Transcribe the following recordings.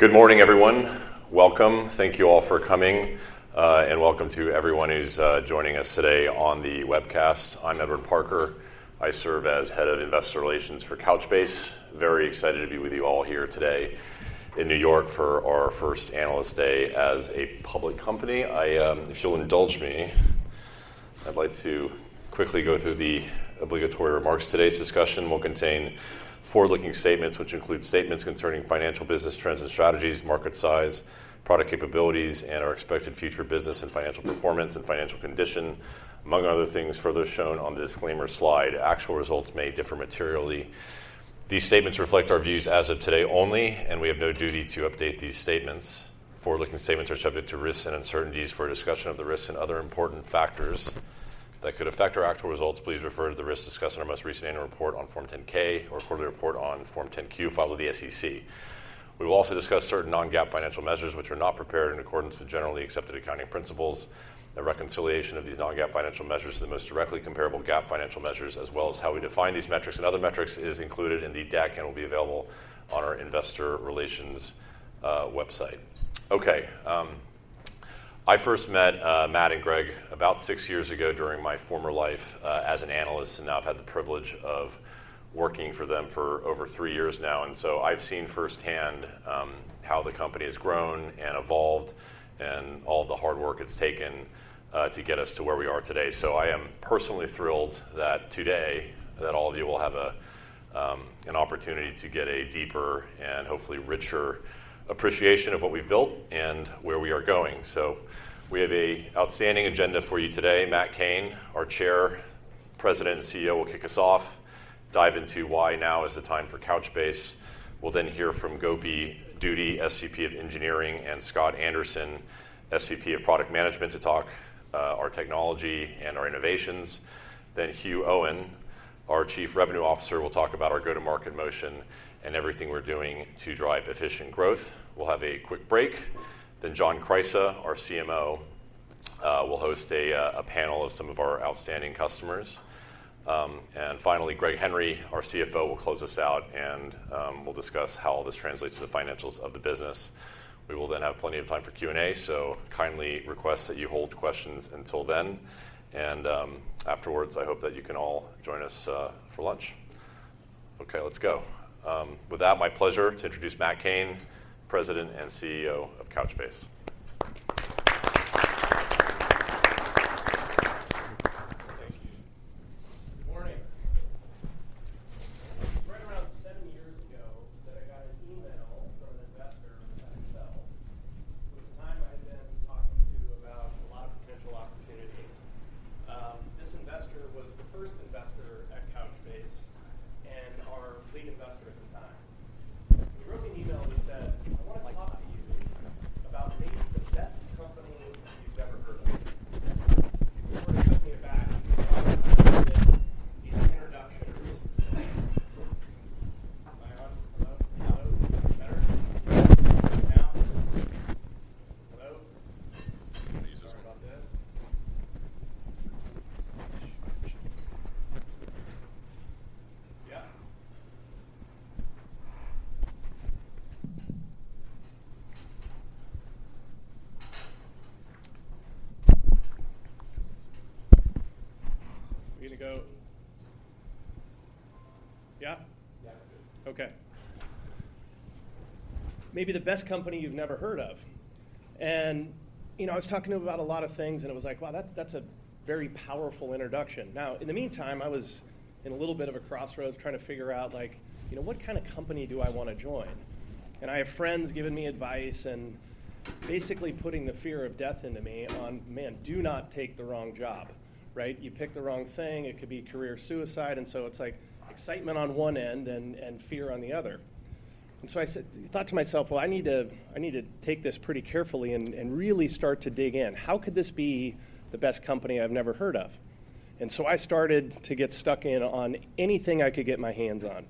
Good morning, everyone. Welcome. Thank you all for coming, and welcome to everyone who's joining us today on the webcast. I'm Edward Parker. I serve as Head of Investor Relations for Couchbase. Very excited to be with you all here today in New York for our first Analyst Day as a public company. If you'll indulge me, I'd like to quickly go through the obligatory remarks. Today's discussion will contain forward-looking statements, which include statements concerning financial business trends and strategies, market size, product capabilities, and our expected future business and financial performance and financial condition, among other things further shown on the disclaimer slide. Actual results may differ materially. These statements reflect our views as of today only, and we have no duty to update these statements. Forward-looking statements are subject to risks and uncertainties. For a discussion of the risks and other important factors that could affect our actual results, please refer to the risks discussed in our most recent annual report on Form 10-K or quarterly report on Form 10-Q filed with the SEC. We will also discuss certain non-GAAP financial measures, which are not prepared in accordance with generally accepted accounting principles. A reconciliation of these non-GAAP financial measures to the most directly comparable GAAP financial measures, as well as how we define these metrics and other metrics, is included in the deck and will be available on our investor relations website. Okay, I first met Matt and Greg about six years ago during my former life as an analyst, and now I've had the privilege of working for them for over three years now, and so I've seen firsthand how the company has grown and evolved and all the hard work it's taken to get us to where we are today. So I am personally thrilled that today, that all of you will have a an opportunity to get a deeper and hopefully richer appreciation of what we've built and where we are going. So we have a outstanding agenda for you today. Matt Cain, our Chair, President, and CEO, will kick us off, dive into why now is the time for Couchbase. We'll then hear from Gopi Duddi, SVP of Engineering, and Scott Anderson, SVP of Product Management, to talk our technology and our innovations. Then Huw Owen, our Chief Revenue Officer, will talk about our go-to-market motion and everything we're doing to drive efficient growth. We'll have a quick break, then John Kreisa, our CMO, will host a panel of some of our outstanding customers. And finally, Greg Henry, our CFO, will close us out, and we'll discuss how all this translates to the financials of the business. We will then have plenty of time for Q&A, so kindly request that you hold questions until then, and afterwards, I hope that you can all join us for lunch. Okay, let's go. With that, my pleasure to introduce Matt Cain, President and CEO of Couchbase. And so I said--thought to myself, "Well, I need to, I need to take this pretty carefully and, and really start to dig in. How could this be the best company I've never heard of?" And so I started to get stuck in on anything I could get my hands on: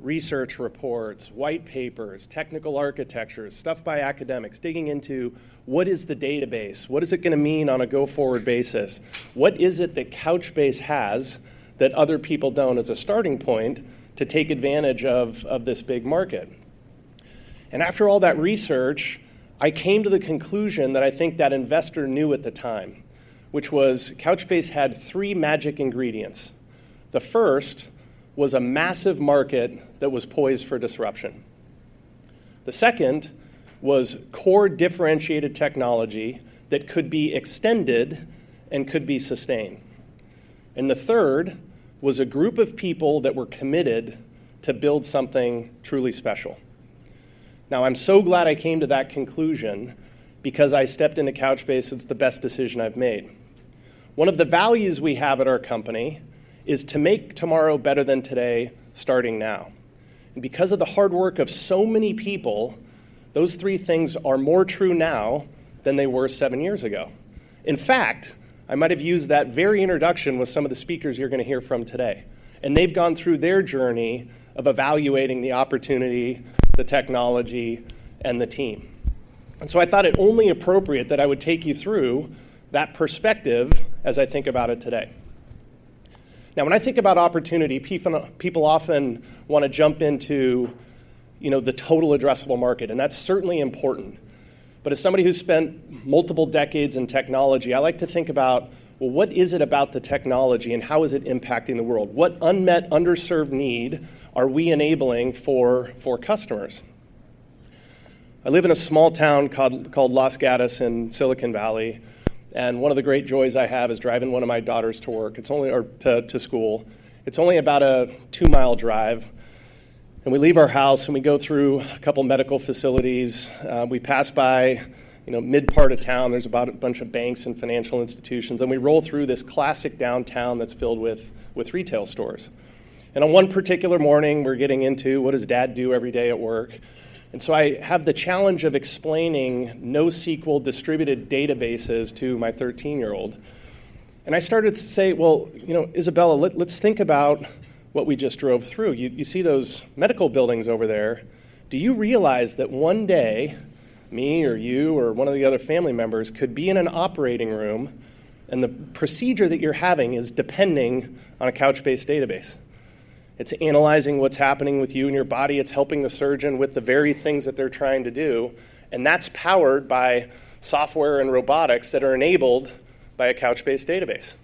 research reports, white papers, technical architectures, stuff by academics, digging into what is the database, what is it gonna mean on a go-forward basis? What is it that Couchbase has that other people don't as a starting point to take advantage of, of this big market? And after all that research, I came to the conclusion that I think that investor knew at the time, which was Couchbase had three magic ingredients. The first was a massive market that was poised for disruption. The second was core differentiated technology that could be extended and could be sustained. And the third was a group of people that were committed to build something truly special. Now, I'm so glad I came to that conclusion because I stepped into Couchbase; it's the best decision I've made. One of the values we have at our company is to make tomorrow better than today, starting now. And because of the hard work of so many people, those three things are more true now than they were seven years ago. In fact, I might have used that very introduction with some of the speakers you're gonna hear from today, and they've gone through their journey of evaluating the opportunity, the technology, and the team. And so I thought it only appropriate that I would take you through that perspective as I think about it today. Now, when I think about opportunity, people often wanna jump into, you know, the total addressable market, and that's certainly important. But as somebody who's spent multiple decades in technology, I like to think about, well, what is it about the technology and how is it impacting the world? What unmet, underserved need are we enabling for customers? I live in a small town called Los Gatos in Silicon Valley, and one of the great joys I have is driving one of my daughters to work or to school. It's only about a 2-mile drive, and we leave our house, and we go through a couple medical facilities. We pass by, you know, mid part of town, there's about a bunch of banks and financial institutions, and we roll through this classic downtown that's filled with retail stores. On one particular morning, we're getting into, "What does Dad do every day at work?" And so I have the challenge of explaining NoSQL distributed databases to my 13-year-old. And I started to say: Well, you know, Isabella, let's think about what we just drove through. You see those medical buildings over there? Do you realize that one day, me or you or one of the other family members could be in an operating room, and the procedure that you're having is depending on a Couchbase database? It's analyzing what's happening with you and your body. It's helping the surgeon with the very things that they're trying to do, and that's powered by software and robotics that are enabled by a Couchbase database.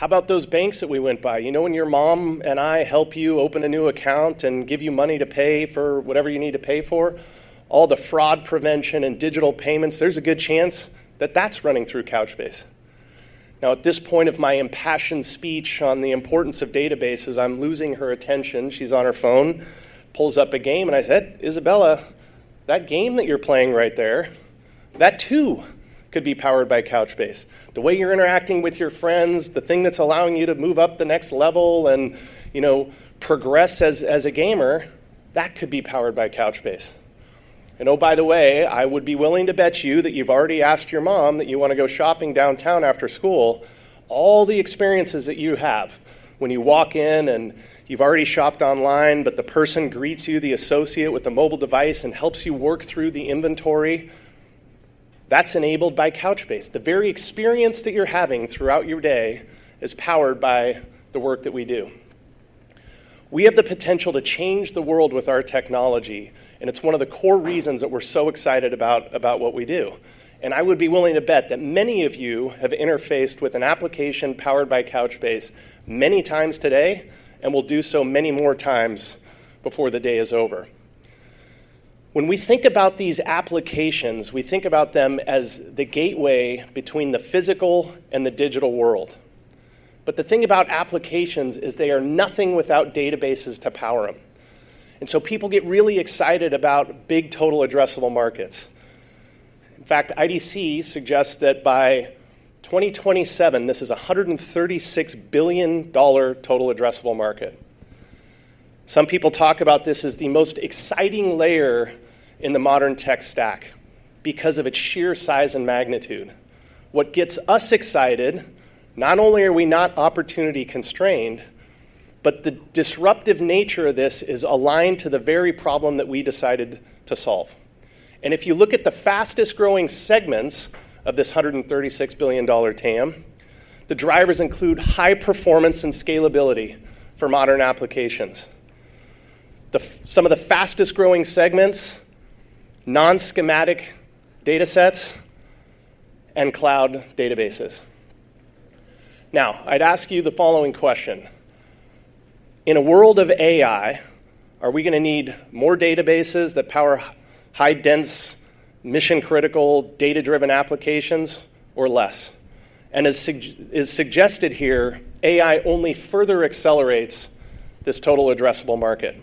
How about those banks that we went by? You know, when your mom and I help you open a new account and give you money to pay for whatever you need to pay for, all the fraud prevention and digital payments, there's a good chance that that's running through Couchbase. Now, at this point of my impassioned speech on the importance of databases, I'm losing her attention. She's on her phone, pulls up a game, and I said, "Isabella, that game that you're playing right there, that too could be powered by Couchbase. The way you're interacting with your friends, the thing that's allowing you to move up the next level and, you know, progress as a gamer, that could be powered by Couchbase. And oh, by the way, I would be willing to bet you that you've already asked your mom that you wanna go shopping downtown after school. All the experiences that you have when you walk in and you've already shopped online, but the person greets you, the associate, with a mobile device and helps you work through the inventory, that's enabled by Couchbase. The very experience that you're having throughout your day is powered by the work that we do. We have the potential to change the world with our technology, and it's one of the core reasons that we're so excited about what we do. And I would be willing to bet that many of you have interfaced with an application powered by Couchbase many times today and will do so many more times before the day is over. When we think about these applications, we think about them as the gateway between the physical and the digital world. But the thing about applications is they are nothing without databases to power 'em. So people get really excited about big total addressable markets. In fact, IDC suggests that by 2027, this is a $136 billion total addressable market. Some people talk about this as the most exciting layer in the modern tech stack because of its sheer size and magnitude. What gets us excited, not only are we not opportunity-constrained, but the disruptive nature of this is aligned to the very problem that we decided to solve. And if you look at the fastest-growing segments of this $136 billion TAM, the drivers include high performance and scalability for modern applications. Some of the fastest-growing segments, non-schematic data sets and cloud databases. Now, I'd ask you the following question: In a world of AI, are we gonna need more databases that power high-dense, mission-critical, data-driven applications or less? And as suggested here, AI only further accelerates this total addressable market.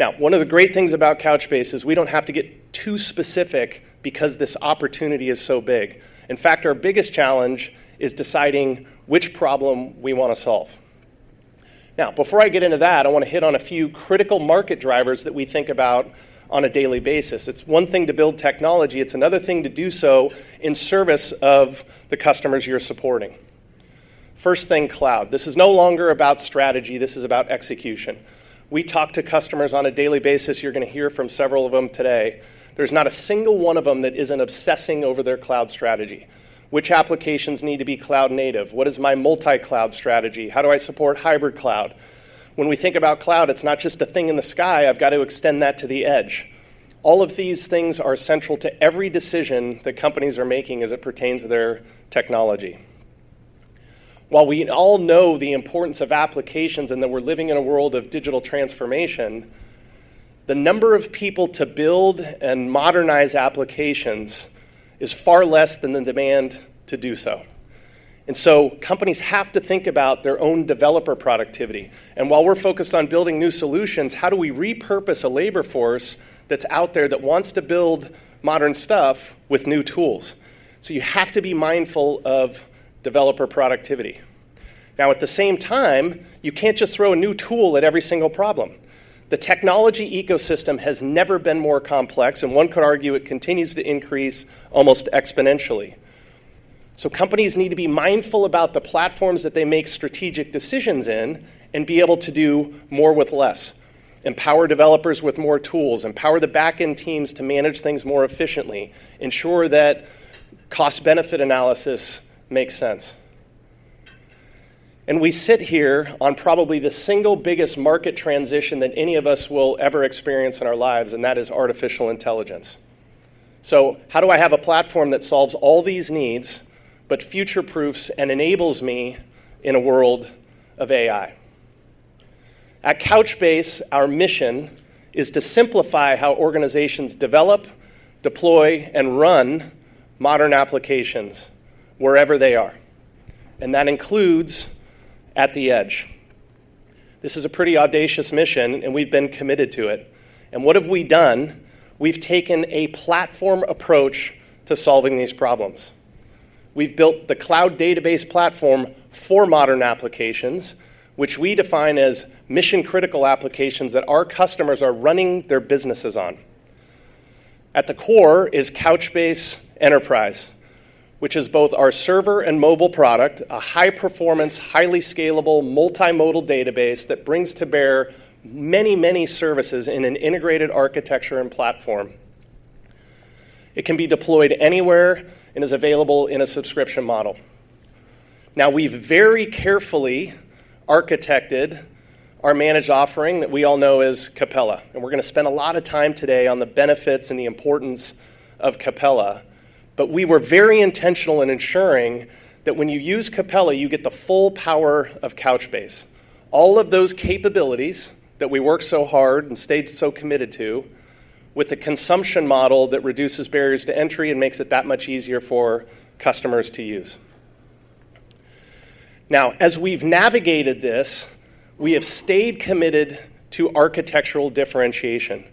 Now, one of the great things about Couchbase is we don't have to get too specific because this opportunity is so big. In fact, our biggest challenge is deciding which problem we wanna solve. Now, before I get into that, I wanna hit on a few critical market drivers that we think about on a daily basis. It's one thing to build technology, it's another thing to do so in service of the customers you're supporting. First thing, cloud. This is no longer about strategy, this is about execution. We talk to customers on a daily basis. You're gonna hear from several of them today. There's not a single one of them that isn't obsessing over their cloud strategy. Which applications need to be cloud native? What is my multi-cloud strategy? How do I support hybrid cloud? When we think about cloud, it's not just a thing in the sky. I've got to extend that to the edge. All of these things are central to every decision that companies are making as it pertains to their technology. While we all know the importance of applications and that we're living in a world of digital transformation, the number of people to build and modernize applications is far less than the demand to do so. So companies have to think about their own developer productivity. While we're focused on building new solutions, how do we repurpose a labor force that's out there that wants to build modern stuff with new tools? So you have to be mindful of developer productivity. Now, at the same time, you can't just throw a new tool at every single problem. The technology ecosystem has never been more complex, and one could argue it continues to increase almost exponentially. So companies need to be mindful about the platforms that they make strategic decisions in and be able to do more with less, empower developers with more tools, empower the back-end teams to manage things more efficiently, ensure that cost-benefit analysis makes sense... and we sit here on probably the single biggest market transition that any of us will ever experience in our lives, and that is artificial intelligence. So how do I have a platform that solves all these needs, but future-proofs and enables me in a world of AI? At Couchbase, our mission is to simplify how organizations develop, deploy, and run modern applications wherever they are, and that includes at the edge. This is a pretty audacious mission, and we've been committed to it. And what have we done? We've taken a platform approach to solving these problems. We've built the cloud database platform for modern applications, which we define as mission-critical applications that our customers are running their businesses on. At the core is Couchbase Enterprise, which is both our server and mobile product, a high-performance, highly scalable, multimodal database that brings to bear many, many services in an integrated architecture and platform. It can be deployed anywhere and is available in a subscription model. Now, we've very carefully architected our managed offering that we all know as Capella, and we're gonna spend a lot of time today on the benefits and the importance of Capella. But we were very intentional in ensuring that when you use Capella, you get the full power of Couchbase. All of those capabilities that we worked so hard and stayed so committed to, with a consumption model that reduces barriers to entry and makes it that much easier for customers to use. Now, as we've navigated this, we have stayed committed to architectural differentiation,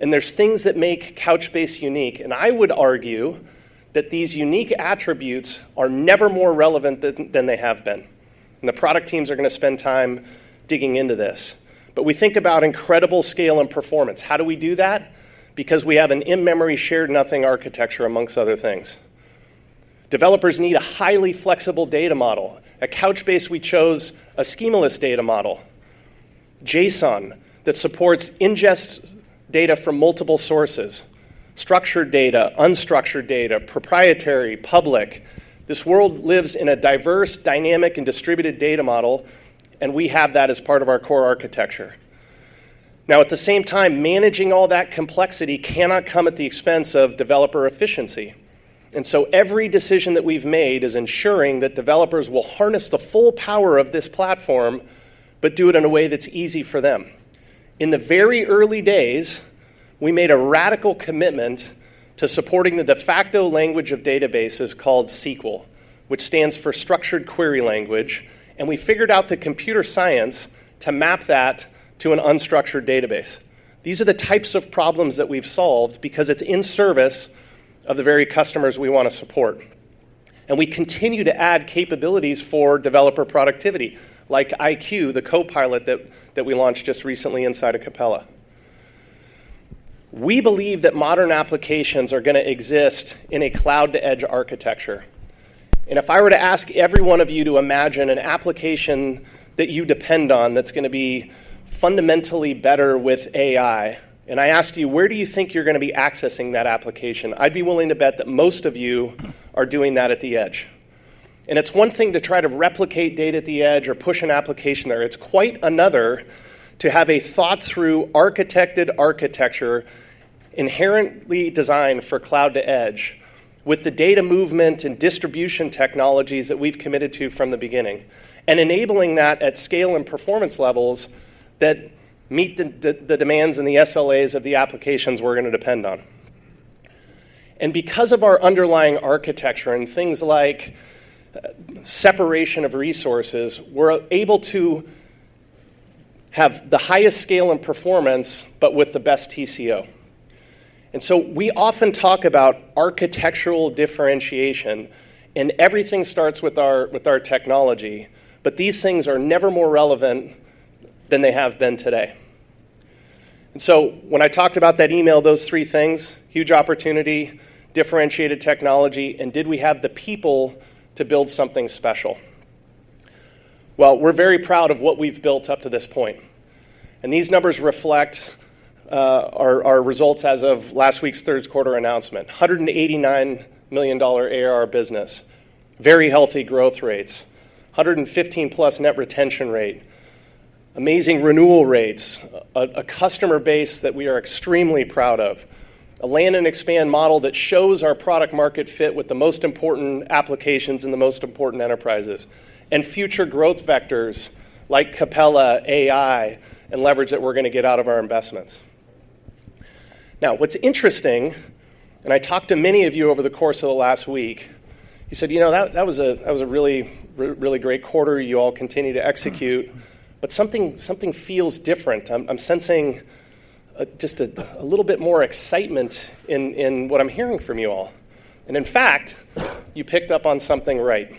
and there's things that make Couchbase unique, and I would argue that these unique attributes are never more relevant than, than they have been. And the product teams are gonna spend time digging into this. But we think about incredible scale and performance. How do we do that? Because we have an in-memory, shared-nothing architecture, amongst other things. Developers need a highly flexible data model. At Couchbase, we chose a schemaless data model, JSON, that supports ingest data from multiple sources, structured data, unstructured data, proprietary, public. This world lives in a diverse, dynamic, and distributed data model, and we have that as part of our core architecture. Now, at the same time, managing all that complexity cannot come at the expense of developer efficiency, and so every decision that we've made is ensuring that developers will harness the full power of this platform, but do it in a way that's easy for them. In the very early days, we made a radical commitment to supporting the de facto language of databases called SQL, which stands for Structured Query Language, and we figured out the computer science to map that to an unstructured database. These are the types of problems that we've solved because it's in service of the very customers we want to support. We continue to add capabilities for developer productivity, like iQ, the copilot that we launched just recently inside of Capella. We believe that modern applications are gonna exist in a cloud-to-edge architecture, and if I were to ask every one of you to imagine an application that you depend on that's gonna be fundamentally better with AI, and I asked you, "Where do you think you're gonna be accessing that application?" I'd be willing to bet that most of you are doing that at the edge. And it's one thing to try to replicate data at the edge or push an application there. It's quite another to have a thought-through, architected architecture, inherently designed for cloud to edge, with the data movement and distribution technologies that we've committed to from the beginning, and enabling that at scale and performance levels that meet the demands and the SLAs of the applications we're gonna depend on. Because of our underlying architecture and things like separation of resources, we're able to have the highest scale and performance, but with the best TCO. And so we often talk about architectural differentiation, and everything starts with our, with our technology, but these things are never more relevant than they have been today. And so when I talked about that email, those three things, huge opportunity, differentiated technology, and did we have the people to build something special? Well, we're very proud of what we've built up to this point, and these numbers reflect our results as of last week's third quarter announcement: $189 million ARR business, very healthy growth rates, 115+ net retention rate, amazing renewal rates, a customer base that we are extremely proud of, a land and expand model that shows our product market fit with the most important applications and the most important enterprises, and future growth vectors like Capella, AI, and leverage that we're gonna get out of our investments. Now, what's interesting, and I talked to many of you over the course of the last week, you said, "You know, that was a really great quarter. You all continue to execute, but something feels different. I'm sensing just a little bit more excitement in what I'm hearing from you all." And in fact, you picked up on something right.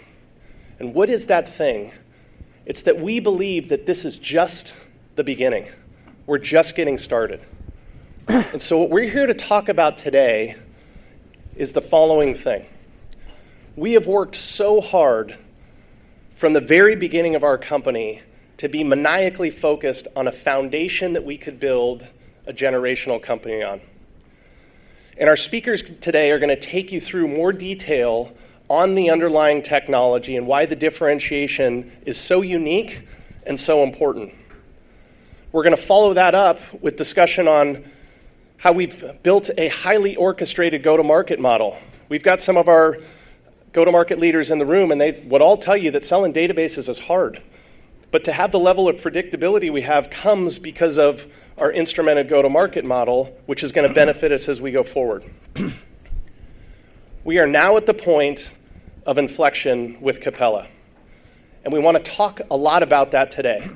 And what is that thing? It's that we believe that this is just the beginning. We're just getting started. And so what we're here to talk about today is the following thing: We have worked so hard from the very beginning of our company to be maniacally focused on a foundation that we could build a generational company on. And our speakers today are gonna take you through more detail on the underlying technology and why the differentiation is so unique and so important. We're gonna follow that up with discussion on how we've built a highly orchestrated go-to-market model. We've got some of our go-to-market leaders in the room, and they would all tell you that selling databases is hard. But to have the level of predictability we have comes because of our instrumented go-to-market model, which is gonna benefit us as we go forward. We are now at the point of inflection with Capella, and we wanna talk a lot about that today.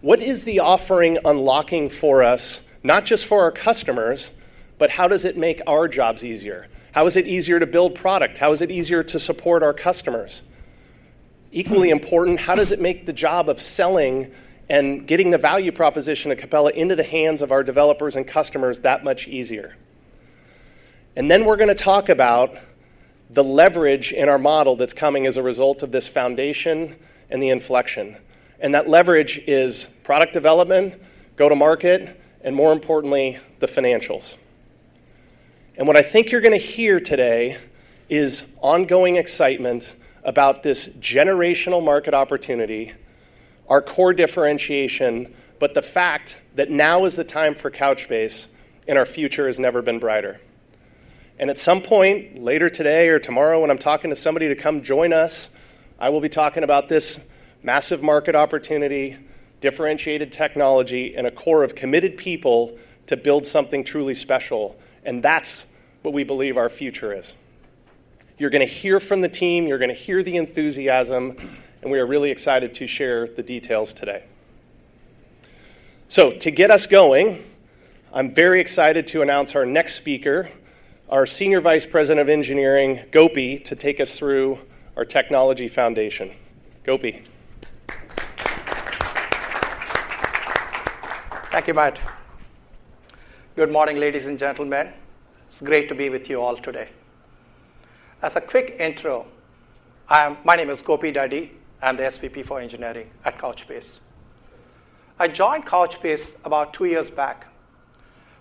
What is the offering unlocking for us, not just for our customers, but how does it make our jobs easier? How is it easier to build product? How is it easier to support our customers? Equally important, how does it make the job of selling and getting the value proposition of Capella into the hands of our developers and customers that much easier? And then we're gonna talk about the leverage in our model that's coming as a result of this foundation and the inflection, and that leverage is product development, go-to-market, and more importantly, the financials. What I think you're gonna hear today is ongoing excitement about this generational market opportunity, our core differentiation, but the fact that now is the time for Couchbase, and our future has never been brighter. At some point later today or tomorrow, when I'm talking to somebody to come join us, I will be talking about this massive market opportunity, differentiated technology, and a core of committed people to build something truly special, and that's what we believe our future is. You're gonna hear from the team, you're gonna hear the enthusiasm, and we are really excited to share the details today. To get us going, I'm very excited to announce our next speaker, our Senior Vice President of Engineering, Gopi, to take us through our technology foundation. Gopi. Thank you, Matt. Good morning, ladies and gentlemen. It's great to be with you all today. As a quick intro, I am, my name is Gopi Duddi, I'm the SVP for engineering at Couchbase. I joined Couchbase about two years back.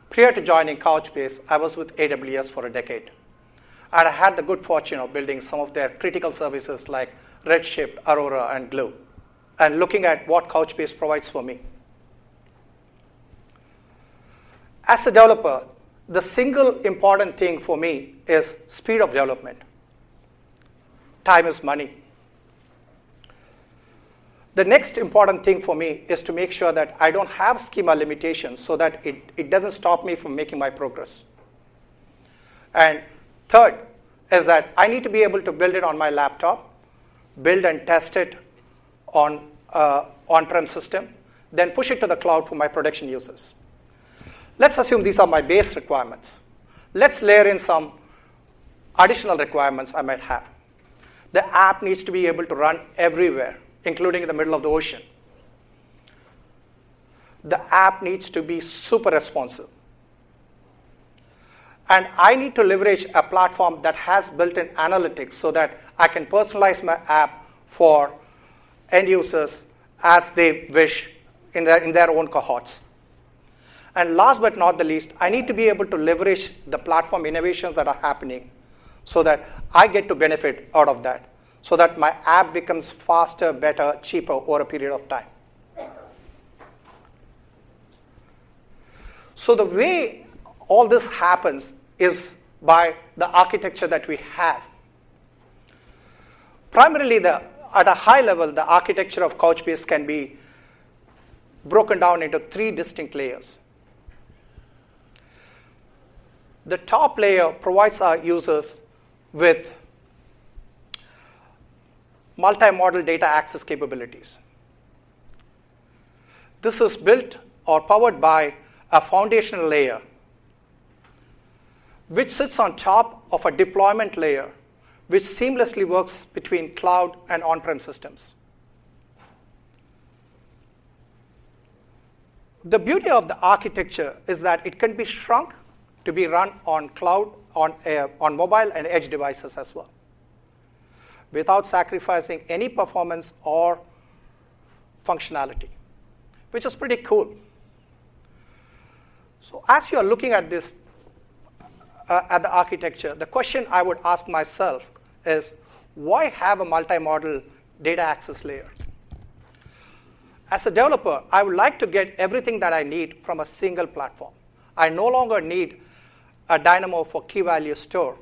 Prior to joining Couchbase, I was with AWS for a decade, and I had the good fortune of building some of their critical services like Redshift, Aurora, and Glue, and looking at what Couchbase provides for me. As a developer, the single important thing for me is speed of development. Time is money. The next important thing for me is to make sure that I don't have schema limitations, so that it doesn't stop me from making my progress. And third, is that I need to be able to build it on my laptop, build and test it on an on-prem system, then push it to the cloud for my production users. Let's assume these are my base requirements. Let's layer in some additional requirements I might have. The app needs to be able to run everywhere, including in the middle of the ocean. The app needs to be super responsive. And I need to leverage a platform that has built-in analytics so that I can personalize my app for end users as they wish in their own cohorts. And last but not the least, I need to be able to leverage the platform innovations that are happening so that I get to benefit out of that, so that my app becomes faster, better, cheaper over a period of time. So the way all this happens is by the architecture that we have. Primarily, at a high level, the architecture of Couchbase can be broken down into three distinct layers. The top layer provides our users with multi-model data access capabilities. This is built or powered by a foundational layer, which sits on top of a deployment layer, which seamlessly works between cloud and on-prem systems. The beauty of the architecture is that it can be shrunk to be run on cloud, on mobile and edge devices as well, without sacrificing any performance or functionality, which is pretty cool. So as you are looking at this, at the architecture, the question I would ask myself is: Why have a multi-model data access layer? As a developer, I would like to get everything that I need from a single platform. I no longer need a Dynamo for key-value store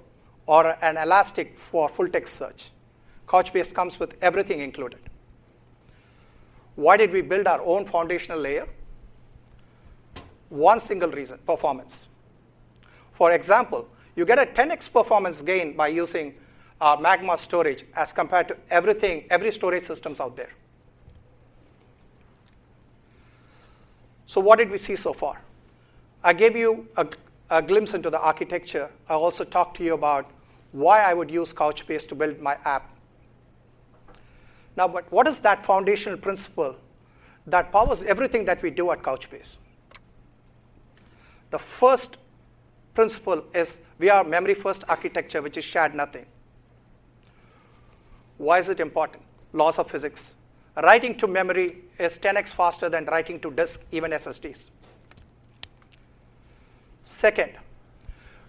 or an Elastic for full-text search. Couchbase comes with everything included. Why did we build our own foundational layer? One single reason: performance. For example, you get a 10x performance gain by using Magma Storage as compared to everything, every storage systems out there. So what did we see so far? I gave you a glimpse into the architecture. I also talked to you about why I would use Couchbase to build my app. Now, but what is that foundational principle that powers everything that we do at Couchbase? The first principle is we are memory first architecture, which is shard nothing. Why is it important? Laws of physics. Writing to memory is 10x faster than writing to disk, even SSDs. Second,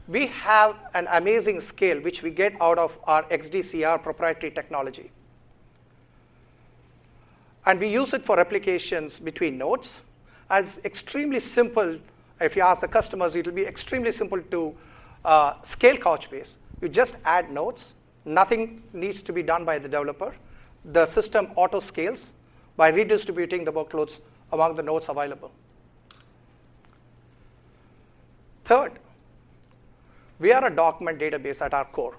we have an amazing scale, which we get out of our XDCR proprietary technology, and we use it for applications between nodes, and it's extremely simple. If you ask the customers, it will be extremely simple to scale Couchbase. You just add nodes. Nothing needs to be done by the developer. The system auto scales by redistributing the workloads among the nodes available. Third, we are a document database at our core.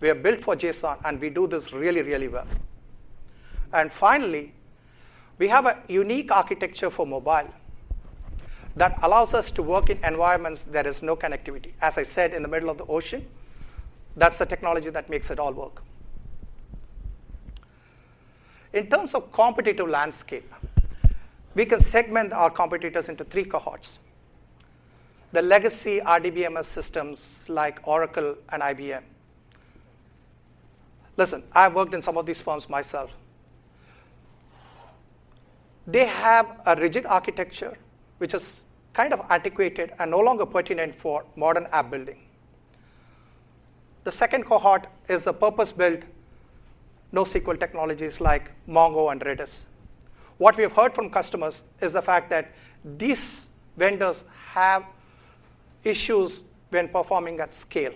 We are built for JSON, and we do this really, really well. And finally, we have a unique architecture for mobile that allows us to work in environments there is no connectivity. As I said, in the middle of the ocean, that's the technology that makes it all work. In terms of competitive landscape, we can segment our competitors into three cohorts: the legacy RDBMS systems like Oracle and IBM. Listen, I've worked in some of these firms myself. They have a rigid architecture, which is kind of antiquated and no longer pertinent for modern app building. The second cohort is the purpose-built NoSQL technologies like Mongo and Redis. What we have heard from customers is the fact that these vendors have issues when performing at scale.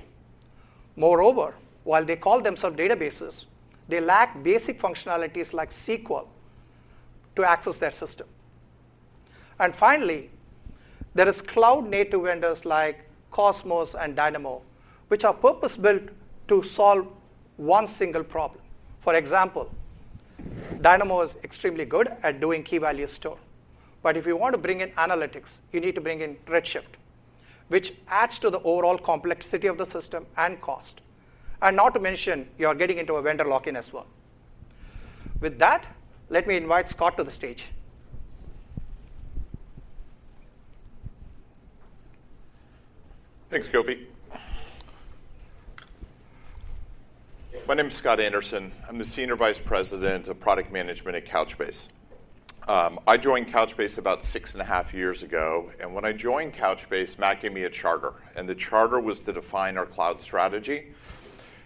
Moreover, while they call themselves databases, they lack basic functionalities like SQL to access their system. And finally, there is cloud-native vendors like Cosmos and Dynamo, which are purpose-built to solve one single problem. For example, Dynamo is extremely good at doing key value store, but if you want to bring in analytics, you need to bring in Redshift, which adds to the overall complexity of the system and cost. And not to mention, you are getting into a vendor lock-in as well. With that, let me invite Scott to the stage. Thanks, Gopi. My name is Scott Anderson. I'm the Senior Vice President of Product Management at Couchbase. I joined Couchbase about six and a half years ago, and when I joined Couchbase, Matt gave me a charter, and the charter was to define our cloud strategy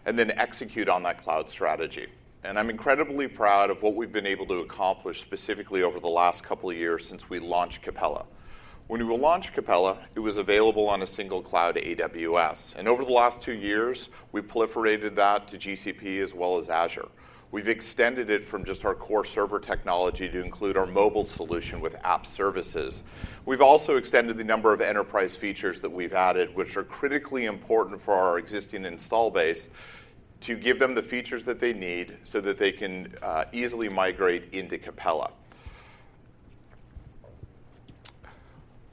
and then execute on that cloud strategy. I'm incredibly proud of what we've been able to accomplish, specifically over the last couple of years since we launched Capella. When we launched Capella, it was available on a single cloud, AWS, and over the last two years, we proliferated that to GCP as well as Azure. We've extended it from just our core server technology to include our mobile solution with App Services. We've also extended the number of enterprise features that we've added, which are critically important for our existing install base to give them the features that they need so that they can easily migrate into Capella.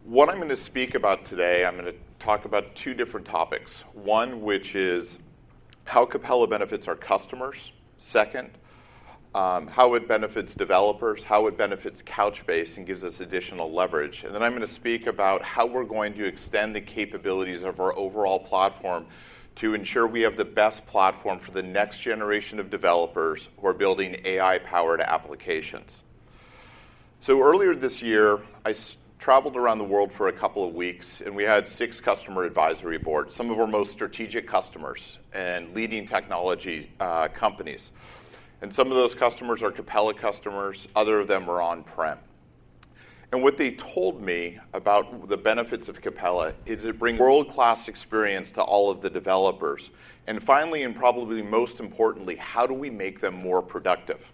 What I'm gonna speak about today, I'm gonna talk about two different topics. One, which is how Capella benefits our customers. Second, how it benefits developers, how it benefits Couchbase, and gives us additional leverage. Then I'm gonna speak about how we're going to extend the capabilities of our overall platform to ensure we have the best platform for the next generation of developers who are building AI-powered applications. Earlier this year, I traveled around the world for a couple of weeks, and we had six customer advisory boards, some of our most strategic customers and leading technology companies. Some of those customers are Capella customers, other of them are on-prem. What they told me about the benefits of Capella is it brings world-class experience to all of the developers. Finally, and probably most importantly, how do we make them more productive?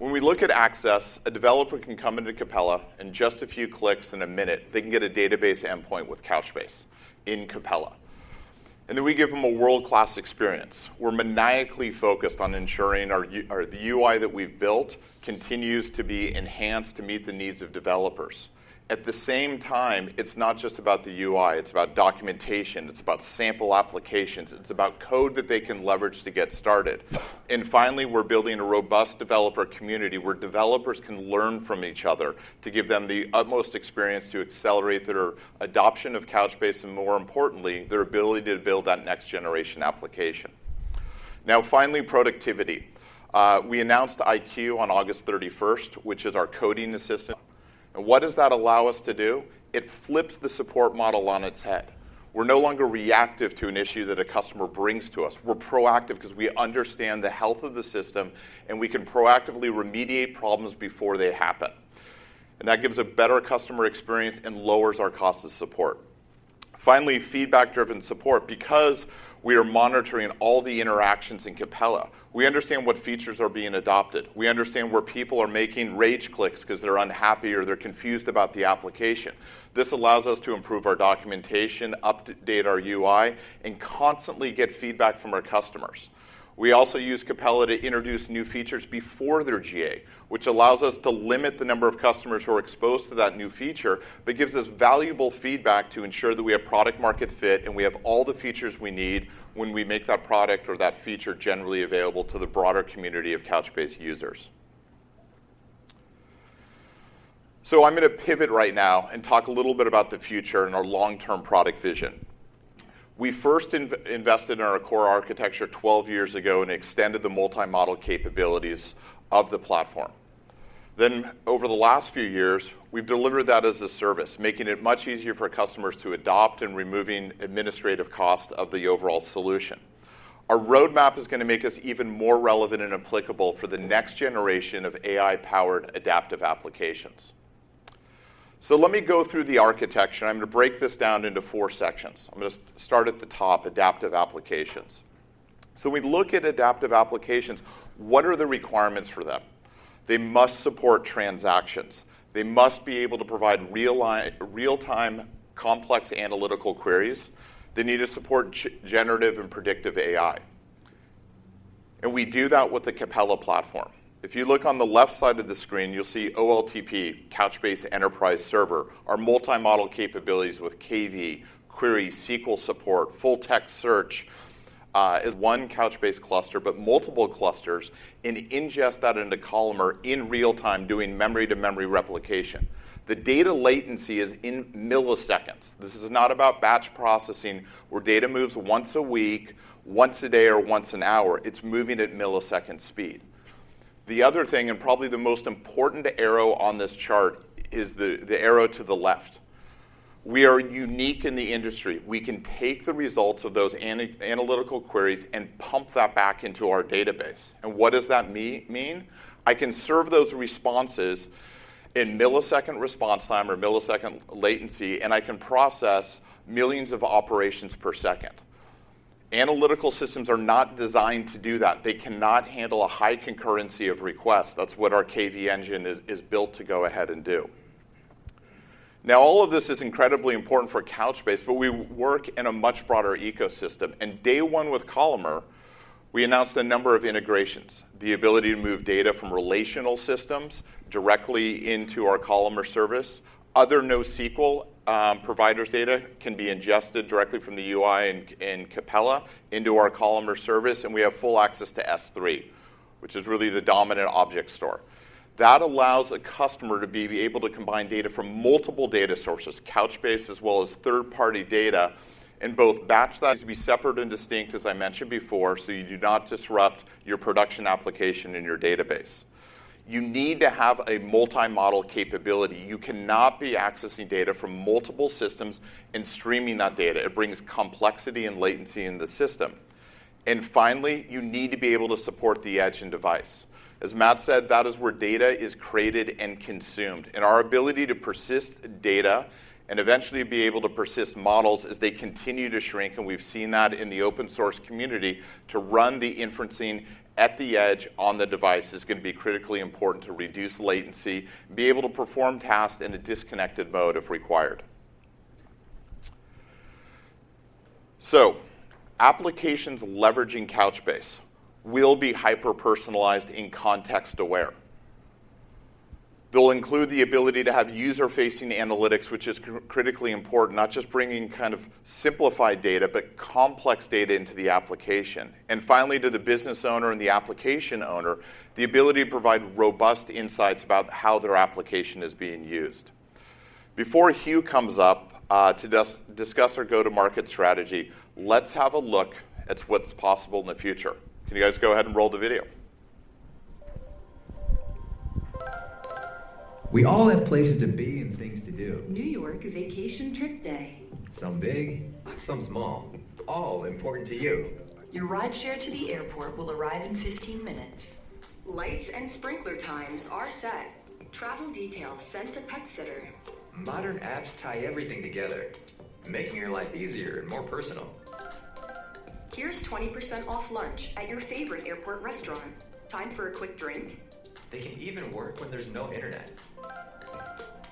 When we look at access, a developer can come into Capella, in just a few clicks in a minute, they can get a database endpoint with Couchbase in Capella, and then we give them a world-class experience. We're maniacally focused on ensuring our UI that we've built continues to be enhanced to meet the needs of developers. At the same time, it's not just about the UI, it's about documentation, it's about sample applications, it's about code that they can leverage to get started. And finally, we're building a robust developer community, where developers can learn from each other to give them the utmost experience to accelerate their adoption of Couchbase, and more importantly, their ability to build that next generation application. Now, finally, productivity. We announced iQ on August 31st, which is our coding assistant. And what does that allow us to do? It flips the support model on its head. We're no longer reactive to an issue that a customer brings to us. We're proactive because we understand the health of the system, and we can proactively remediate problems before they happen. And that gives a better customer experience and lowers our cost of support. Finally, feedback-driven support. Because we are monitoring all the interactions in Capella, we understand what features are being adopted. We understand where people are making rage clicks 'cause they're unhappy or they're confused about the application. This allows us to improve our documentation, update our UI, and constantly get feedback from our customers. We also use Capella to introduce new features before they're GA, which allows us to limit the number of customers who are exposed to that new feature, but gives us valuable feedback to ensure that we have product market fit, and we have all the features we need when we make that product or that feature generally available to the broader community of Couchbase users. So I'm going to pivot right now and talk a little bit about the future and our long-term product vision. We first invested in our core architecture 12 years ago and extended the multi-model capabilities of the platform. Then, over the last few years, we've delivered that as a service, making it much easier for customers to adopt and removing administrative cost of the overall solution. Our roadmap is going to make us even more relevant and applicable for the next generation of AI-powered adaptive applications. So let me go through the architecture. I'm going to break this down into four sections. I'm going to start at the top, adaptive applications. So we look at adaptive applications, what are the requirements for them? They must support transactions. They must be able to provide real-time, complex analytical queries. They need to support generative and predictive AI. And we do that with the Capella platform. If you look on the left side of the screen, you'll see OLTP, Couchbase Enterprise Server, our multi-model capabilities with KV, query, SQL support, full-text search, is one Couchbase cluster, but multiple clusters, and ingest that into Columnar in real time, doing memory-to-memory replication. The data latency is in milliseconds. This is not about batch processing, where data moves once a week, once a day, or once an hour. It's moving at millisecond speed. The other thing, and probably the most important arrow on this chart, is the arrow to the left. We are unique in the industry. We can take the results of those analytical queries and pump that back into our database. And what does that mean? I can serve those responses in millisecond response time or millisecond latency, and I can process millions of operations per second. Analytical systems are not designed to do that. They cannot handle a high concurrency of requests. That's what our KV engine is built to go ahead and do. Now, all of this is incredibly important for Couchbase, but we work in a much broader ecosystem. Day one with Columnar, we announced a number of integrations, the ability to move data from relational systems directly into our Columnar service. Other NoSQL providers' data can be ingested directly from the UI and Capella into our Columnar service, and we have full access to S3, which is really the dominant object store. That allows a customer to be able to combine data from multiple data sources, Couchbase, as well as third-party data, and both batch that to be separate and distinct, as I mentioned before, so you do not disrupt your production application in your database. You need to have a multi-model capability. You cannot be accessing data from multiple systems and streaming that data. It brings complexity and latency in the system. And finally, you need to be able to support the edge and device. As Matt said, that is where data is created and consumed, and our ability to persist data and eventually be able to persist models as they continue to shrink, and we've seen that in the open source community, to run the inferencing at the edge on the device is going to be critically important to reduce latency, be able to perform tasks in a disconnected mode if required. So applications leveraging Couchbase will be hyper-personalized and context-aware. They'll include the ability to have user-facing analytics, which is critically important, not just bringing kind of simplified data, but complex data into the application. And finally, to the business owner and the application owner, the ability to provide robust insights about how their application is being used. Before Huw comes up, to discuss our go-to-market strategy, let's have a look at what's possible in the future. Can you guys go ahead and roll the video? We all have places to be and things to do. New York, vacation trip day. Some big, some small, all important to you. Your rideshare to the airport will arrive in 15 minutes. Lights and sprinkler times are set. Travel details sent to pet sitter. Modern apps tie everything together, making your life easier and more personal. Here's 20% off lunch at your favorite airport restaurant. Time for a quick drink? They can even work when there's no internet.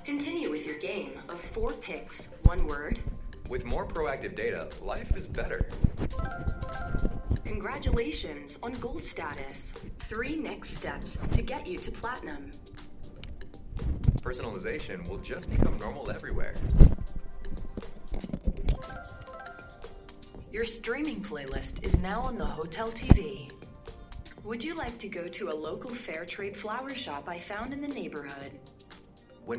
Continue with your game of 4 Pics 1 Word. With more proactive data, life is better. Congratulations on gold status. Three next steps to get you to platinum. Personalization will just become normal everywhere. Your streaming playlist is now on the hotel TV. Would you like to go to a local fair trade flower shop I found in the neighborhood? -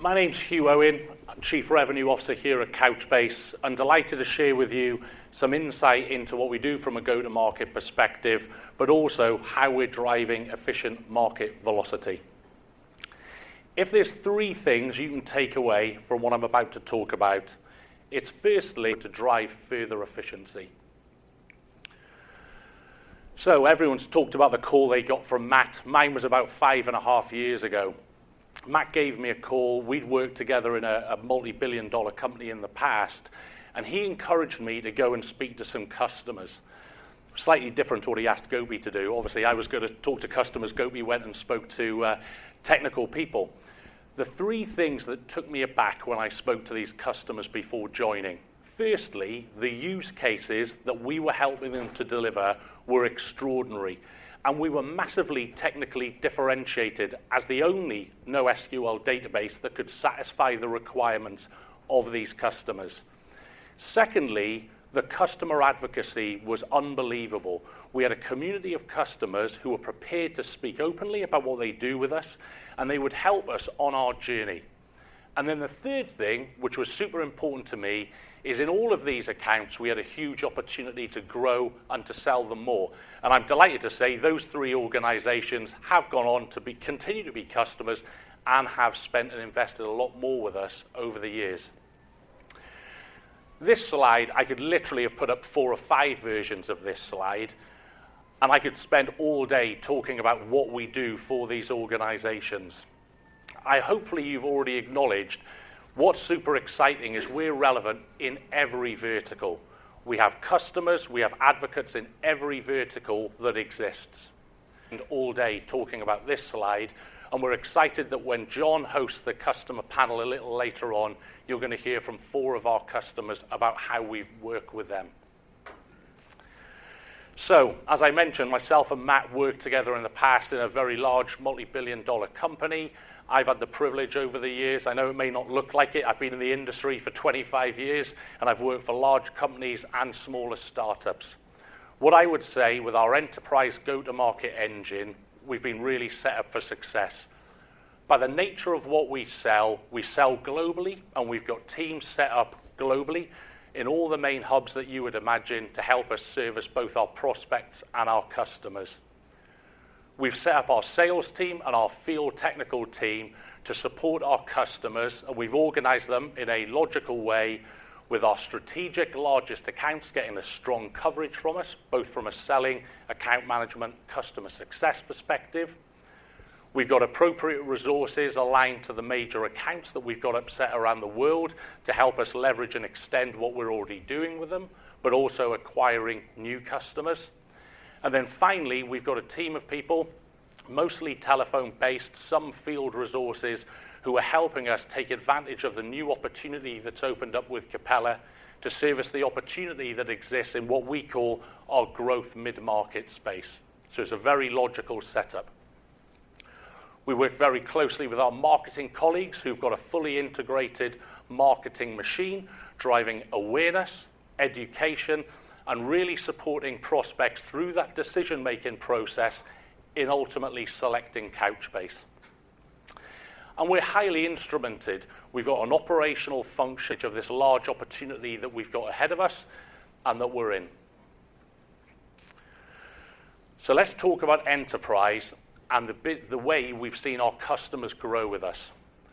My name's Huw Owen. I'm Chief Revenue Officer here at Couchbase. I'm delighted to share with you some insight into what we do from a go-to-market perspective, but also how we're driving efficient market velocity. If there's three things you can take away from what I'm about to talk about, it's firstly, to drive further efficiency. So everyone's talked about the call they got from Matt. Mine was about five and a half years ago. Matt gave me a call. We'd worked together in a, a multi-billion-dollar company in the past, and he encouraged me to go and speak to some customers. Slightly different to what he asked Gopi to do. Obviously, I was going to talk to customers. Gopi went and spoke to, technical people. The three things that took me aback when I spoke to these customers before joining: firstly, the use cases that we were helping them to deliver were extraordinary, and we were massively technically differentiated as the only NoSQL database that could satisfy the requirements of these customers.... Secondly, the customer advocacy was unbelievable. We had a community of customers who were prepared to speak openly about what they do with us, and they would help us on our journey. And then the third thing, which was super important to me, is in all of these accounts, we had a huge opportunity to grow and to sell them more. And I'm delighted to say those three organizations have gone on to be, continue to be customers and have spent and invested a lot more with us over the years. This slide, I could literally have put up four or five versions of this slide, and I could spend all day talking about what we do for these organizations. I—hopefully, you've already acknowledged what's super exciting is we're relevant in every vertical. We have customers, we have advocates in every vertical that exists. And all day talking about this slide, and we're excited that when John hosts the customer panel a little later on, you're going to hear from four of our customers about how we work with them. So, as I mentioned, myself and Matt worked together in the past in a very large multi-billion dollar company. I've had the privilege over the years. I know it may not look like it. I've been in the industry for 25 years, and I've worked for large companies and smaller startups. What I would say with our enterprise go-to-market engine, we've been really set up for success. By the nature of what we sell, we sell globally, and we've got teams set up globally in all the main hubs that you would imagine to help us service both our prospects and our customers. We've set up our sales team and our field technical team to support our customers, and we've organized them in a logical way with our strategic largest accounts getting a strong coverage from us, both from a selling, account management, customer success perspective. We've got appropriate resources aligned to the major accounts that we've got set up around the world to help us leverage and extend what we're already doing with them, but also acquiring new customers. And then finally, we've got a team of people, mostly telephone-based, some field resources, who are helping us take advantage of the new opportunity that's opened up with Capella to service the opportunity that exists in what we call our growth mid-market space. So it's a very logical setup. We work very closely with our marketing colleagues, who've got a fully integrated marketing machine, driving awareness, education, and really supporting prospects through that decision-making process in ultimately selecting Couchbase. And we're highly instrumented. We've got an operational function of this large opportunity that we've got ahead of us and that we're in. So let's talk about enterprise and the bit, the way we've seen our customers grow with us.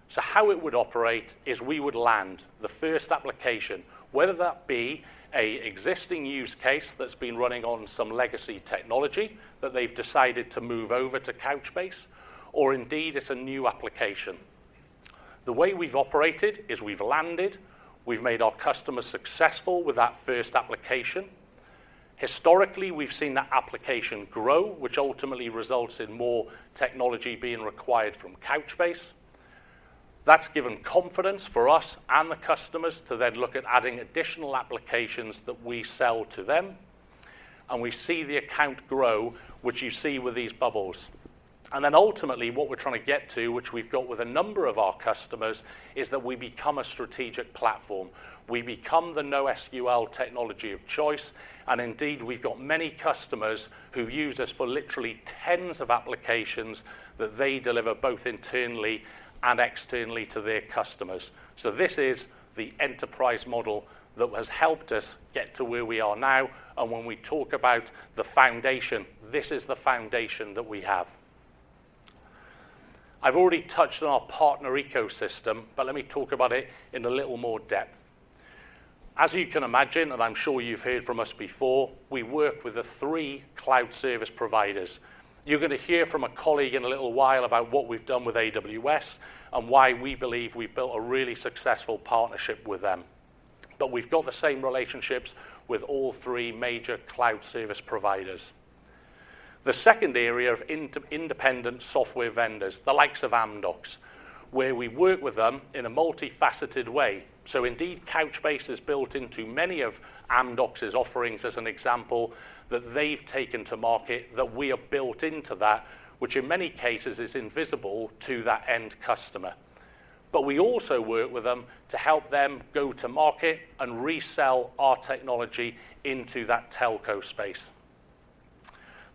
So how it would operate is we would land the first application, whether that be a existing use case that's been running on some legacy technology that they've decided to move over to Couchbase, or indeed, it's a new application. The way we've operated is we've landed, we've made our customer successful with that first application. Historically, we've seen that application grow, which ultimately results in more technology being required from Couchbase. That's given confidence for us and the customers to then look at adding additional applications that we sell to them, and we see the account grow, which you see with these bubbles. And then ultimately, what we're trying to get to, which we've got with a number of our customers, is that we become a strategic platform. We become the NoSQL technology of choice, and indeed, we've got many customers who've used us for literally tens of applications that they deliver both internally and externally to their customers. So this is the enterprise model that has helped us get to where we are now, and when we talk about the foundation, this is the foundation that we have. I've already touched on our partner ecosystem, but let me talk about it in a little more depth. As you can imagine, and I'm sure you've heard from us before, we work with the three cloud service providers. You're going to hear from a colleague in a little while about what we've done with AWS and why we believe we've built a really successful partnership with them. But we've got the same relationships with all three major cloud service providers. The second area of independent software vendors, the likes of Amdocs, where we work with them in a multifaceted way. So indeed, Couchbase is built into many of Amdocs' offerings as an example, that they've taken to market, that we are built into that, which in many cases is invisible to that end customer. But we also work with them to help them go to market and resell our technology into that telco space.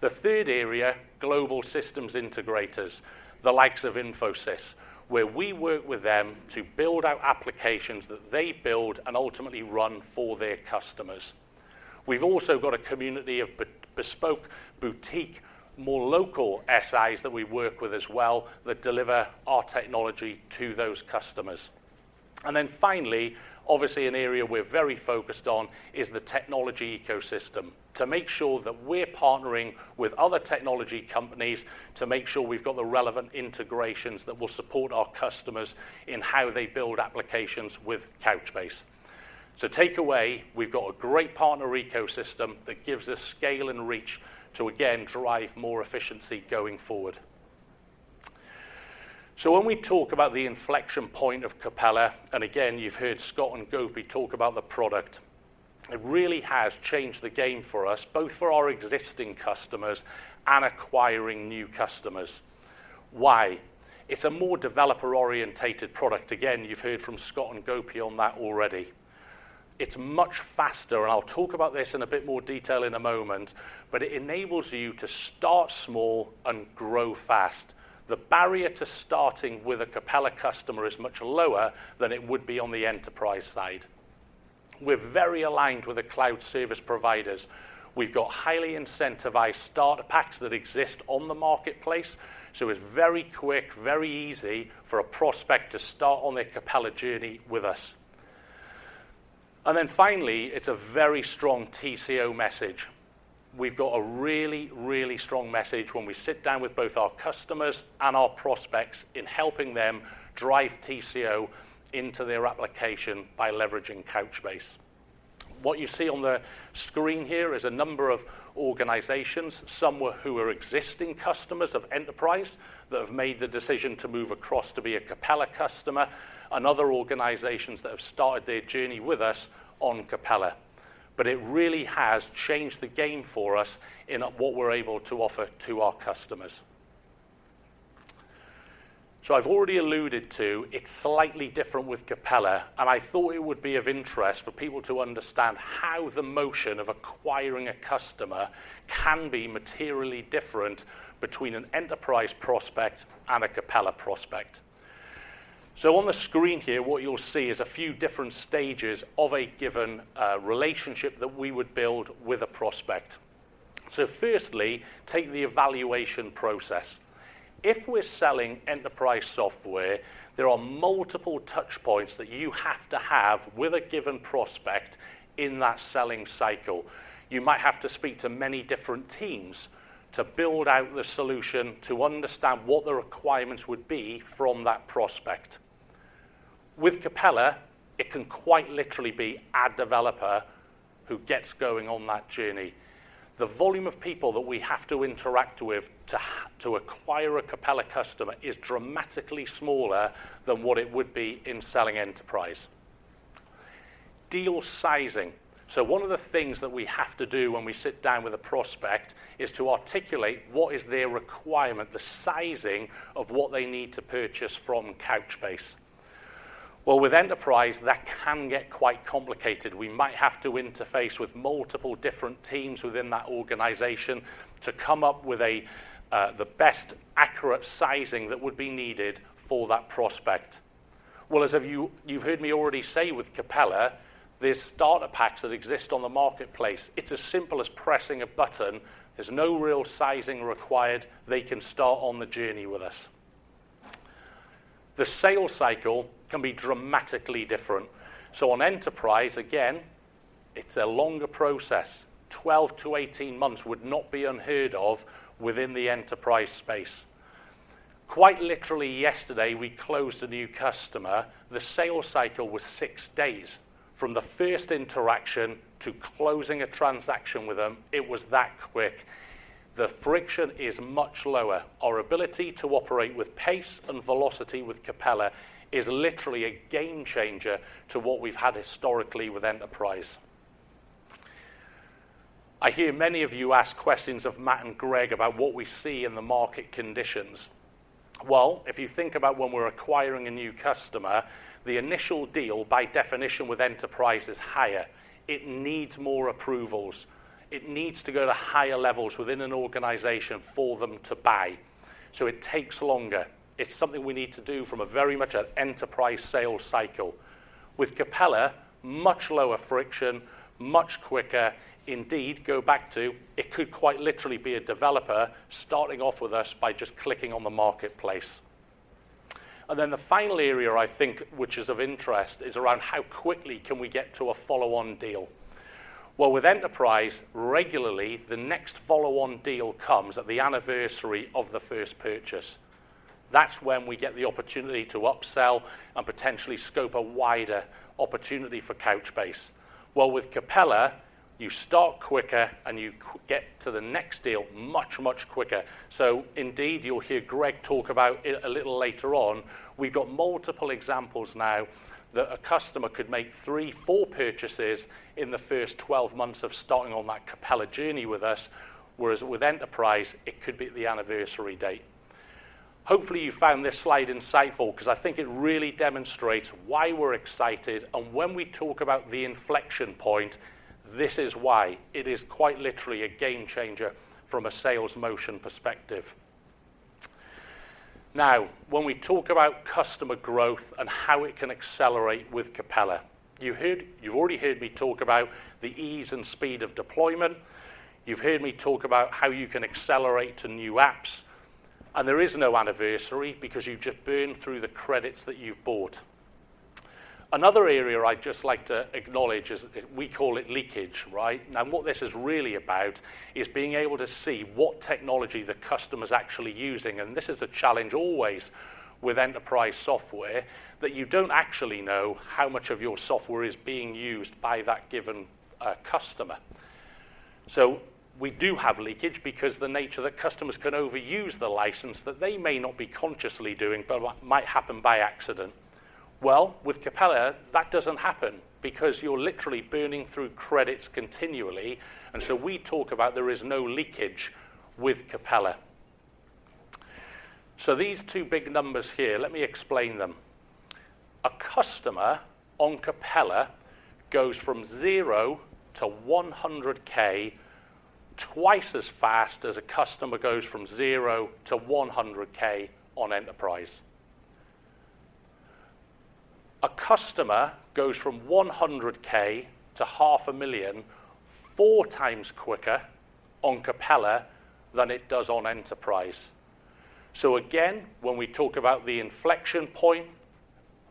The third area, global systems integrators, the likes of Infosys, where we work with them to build out applications that they build and ultimately run for their customers. We've also got a community of bespoke, boutique, more local SIs that we work with as well, that deliver our technology to those customers. Finally, obviously, an area we're very focused on is the technology ecosystem, to make sure that we're partnering with other technology companies to make sure we've got the relevant integrations that will support our customers in how they build applications with Couchbase. So takeaway, we've got a great partner ecosystem that gives us scale and reach to again, drive more efficiency going forward. So when we talk about the inflection point of Capella, and again, you've heard Scott and Gopi talk about the product. It really has changed the game for us, both for our existing customers and acquiring new customers. Why? It's a more developer-oriented product. Again, you've heard from Scott and Gopi on that already. It's much faster, and I'll talk about this in a bit more detail in a moment, but it enables you to start small and grow fast. The barrier to starting with a Capella customer is much lower than it would be on the enterprise side. We're very aligned with the cloud service providers. We've got highly incentivized starter packs that exist on the marketplace, so it's very quick, very easy for a prospect to start on their Capella journey with us. And then finally, it's a very strong TCO message. We've got a really, really strong message when we sit down with both our customers and our prospects in helping them drive TCO into their application by leveraging Couchbase. What you see on the screen here is a number of organizations, some who are existing customers of Enterprise, that have made the decision to move across to be a Capella customer, and other organizations that have started their journey with us on Capella. But it really has changed the game for us in what we're able to offer to our customers. So I've already alluded to, it's slightly different with Capella, and I thought it would be of interest for people to understand how the motion of acquiring a customer can be materially different between an enterprise prospect and a Capella prospect. So on the screen here, what you'll see is a few different stages of a given relationship that we would build with a prospect. So firstly, take the evaluation process. If we're selling enterprise software, there are multiple touch points that you have to have with a given prospect in that selling cycle. You might have to speak to many different teams to build out the solution, to understand what the requirements would be from that prospect. With Capella, it can quite literally be a developer who gets going on that journey. The volume of people that we have to interact with to acquire a Capella customer is dramatically smaller than what it would be in selling enterprise. Deal sizing. So one of the things that we have to do when we sit down with a prospect is to articulate what is their requirement, the sizing of what they need to purchase from Couchbase. Well, with enterprise, that can get quite complicated. We might have to interface with multiple different teams within that organization to come up with the best accurate sizing that would be needed for that prospect. Well, as you've heard me already say with Capella, there's starter packs that exist on the marketplace. It's as simple as pressing a button. There's no real sizing required. They can start on the journey with us. The sales cycle can be dramatically different. So on enterprise, again, it's a longer process. 12-18 months would not be unheard of within the enterprise space. Quite literally yesterday, we closed a new customer. The sales cycle was 6 days. From the first interaction to closing a transaction with them, it was that quick. The friction is much lower. Our ability to operate with pace and velocity with Capella is literally a game changer to what we've had historically with enterprise. I hear many of you ask questions of Matt and Greg about what we see in the market conditions. Well, if you think about when we're acquiring a new customer, the initial deal, by definition with enterprise, is higher. It needs more approvals. It needs to go to higher levels within an organization for them to buy, so it takes longer. It's something we need to do from a very much an enterprise sales cycle. With Capella, much lower friction, much quicker. Indeed, go back to it could quite literally be a developer starting off with us by just clicking on the marketplace. And then the final area, I think, which is of interest, is around how quickly can we get to a follow-on deal? Well, with enterprise, regularly, the next follow-on deal comes at the anniversary of the first purchase. That's when we get the opportunity to upsell and potentially scope a wider opportunity for Couchbase. Well, with Capella, you start quicker, and you get to the next deal much, much quicker. So indeed, you'll hear Greg talk about it a little later on. We've got multiple examples now that a customer could make 3, 4 purchases in the first 12 months of starting on that Capella journey with us, whereas with enterprise, it could be the anniversary date. Hopefully, you found this slide insightful because I think it really demonstrates why we're excited, and when we talk about the inflection point, this is why. It is quite literally a game changer from a sales motion perspective. Now, when we talk about customer growth and how it can accelerate with Capella, you heard, you've already heard me talk about the ease and speed of deployment. You've heard me talk about how you can accelerate to new apps, and there is no anniversary because you've just burned through the credits that you've bought. Another area I'd just like to acknowledge is, we call it leakage, right? Now, what this is really about is being able to see what technology the customer's actually using, and this is a challenge always with enterprise software, that you don't actually know how much of your software is being used by that given customer. So we do have leakage because the nature that customers can overuse the license that they may not be consciously doing, but what might happen by accident. Well, with Capella, that doesn't happen because you're literally burning through credits continually, and so we talk about there is no leakage with Capella. So these two big numbers here, let me explain them. A customer on Capella goes from zero to 100K twice as fast as a customer goes from zero to 100K on Enterprise. A customer goes from $100K to $500,000, 4 times quicker on Capella than it does on Enterprise. So again, when we talk about the inflection point,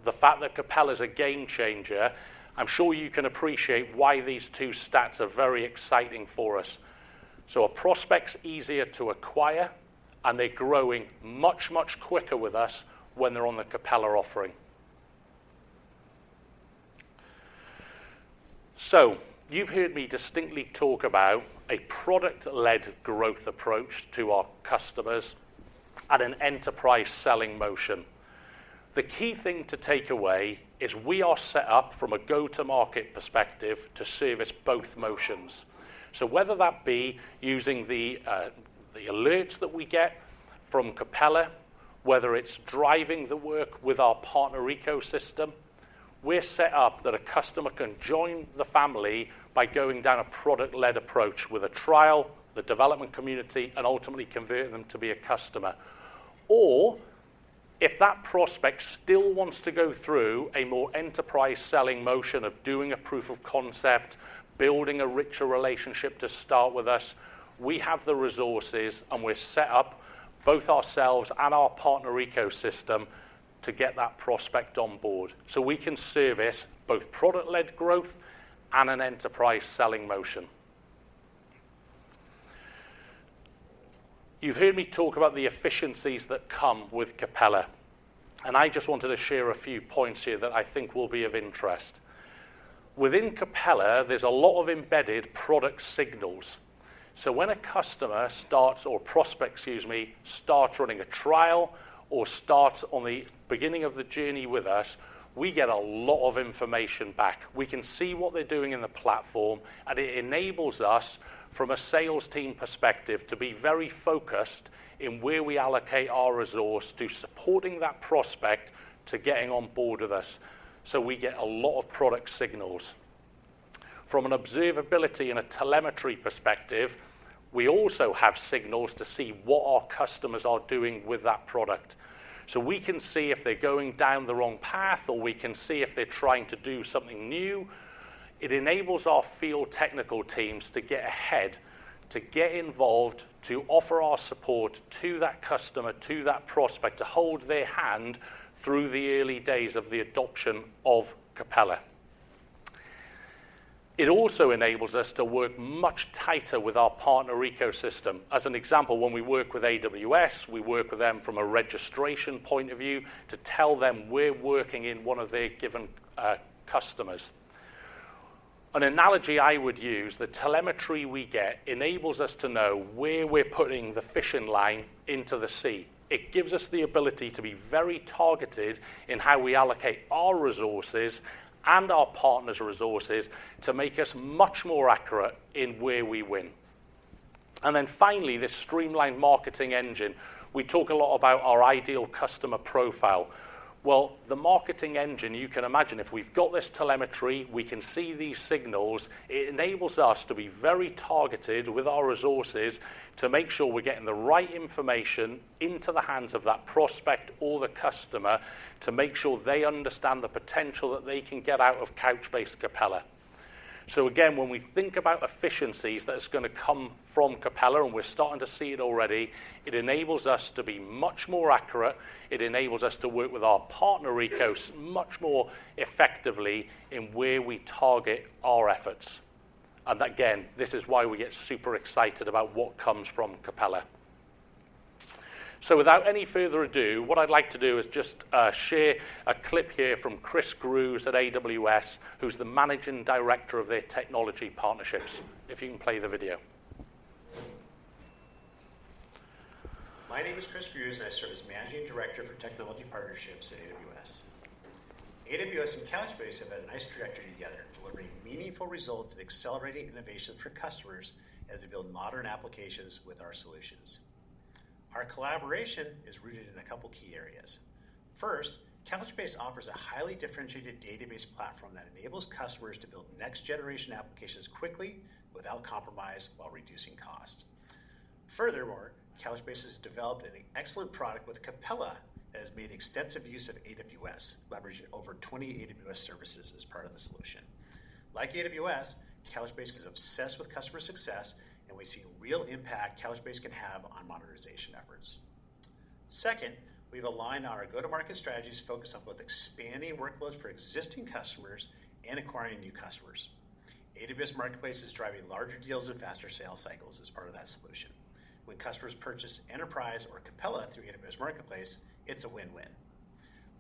the fact that Capella is a game changer, I'm sure you can appreciate why these two stats are very exciting for us. So our prospects easier to acquire, and they're growing much, much quicker with us when they're on the Capella offering. So you've heard me distinctly talk about a product-led growth approach to our customers at an enterprise selling motion. The key thing to take away is we are set up from a go-to-market perspective to service both motions. So whether that be using the alerts that we get from Capella, whether it's driving the work with our partner ecosystem, we're set up that a customer can join the family by going down a product-led approach with a trial, the development community, and ultimately converting them to be a customer. Or if that prospect still wants to go through a more enterprise selling motion of doing a proof of concept, building a richer relationship to start with us, we have the resources, and we're set up, both ourselves and our partner ecosystem, to get that prospect on board, so we can service both product-led growth and an enterprise selling motion. You've heard me talk about the efficiencies that come with Capella, and I just wanted to share a few points here that I think will be of interest. Within Capella, there's a lot of embedded product signals. So when a customer starts or prospect, excuse me, starts running a trial or starts on the beginning of the journey with us, we get a lot of information back. We can see what they're doing in the platform, and it enables us, from a sales team perspective, to be very focused in where we allocate our resource to supporting that prospect to getting on board with us. So we get a lot of product signals. From an observability and a telemetry perspective, we also have signals to see what our customers are doing with that product. So we can see if they're going down the wrong path, or we can see if they're trying to do something new. It enables our field technical teams to get ahead, to get involved, to offer our support to that customer, to that prospect, to hold their hand through the early days of the adoption of Capella. It also enables us to work much tighter with our partner ecosystem. As an example, when we work with AWS, we work with them from a registration point of view to tell them we're working in one of their given customers. An analogy I would use: the telemetry we get enables us to know where we're putting the fishing line into the sea. It gives us the ability to be very targeted in how we allocate our resources and our partners' resources to make us much more accurate in where we win. And then finally, this streamlined marketing engine. We talk a lot about our ideal customer profile. Well, the marketing engine, you can imagine, if we've got this telemetry, we can see these signals, it enables us to be very targeted with our resources to make sure we're getting the right information into the hands of that prospect or the customer to make sure they understand the potential that they can get out of Couchbase Capella. So again, when we think about efficiencies, that's gonna come from Capella, and we're starting to see it already. It enables us to be much more accurate. It enables us to work with our partner ecosystem much more effectively in where we target our efforts. And again, this is why we get super excited about what comes from Capella. So without any further ado, what I'd like to do is just share a clip here from Chris Grusz at AWS, who's the managing director of their technology partnerships. If you can play the video. My name is Chris Grusz, and I serve as Managing Director for Technology Partnerships at AWS. AWS and Couchbase have had a nice trajectory together, delivering meaningful results and accelerating innovations for customers as they build modern applications with our solutions. Our collaboration is rooted in a couple of key areas. First, Couchbase offers a highly differentiated database platform that enables customers to build next-generation applications quickly without compromise, while reducing cost. Furthermore, Couchbase has developed an excellent product with Capella, has made extensive use of AWS, leveraging over 20 AWS services as part of the solution. Like AWS, Couchbase is obsessed with customer success, and we see real impact Couchbase can have on monetization efforts. Second, we've aligned our go-to-market strategies focused on both expanding workloads for existing customers and acquiring new customers. AWS Marketplace is driving larger deals and faster sales cycles as part of that solution. When customers purchase Enterprise or Capella through AWS Marketplace, it's a win-win.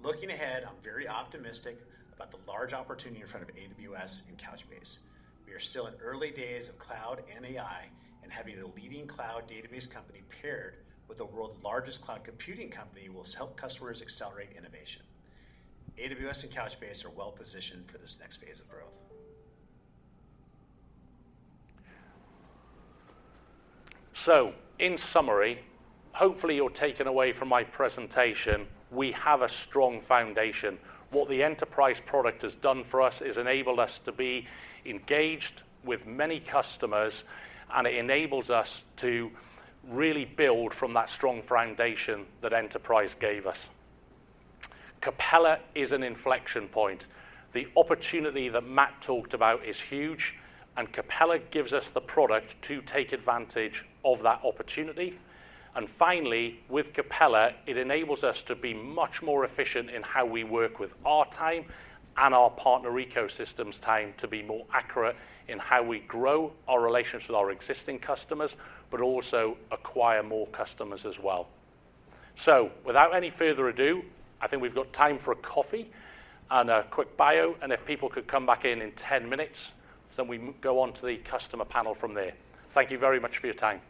Looking ahead, I'm very optimistic about the large opportunity in front of AWS and Couchbase. We are still in early days of cloud and AI, and having a leading cloud database company paired with the world's largest cloud computing company will help customers accelerate innovation. AWS and Couchbase are well-positioned for this next phase of growth. So, in summary, hopefully you're taking away from my presentation. We have a strong foundation. What the Enterprise product has done for us is enabled us to be engaged with many customers, and it enables us to really build from that strong foundation that Enterprise gave us. Capella is an inflection point. The opportunity that Matt talked about is huge, and Capella gives us the product to take advantage of that opportunity. Finally, with Capella, it enables us to be much more efficient in how we work with our time and our partner ecosystems time, to be more accurate in how we grow our relations with our existing customers, but also acquire more customers as well. Without any further ado, I think we've got time for a coffee and a quick bio, and if people could come back in 10 minutes, so we go on to the customer panel from there. Thank you very much for your time.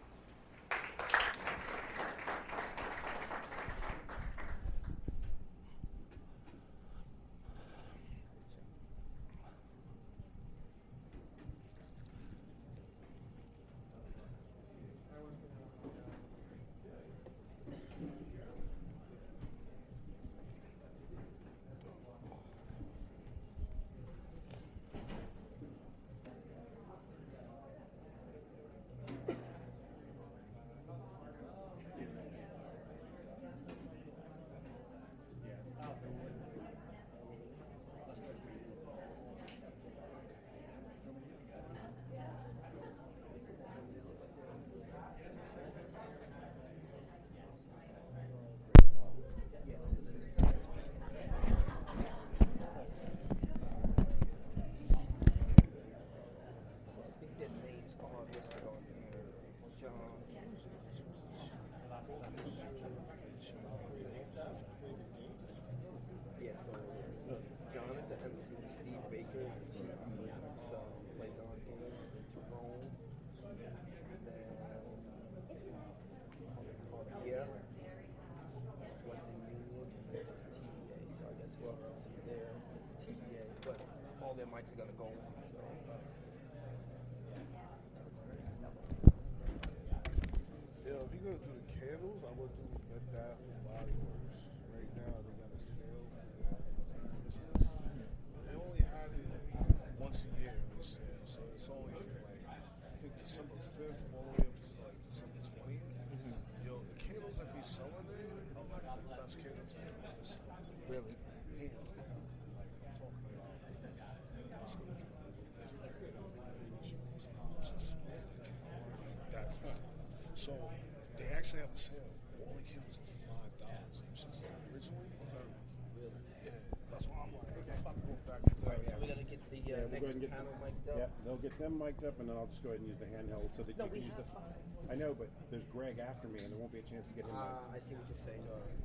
candles I've ever seen, really, hands down. Like, I'm talking about. So they actually have a sale, all the candles are $5, which is originally $30. Really? Yeah. That's why I'm like, I'm about to go back in there. All right, so we got to get the next panel miked up. Yeah, we'll get them miked up, and then I'll just go ahead and use the handheld so that you can use the- No, we have 5. I know, but there's Greg after me, and there won't be a chance to get him miked. Ah, I see what you're saying. All right.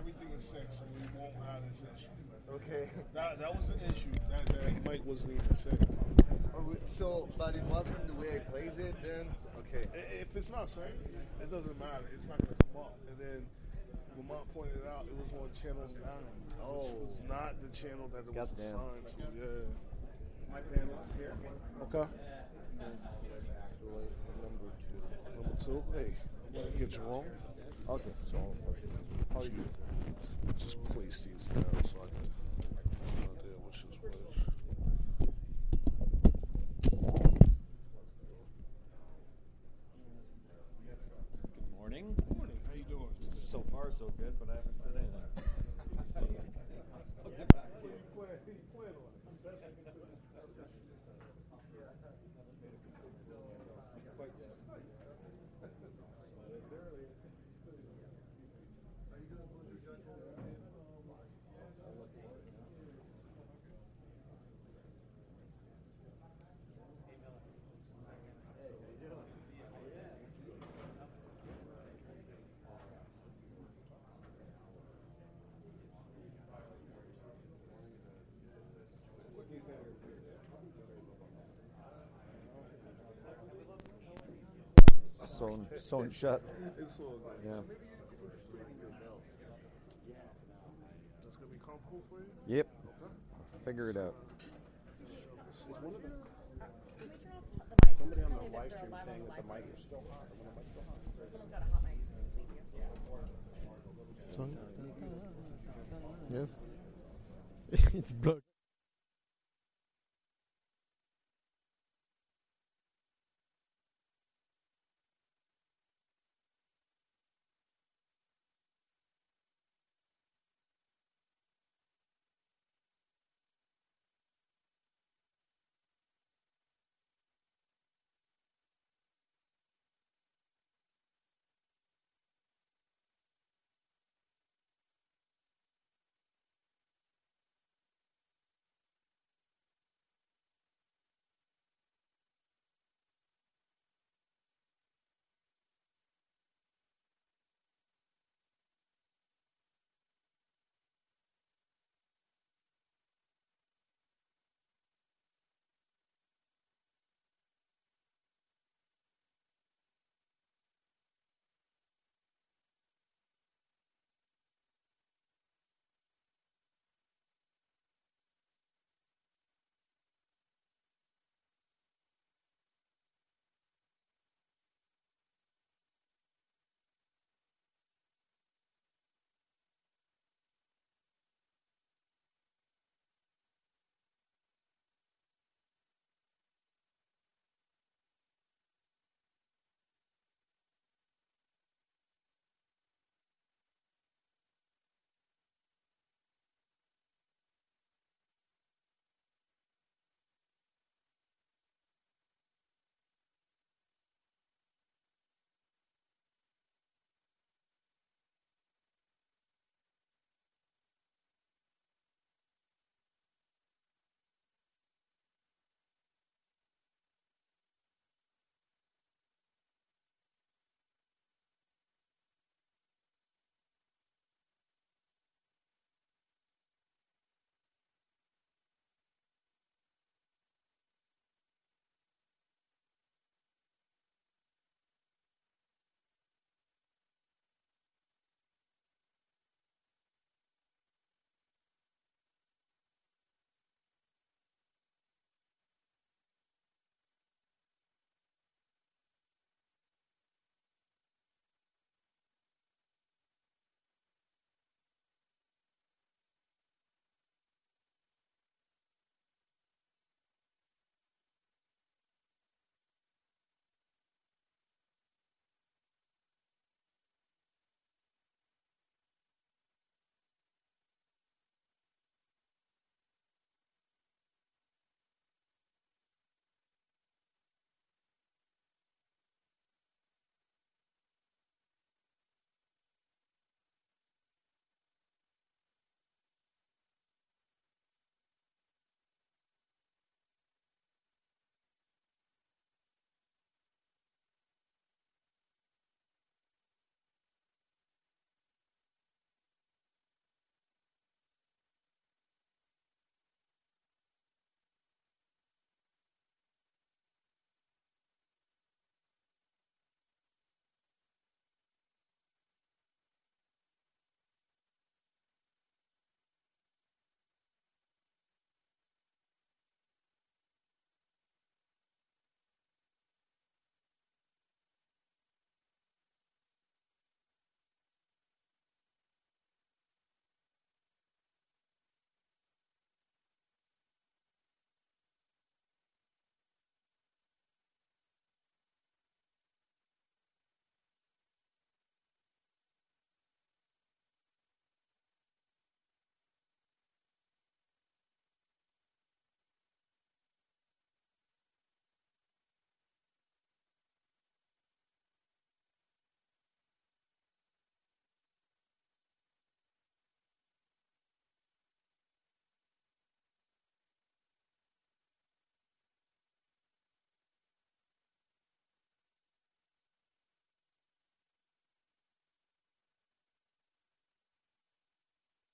Everything is set, so we won't have this issue. Okay. That, that was an issue, that the mic wasn't even set. So. But it wasn't the way it plays it then? Okay. If it's not set, it doesn't matter. It's not going to come up. And then Lamont pointed out it was on channel 9. Oh. Which was not the channel that it was assigned to. God damn! Yeah. My panel is here. Okay. Number 2. Number 2? Hey, get Jerome. Okay. So just place these down, so I can have no idea which is which. Good morning. Morning. How you doing today? So far, so good, but I haven't said anything. So you quit, you quit on it. So it shut? It sold. Yeah. Maybe it was ringing your bell. Yeah. That's going to be comfortable for you? Yep. Okay. Figure it out. Is one of the- Can we turn off the mic? Somebody on the live stream saying that the mic is still hot. Someone got a hot mic. It's on? Yes. It's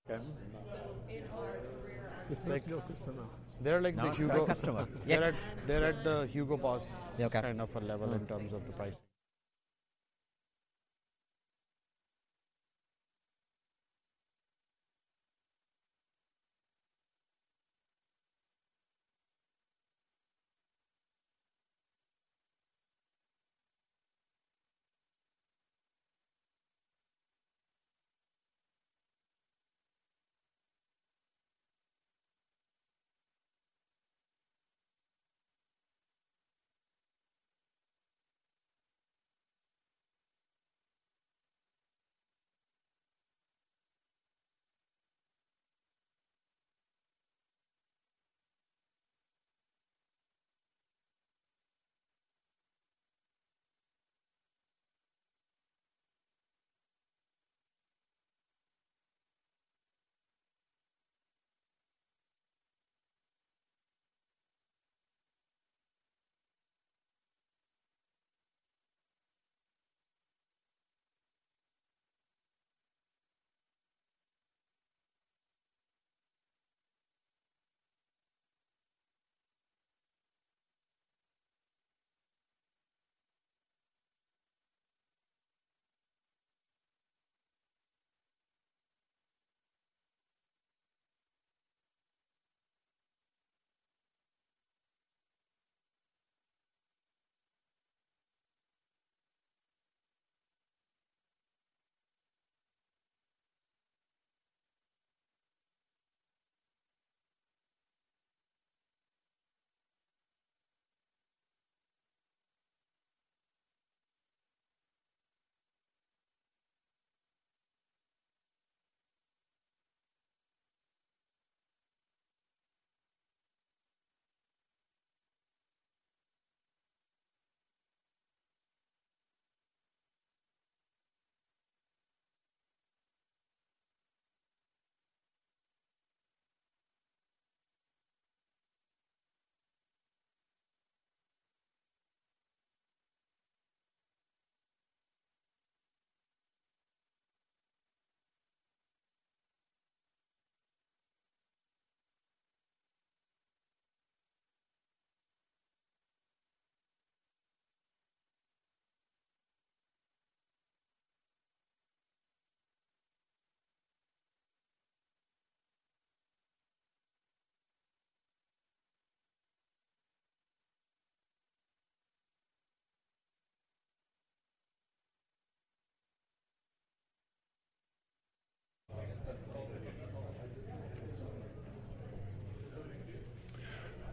blocked.......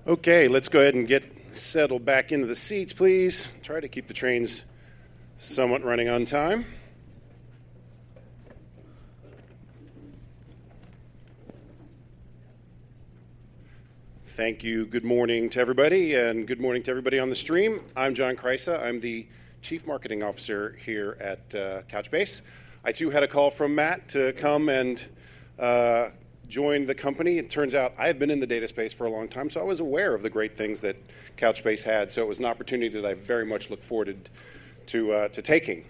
Okay, let's go ahead and get settled back into the seats, please. Try to keep the trains somewhat running on time. Thank you. Good morning to everybody, and good morning to everybody on the stream. I'm John Kreisa. I'm the Chief Marketing Officer here at Couchbase. I, too, had a call from Matt to come and join the company. It turns out I have been in the data space for a long time, so I was aware of the great things that Couchbase had. So it was an opportunity that I very much looked forward to to taking.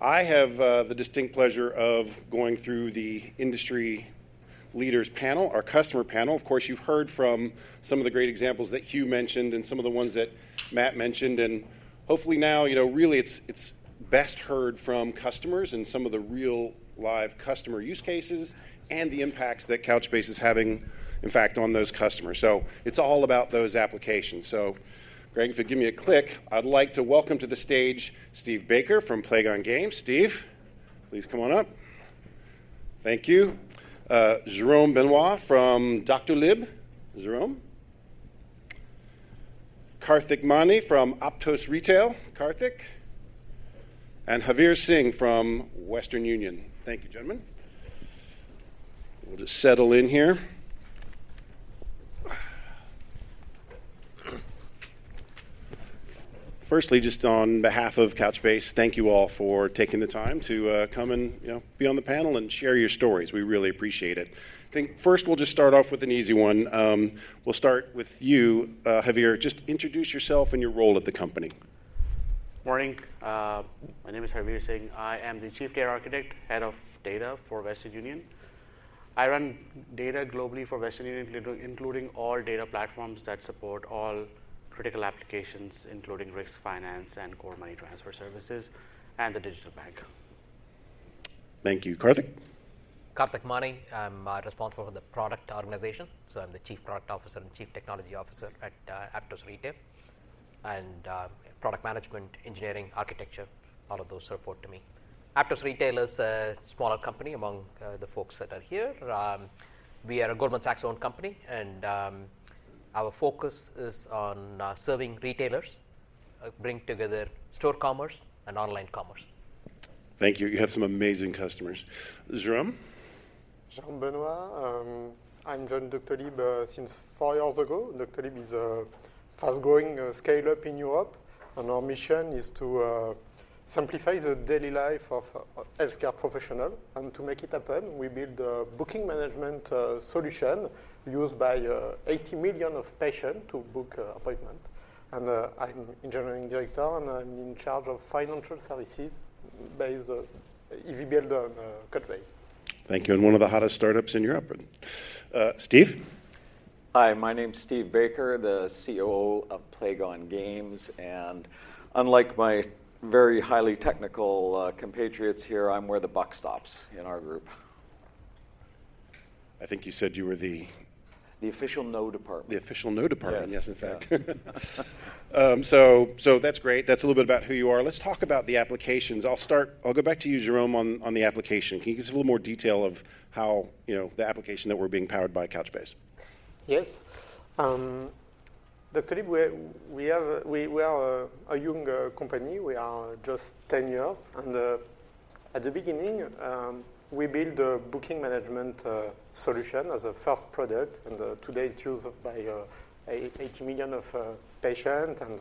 I have the distinct pleasure of going through the industry leaders panel, our customer panel. Of course, you've heard from some of the great examples that Huw mentioned and some of the ones that Matt mentioned, and hopefully now, you know, really it's, it's best heard from customers and some of the real live customer use cases and the impacts that Couchbase is having, in fact, on those customers. So it's all about those applications. So Greg, if you give me a click, I'd like to welcome to the stage Steve Baker from Playgon Games. Steve, please come on up. Thank you. Jerome Benoit from Doctolib. Jerome. Karthik Mani from Aptos Retail. Karthik. And Haveer Singh from Western Union. Thank you, gentlemen. We'll just settle in here. Firstly, just on behalf of Couchbase, thank you all for taking the time to come and, you know, be on the panel and share your stories. We really appreciate it. I think first we'll just start off with an easy one. We'll start with you, Javier. Just introduce yourself and your role at the company. Morning. My name is Haveer Singh. I am the Chief Data Architect, Head of Data for Western Union. I run data globally for Western Union, including all data platforms that support all critical applications, including risk, finance, and core money transfer services, and the digital bank. Thank you. Karthik? Karthik Mani. I'm responsible for the product organization, so I'm the Chief Product Officer and Chief Technology Officer at Aptos Retail. And product management, engineering, architecture, all of those report to me. Aptos Retail is a smaller company among the folks that are here. We are a Goldman Sachs-owned company, and our focus is on serving retailers, bring together store commerce and online commerce. Thank you. You have some amazing customers. Jérome Jérome Benoit. I joined Doctolib since 4 years ago. Doctolib is a fast-growing scale-up in Europe, and our mission is to simplify the daily life of healthcare professionals. To make it happen, we build a booking management solution used by 80 million patients to book appointments. I'm Engineering Director, and I'm in charge of financial services by the easy builder Couchbase. Thank you, and one of the hottest startups in Europe. Steve? Hi, my name's Steve Baker, the CEO of Playgon Games, and unlike my very highly technical, compatriots here, I'm where the buck stops in our group. I think you said you were the- The official 'no' department. The official 'no' department. Yes. Yes, in fact. So that's great. That's a little bit about who you are. Let's talk about the applications. I'll start. I'll go back to you, Jérome, on the application. Can you give us a little more detail of how, you know, the application that we're being powered by Couchbase? Yes. Doctolib, we have a younger company. We are just 10 years, and at the beginning, we build a booking management solution as a first product, and today, it's used by 80 million patients and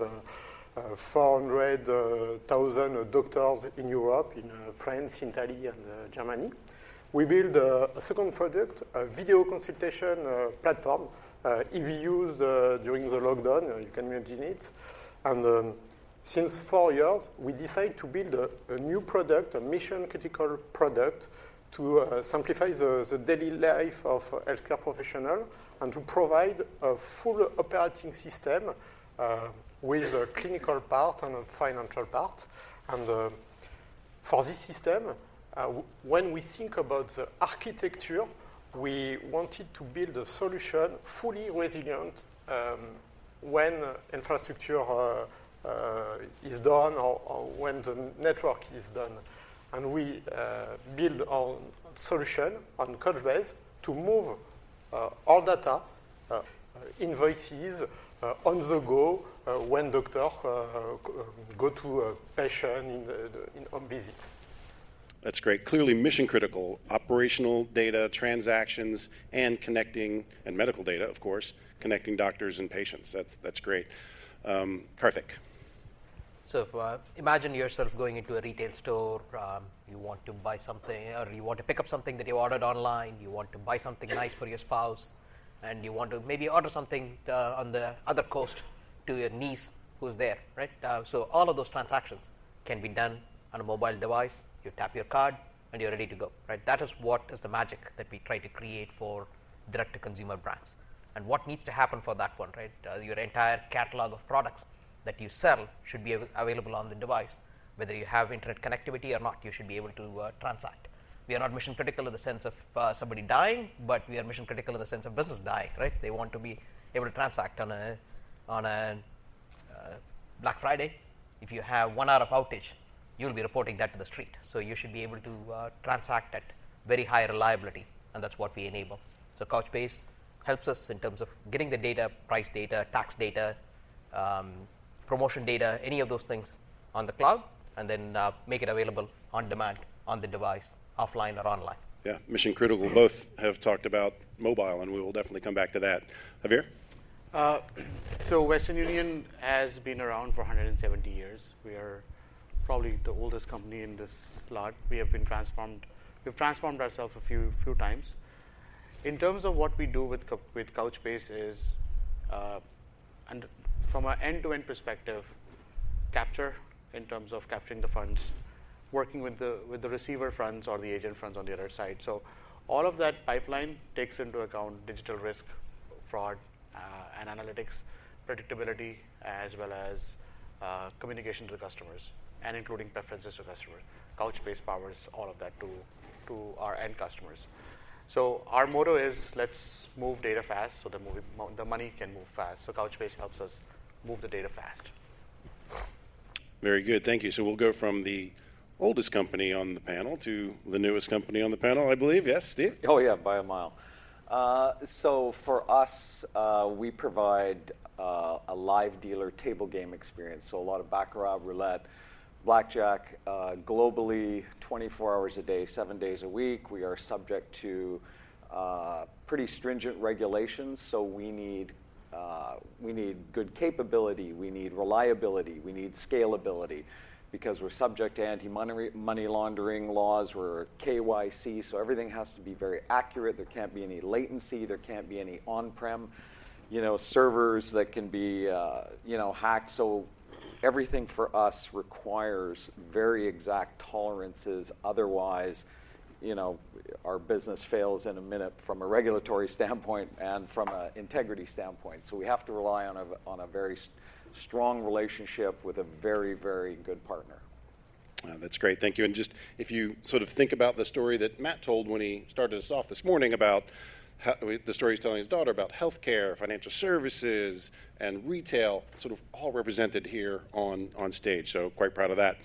400,000 doctors in Europe, in France, Italy, and Germany. We build a second product, a video consultation platform. It was used during the lockdown, you can imagine it. And since 4 years, we decide to build a new product, a mission-critical product, to simplify the daily life of healthcare professionals and to provide a full operating system with a clinical part and a financial part. For this system, when we think about the architecture, we wanted to build a solution fully resilient, when infrastructure is down or when the network is down. And we build our solution on Couchbase to move all data, invoices, on the go, when doctor go to a patient in the in-home visit.... That's great. Clearly, mission-critical operational data, transactions, and connecting, and medical data, of course, connecting doctors and patients. That's, that's great. Karthik? So if you imagine yourself going into a retail store, you want to buy something, or you want to pick up something that you ordered online, you want to buy something nice for your spouse, and you want to maybe order something on the other coast to your niece who's there, right? So all of those transactions can be done on a mobile device. You tap your card, and you're ready to go, right? That is what is the magic that we try to create for direct-to-consumer brands. And what needs to happen for that one, right? Your entire catalog of products that you sell should be available on the device. Whether you have internet connectivity or not, you should be able to transact. We are not mission-critical in the sense of, somebody dying, but we are mission-critical in the sense of business dying, right? They want to be able to transact on a Black Friday. If you have one hour of outage, you'll be reporting that to the street. So you should be able to transact at very high reliability, and that's what we enable. So Couchbase helps us in terms of getting the data, price data, tax data, promotion data, any of those things on the cloud, and then make it available on demand on the device, offline or online. Yeah, mission critical. Both have talked about mobile, and we will definitely come back to that. Haveer? So Western Union has been around for 170 years. We are probably the oldest company in this lot. We have been transformed... We've transformed ourselves a few times. In terms of what we do with Couchbase is, and from an end-to-end perspective, capture, in terms of capturing the funds, working with the receiver fronts or the agent fronts on the other side. So all of that pipeline takes into account digital risk, fraud, and analytics, predictability, as well as, communication to the customers, and including preferences to customers. Couchbase powers all of that to our end customers. So our motto is, "Let's move data fast, so the money can move fast." So Couchbase helps us move the data fast. Very good. Thank you. So we'll go from the oldest company on the panel to the newest company on the panel, I believe. Yes, Steve? Oh, yeah, by a mile. So for us, we provide a live dealer table game experience, so a lot of baccarat, roulette, blackjack. Globally, 24 hours a day, 7 days a week, we are subject to pretty stringent regulations, so we need good capability, we need reliability, we need scalability because we're subject to anti-money, money laundering laws, we're KYC, so everything has to be very accurate. There can't be any latency, there can't be any on-prem, you know, servers that can be, you know, hacked. So everything for us requires very exact tolerances, otherwise, you know, our business fails in a minute from a regulatory standpoint and from a integrity standpoint. So we have to rely on a, on a very strong relationship with a very, very good partner. That's great. Thank you. And just, if you sort of think about the story that Matt told when he started us off this morning about the story he's telling his daughter about healthcare, financial services, and retail, sort of all represented here on stage. So quite proud of that.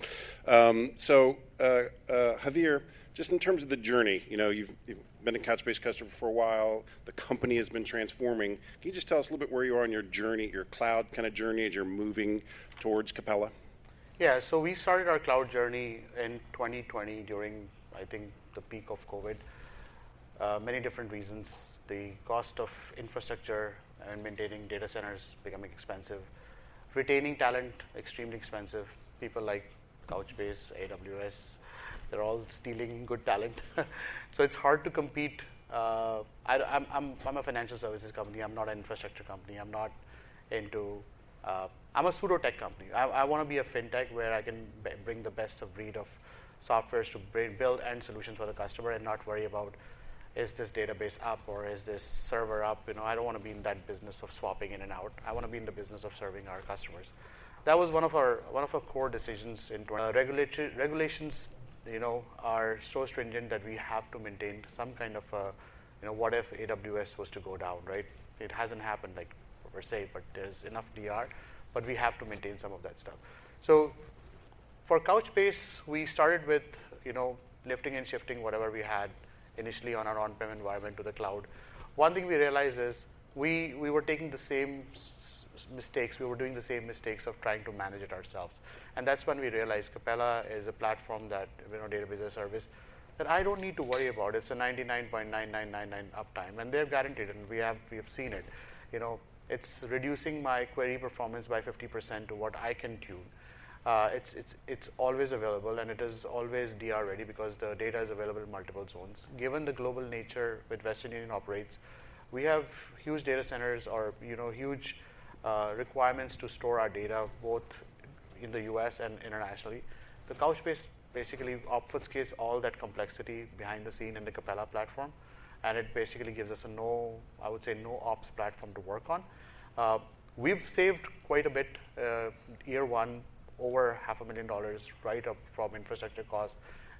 So, Haveer, just in terms of the journey, you know, you've been a Couchbase customer for a while. The company has been transforming. Can you just tell us a little bit where you are on your journey, your cloud kinda journey, as you're moving towards Capella? Yeah. So we started our cloud journey in 2020 during, I think, the peak of COVID. Many different reasons. The cost of infrastructure and maintaining data centers becoming expensive. Retaining talent, extremely expensive. People like Couchbase, AWS, they're all stealing good talent. So it's hard to compete. I'm a financial services company. I'm not an infrastructure company. I'm not into... I'm a pseudo tech company. I wanna be a fintech where I can bring the best of breed of softwares to build end solutions for the customer and not worry about, "Is this database up, or is this server up?" You know, I don't want to be in that business of swapping in and out. I want to be in the business of serving our customers. That was one of our core decisions in... Regulations, you know, are so stringent that we have to maintain some kind of a, you know, what if AWS was to go down, right? It hasn't happened, like, per se, but there's enough DR, but we have to maintain some of that stuff. So for Couchbase, we started with, you know, lifting and shifting whatever we had initially on our on-prem environment to the cloud. One thing we realized is, we were taking the same mistakes. We were doing the same mistakes of trying to manage it ourselves, and that's when we realized Capella is a platform that, you know, database as a service, that I don't need to worry about. It's a 99.999% uptime, and they've guaranteed it, and we have seen it. You know, it's reducing my query performance by 50% to what I can tune. It's always available, and it is always DR ready because the data is available in multiple zones. Given the global nature with which Western Union operates, we have huge data centers or, you know, huge requirements to store our data, both in the U.S. and internationally. The Couchbase basically offloads, say, all that complexity behind the scenes in the Capella platform, and it basically gives us a no-ops platform to work on. We've saved quite a bit, year one, over $500,000 right off from infrastructure costs,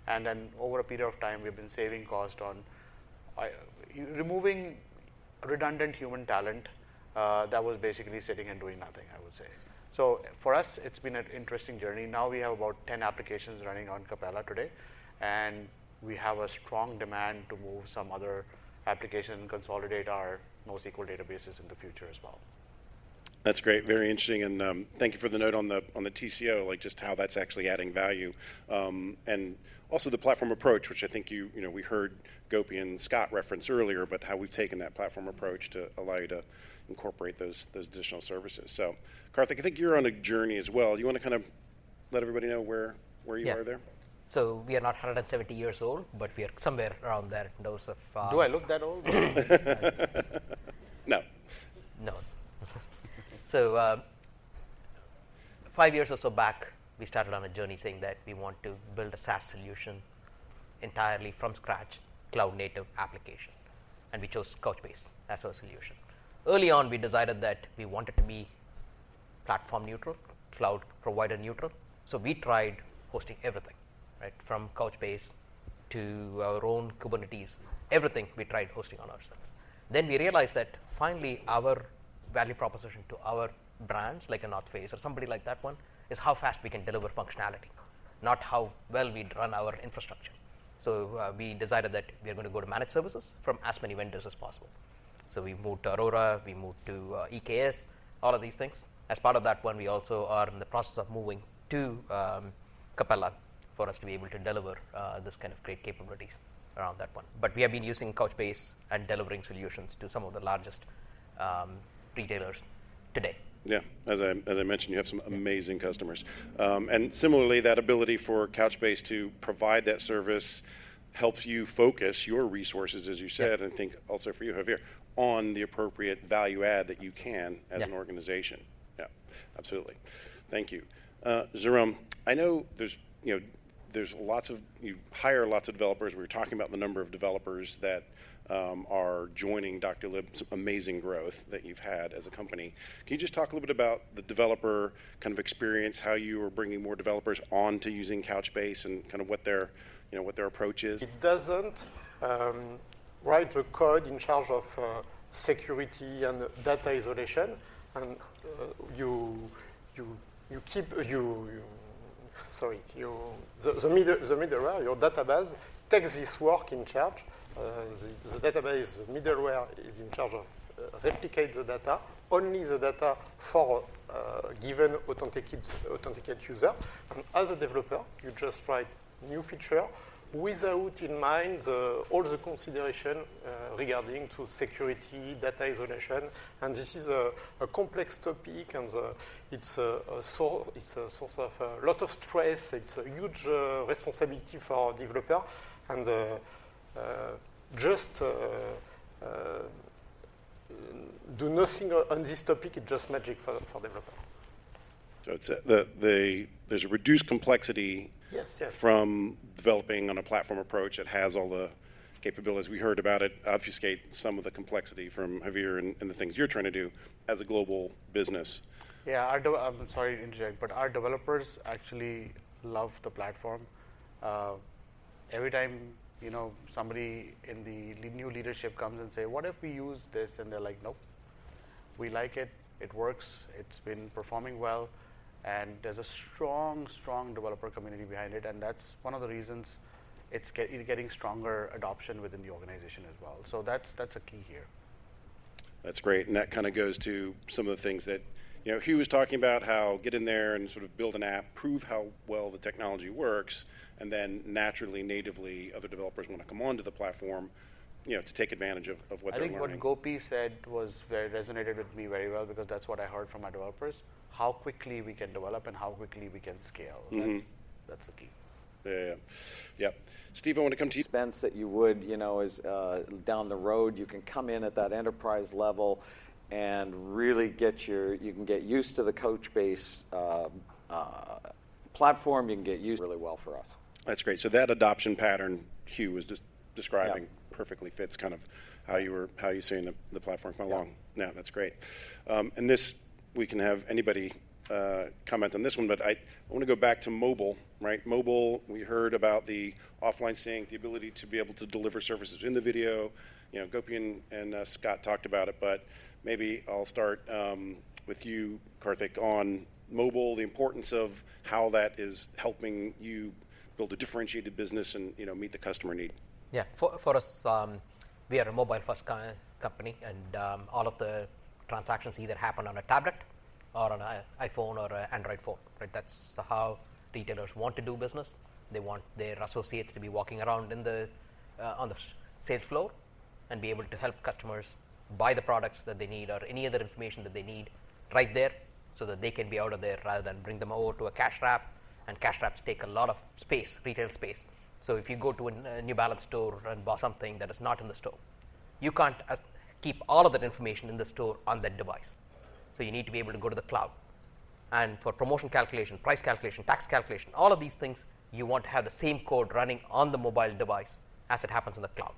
and then over a period of time, we've been saving cost on removing redundant human talent that was basically sitting and doing nothing, I would say. For us, it's been an interesting journey. Now, we have about 10 applications running on Capella today, and we have a strong demand to move some other application, consolidate our NoSQL databases in the future as well. ... That's great, very interesting, and, thank you for the note on the, on the TCO, like just how that's actually adding value. And also the platform approach, which I think you-- you know, we heard Gopi and Scott reference earlier, but how we've taken that platform approach to allow you to incorporate those, those additional services. So, Karthik, I think you're on a journey as well. You want to kind of let everybody know where, where you are there? Yeah. So we are not 170 years old, but we are somewhere around those of, Do I look that old? No. No. So, five years or so back, we started on a journey saying that we want to build a SaaS solution entirely from scratch, cloud-native application, and we chose Couchbase as our solution. Early on, we decided that we wanted to be platform-neutral, cloud provider-neutral, so we tried hosting everything, right? From Couchbase to our own Kubernetes, everything we tried hosting on ourselves. Then we realized that finally, our value proposition to our brands, like a North Face or somebody like that one, is how fast we can deliver functionality, not how well we run our infrastructure. So, we decided that we are going to go to managed services from as many vendors as possible. So we moved to Aurora, we moved to, EKS, all of these things. As part of that one, we also are in the process of moving to Capella, for us to be able to deliver this kind of great capabilities around that one. But we have been using Couchbase and delivering solutions to some of the largest retailers today. Yeah. As I mentioned, you have some amazing customers. And similarly, that ability for Couchbase to provide that service helps you focus your resources, as you said, and think also for you, Haveer, on the appropriate value add that you can- Yeah -as an organization. Yeah, absolutely. Thank you. Jérome, I know there's, you know, there's lots of, you hire lots of developers. We were talking about the number of developers that are joining Doctolib's amazing growth that you've had as a company. Can you just talk a little bit about the developer kind of experience, how you are bringing more developers onto using Couchbase and kind of what their, you know, what their approach is? It doesn't write the code in charge of security and data isolation. And you keep the middleware your database takes this work in charge. The database, the middleware is in charge of replicate the data, only the data for a given authenticated user. And as a developer, you just write new feature without in mind all the consideration regarding to security, data isolation. And this is a complex topic, and it's a source of lot of stress. It's a huge responsibility for our developer, and just do nothing on this topic. It's just magic for developer. I'd say that there's a reduced complexity. Yes, yes... from developing on a platform approach that has all the capabilities. We heard about it, obfuscate some of the complexity from Haveer and the things you're trying to do as a global business. Yeah, our developers actually love the platform. Every time, you know, somebody in the new leadership comes and say, "What if we use this?" And they're like, "Nope, we like it. It works. It's been performing well." And there's a strong, strong developer community behind it, and that's one of the reasons it's getting stronger adoption within the organization as well. So that's a key here. That's great, and that kind of goes to some of the things that... You know, Huw was talking about how get in there and sort of build an app, prove how well the technology works, and then naturally, natively, other developers want to come onto the platform, you know, to take advantage of, of what they're learning. I think what Gopi said was very resonated with me very well because that's what I heard from my developers, how quickly we can develop and how quickly we can scale. Mm-hmm. That's the key. Yeah, yeah. Yep. Steve, I want to come to you- expense that you would, you know, as down the road, you can come in at that enterprise level and really get your... You can get used to the Couchbase platform. You can get used really well for us. That's great. So that adoption pattern Huw was just describing- Yeah... perfectly fits kind of how you were, how you're seeing the platform go along. Yeah. Now, that's great. And this, we can have anybody comment on this one, but I want to go back to mobile, right? Mobile, we heard about the offline sync, the ability to be able to deliver services in the video. You know, Gopi and Scott talked about it, but maybe I'll start with you, Karthik, on mobile, the importance of how that is helping you build a differentiated business and, you know, meet the customer need. Yeah. For us, we are a mobile-first company, and all of the transactions either happen on a tablet or on an iPhone or an Android phone, right? That's how retailers want to do business. They want their associates to be walking around on the sales floor and be able to help customers buy the products that they need or any other information that they need right there, so that they can be out of there rather than bring them over to a cash wrap, and cash wraps take a lot of space, retail space. So if you go to a New Balance store and buy something that is not in the store, you can't keep all of that information in the store on that device. So you need to be able to go to the cloud. For promotion calculation, price calculation, tax calculation, all of these things, you want to have the same code running on the mobile device as it happens in the cloud.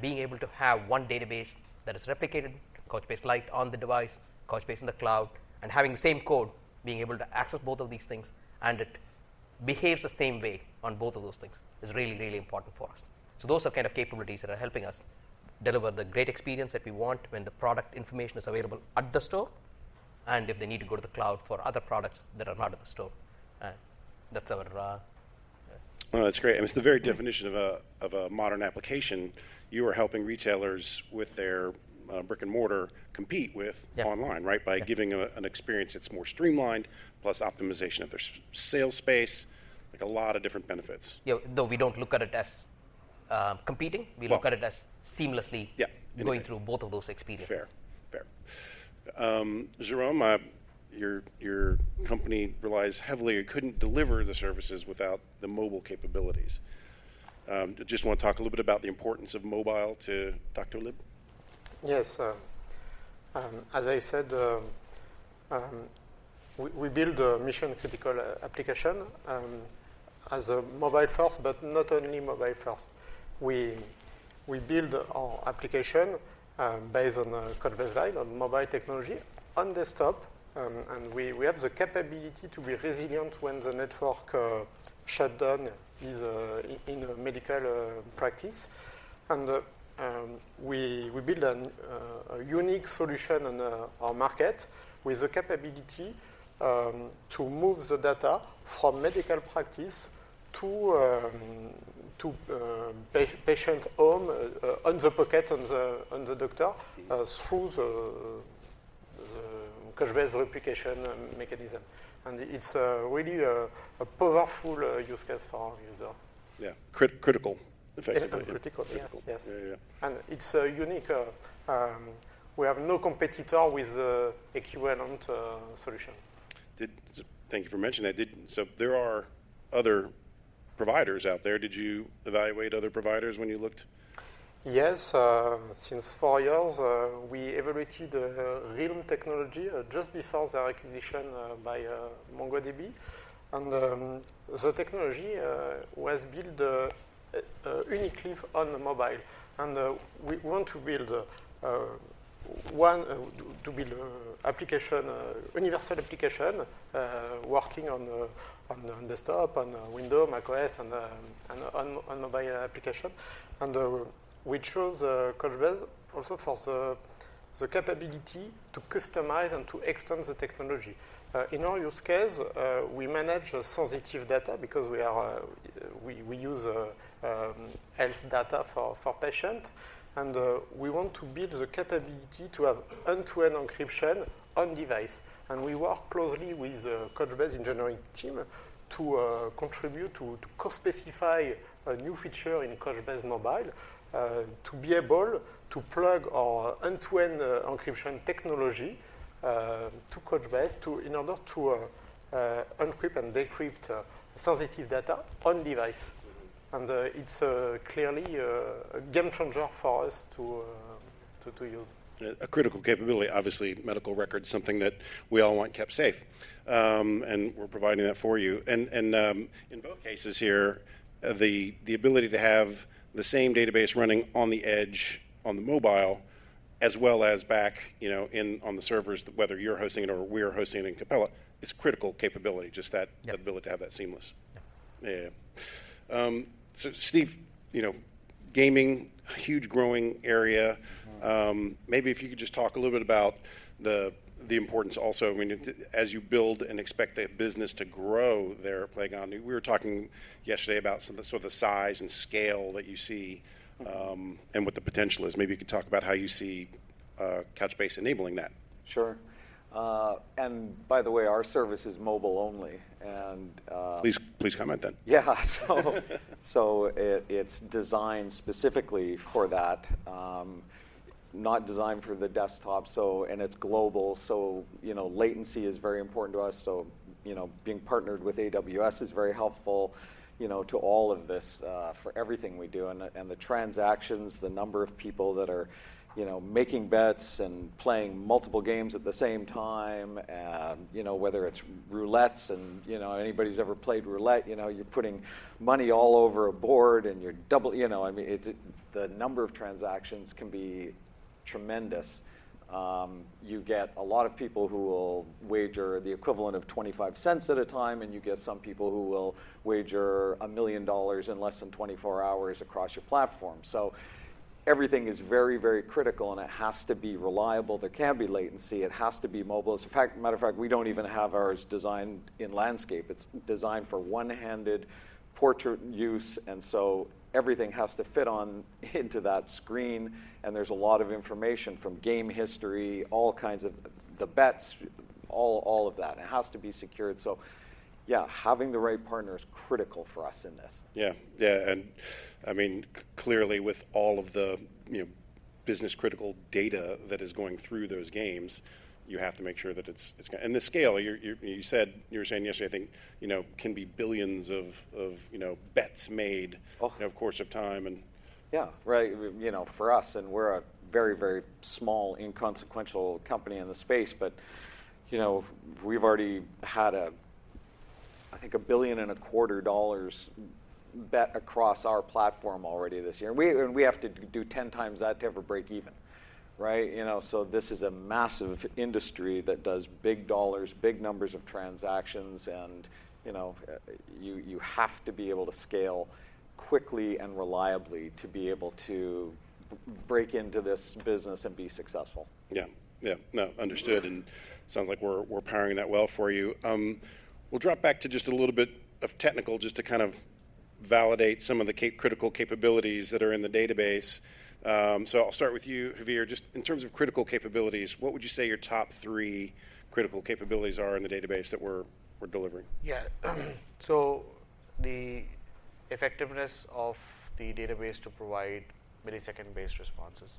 Being able to have one database that is replicated, Couchbase Lite on the device, Couchbase in the cloud, and having the same code, being able to access both of these things, and it behaves the same way on both of those things, is really, really important for us. So those are kind of capabilities that are helping us deliver the great experience that we want when the product information is available at the store, and if they need to go to the cloud for other products that are not at the store, that's our...... Well, that's great, and it's the very definition of a modern application. You are helping retailers with their brick and mortar compete with- Yeah online, right? By giving an experience that's more streamlined, plus optimization of their sales space, like a lot of different benefits. Yeah, though we don't look at it as competing- Well- we look at it as seamlessly- Yeah. going through both of those experiences. Fair. Fair. Jérome, your company relies heavily, it couldn't deliver the services without the mobile capabilities. Just wanna talk a little bit about the importance of mobile to Doctolib? Yes. As I said, we build a mission-critical application as a mobile first, but not only mobile first. We build our application based on Couchbase, on mobile technology, on desktop, and we have the capability to be resilient when the network shut down is in a medical practice. And we build a unique solution on our market with the capability to move the data from medical practice to patient home on the pocket, on the doctor through the Couchbase replication mechanism. And it's really a powerful use case for our user. Yeah. Critical, effectively. Critical, yes, yes. Yeah, yeah. It's unique. We have no competitor with equivalent solution. Thank you for mentioning that. So there are other providers out there. Did you evaluate other providers when you looked? Yes. Since 4 years, we evaluated Realm technology just before the acquisition by MongoDB. And, the technology was built uniquely on the mobile. And, we want to build one to build application universal application working on on the desktop, on Windows, macOS, and and on on mobile application. And, we chose Couchbase also for the the capability to customize and to extend the technology. In our use case, we manage sensitive data because we are we we use health data for for patient, and we want to build the capability to have end-to-end encryption on device. We work closely with Couchbase engineering team to contribute to co-specify a new feature in Couchbase Mobile to be able to plug our end-to-end encryption technology to Couchbase in order to encrypt and decrypt sensitive data on device. Mm-hmm. And it's clearly a game changer for us to use. A critical capability. Obviously, medical records is something that we all want kept safe, and we're providing that for you. And in both cases here, the ability to have the same database running on the edge, on the mobile, as well as back, you know, in on the servers, whether you're hosting it or we're hosting it in Capella, is critical capability, just that- Yeah... the ability to have that seamless. Yeah, yeah. So Steve, you know, gaming, a huge growing area. Mm-hmm. Maybe if you could just talk a little bit about the importance also when you—as you build and expect the business to grow there at Playgon. We were talking yesterday about some of the, sort of the size and scale that you see, and what the potential is. Maybe you could talk about how you see Couchbase enabling that. Sure. And by the way, our service is mobile only, and, Please, please comment then. Yeah. So it, it's designed specifically for that. It's not designed for the desktop, so... And it's global, so, you know, latency is very important to us. So, you know, being partnered with AWS is very helpful, you know, to all of this, for everything we do. And the transactions, the number of people that are, you know, making bets and playing multiple games at the same time, you know, whether it's roulette and, you know, anybody who's ever played roulette, you know, you're putting money all over a board and you're double, you know, I mean, it, the number of transactions can be tremendous. You get a lot of people who will wager the equivalent of $0.25 at a time, and you get some people who will wager $1 million in less than 24 hours across your platform. So everything is very, very critical, and it has to be reliable. There can't be latency. It has to be mobile. As a matter of fact, we don't even have ours designed in landscape. It's designed for one-handed portrait use, and so everything has to fit on into that screen, and there's a lot of information, from game history, all kinds of... the bets, all, all of that. It has to be secured. So yeah, having the right partner is critical for us in this. Yeah. Yeah, and I mean, clearly, with all of the, you know, business-critical data that is going through those games, you have to make sure that it's, it's... And the scale, you said, you were saying yesterday, I think, you know, can be billions of, of, you know, bets made- Oh. over the course of time, and- Yeah, right. You know, for us, and we're a very, very small, inconsequential company in the space, but, you know, we've already had a, I think, $1.25 billion bet across our platform already this year. And we, and we have to do 10 times that to ever break even, right? You know, so this is a massive industry that does big dollars, big numbers of transactions, and, you know, you, you have to be able to scale.... quickly and reliably to be able to break into this business and be successful. Yeah. Yeah, no, understood, and sounds like we're powering that well for you. We'll drop back to just a little bit of technical just to kind of validate some of the critical capabilities that are in the database. So I'll start with you, Javier. Just in terms of critical capabilities, what would you say your top three critical capabilities are in the database that we're delivering? Yeah. So the effectiveness of the database to provide millisecond-based responses.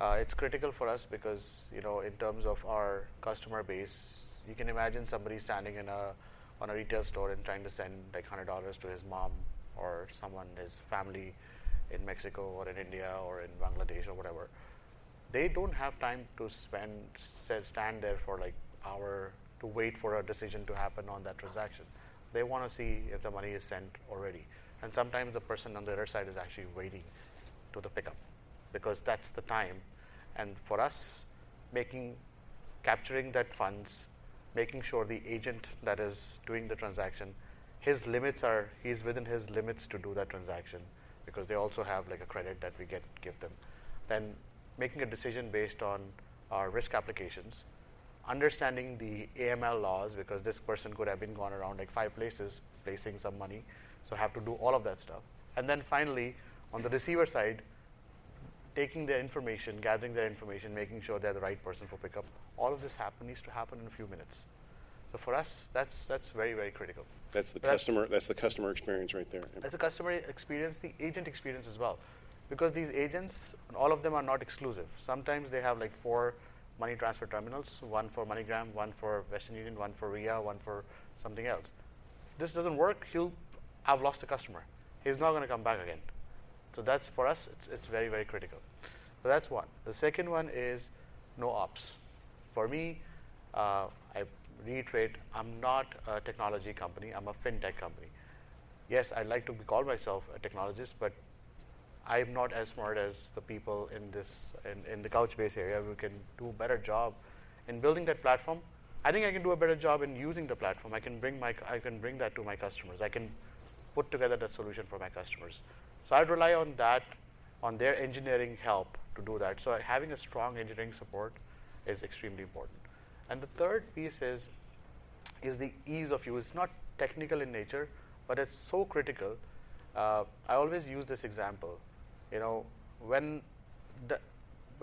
It's critical for us because, you know, in terms of our customer base, you can imagine somebody standing in a-- on a retail store and trying to send, like, $100 to his mom or someone, his family in Mexico or in India or in Bangladesh or whatever. They don't have time to spend, say, stand there for, like, hour, to wait for a decision to happen on that transaction. They wanna see if the money is sent already, and sometimes the person on the other side is actually waiting to the pickup, because that's the time. And for us, making-- capturing that funds, making sure the agent that is doing the transaction, his limits are-- he's within his limits to do that transaction, because they also have, like, a credit that we get, give them. Then making a decision based on our risk applications, understanding the AML laws, because this person could have been gone around, like, five places, placing some money, so have to do all of that stuff. And then finally, on the receiver side, taking their information, gathering their information, making sure they're the right person for pickup. All of this needs to happen in a few minutes. So for us, that's, that's very, very critical. That's the customer- That's- That's the customer experience right there. That's the customer experience, the agent experience as well, because these agents, all of them are not exclusive. Sometimes they have, like, four money transfer terminals, one for MoneyGram, one for Western Union, one for Ria, one for something else. If this doesn't work, he'll have lost a customer. He's not gonna come back again. So that's, for us, it's very, very critical. So that's one. The second one is NoOps. For me, I reiterate, I'm not a technology company, I'm a fintech company. Yes, I like to call myself a technologist, but I'm not as smart as the people in this in the Couchbase area who can do a better job in building that platform. I think I can do a better job in using the platform. I can bring my I can bring that to my customers. I can put together that solution for my customers. So I'd rely on that, on their engineering help to do that. So having a strong engineering support is extremely important. And the third piece is the ease of use. It's not technical in nature, but it's so critical. I always use this example, you know, when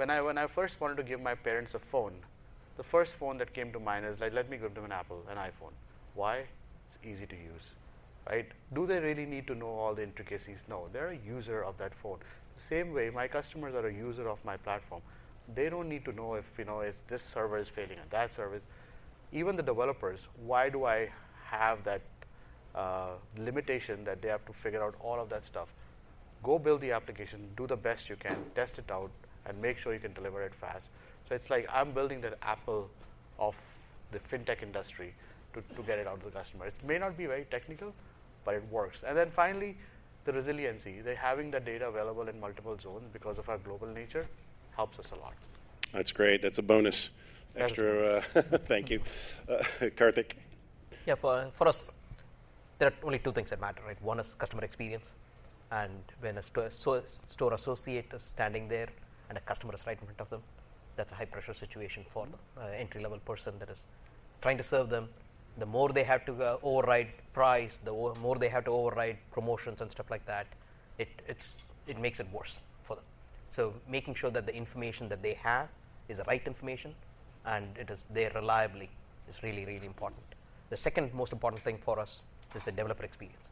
I first wanted to give my parents a phone, the first phone that came to mind is, like, let me give them an Apple, an iPhone. Why? It's easy to use, right? Do they really need to know all the intricacies? No. They're a user of that phone. Same way, my customers are a user of my platform. They don't need to know if, you know, if this server is failing or that server is... Even the developers, why do I have that limitation that they have to figure out all of that stuff? Go build the application, do the best you can, test it out, and make sure you can deliver it fast. So it's like I'm building that Apple of the fintech industry to, to get it out to the customer. It may not be very technical, but it works. And then finally, the resiliency. They're having the data available in multiple zones because of our global nature, helps us a lot. That's great. That's a bonus. Thank you. Extra, thank you. Karthik? Yeah, for us, there are only two things that matter, right? One is customer experience, and when a store associate is standing there and a customer is right in front of them, that's a high-pressure situation for the entry-level person that is trying to serve them. The more they have to override price, the more they have to override promotions and stuff like that, it makes it worse for them. So making sure that the information that they have is the right information, and it is there reliably, is really, really important. The second most important thing for us is the developer experience.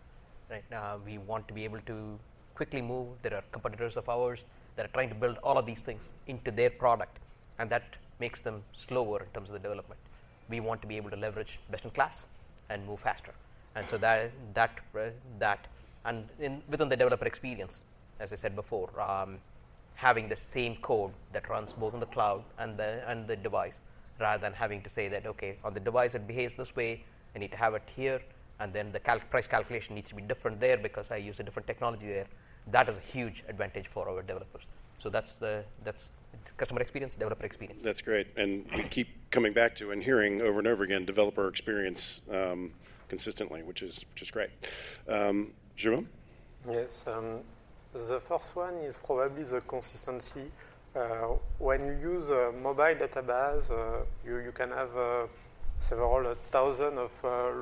Right now, we want to be able to quickly move. There are competitors of ours that are trying to build all of these things into their product, and that makes them slower in terms of the development. We want to be able to leverage best-in-class and move faster. And so that and within the developer experience, as I said before, having the same code that runs both on the cloud and the device, rather than having to say that, "Okay, on the device, it behaves this way. I need to have it here, and then the price calculation needs to be different there because I use a different technology there." That is a huge advantage for our developers. So that's customer experience, developer experience. That's great. And we keep coming back to and hearing over and over again, developer experience, consistently, which is just great. Jérome? Yes. The first one is probably the consistency. When you use a mobile database, you can have several thousand of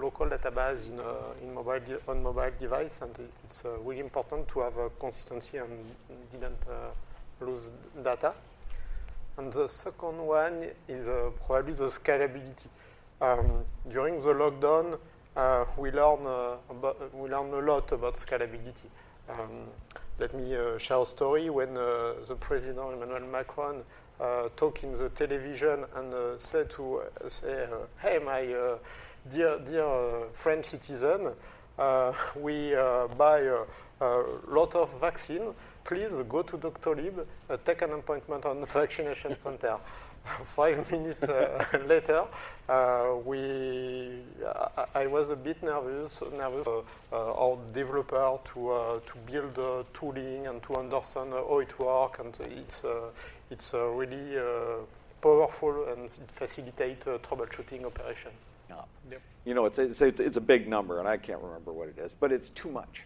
local database in a on mobile device, and it's really important to have a consistency and didn't lose data. And the second one is probably the scalability. During the lockdown, we learn a lot about scalability. Let me share a story. When the President Emmanuel Macron talk in the television and said to say, "Hey, my dear, dear French citizen, we buy a lot of vaccine. Please go to Doctolib, take an appointment on the vaccination center." Five minutes later, we... I was a bit nervous, our developer to build a tooling and to understand how it work, and it's a really powerful and facilitate troubleshooting operation. Yeah. Yep. You know, it's a big number, and I can't remember what it is, but it's too much. ...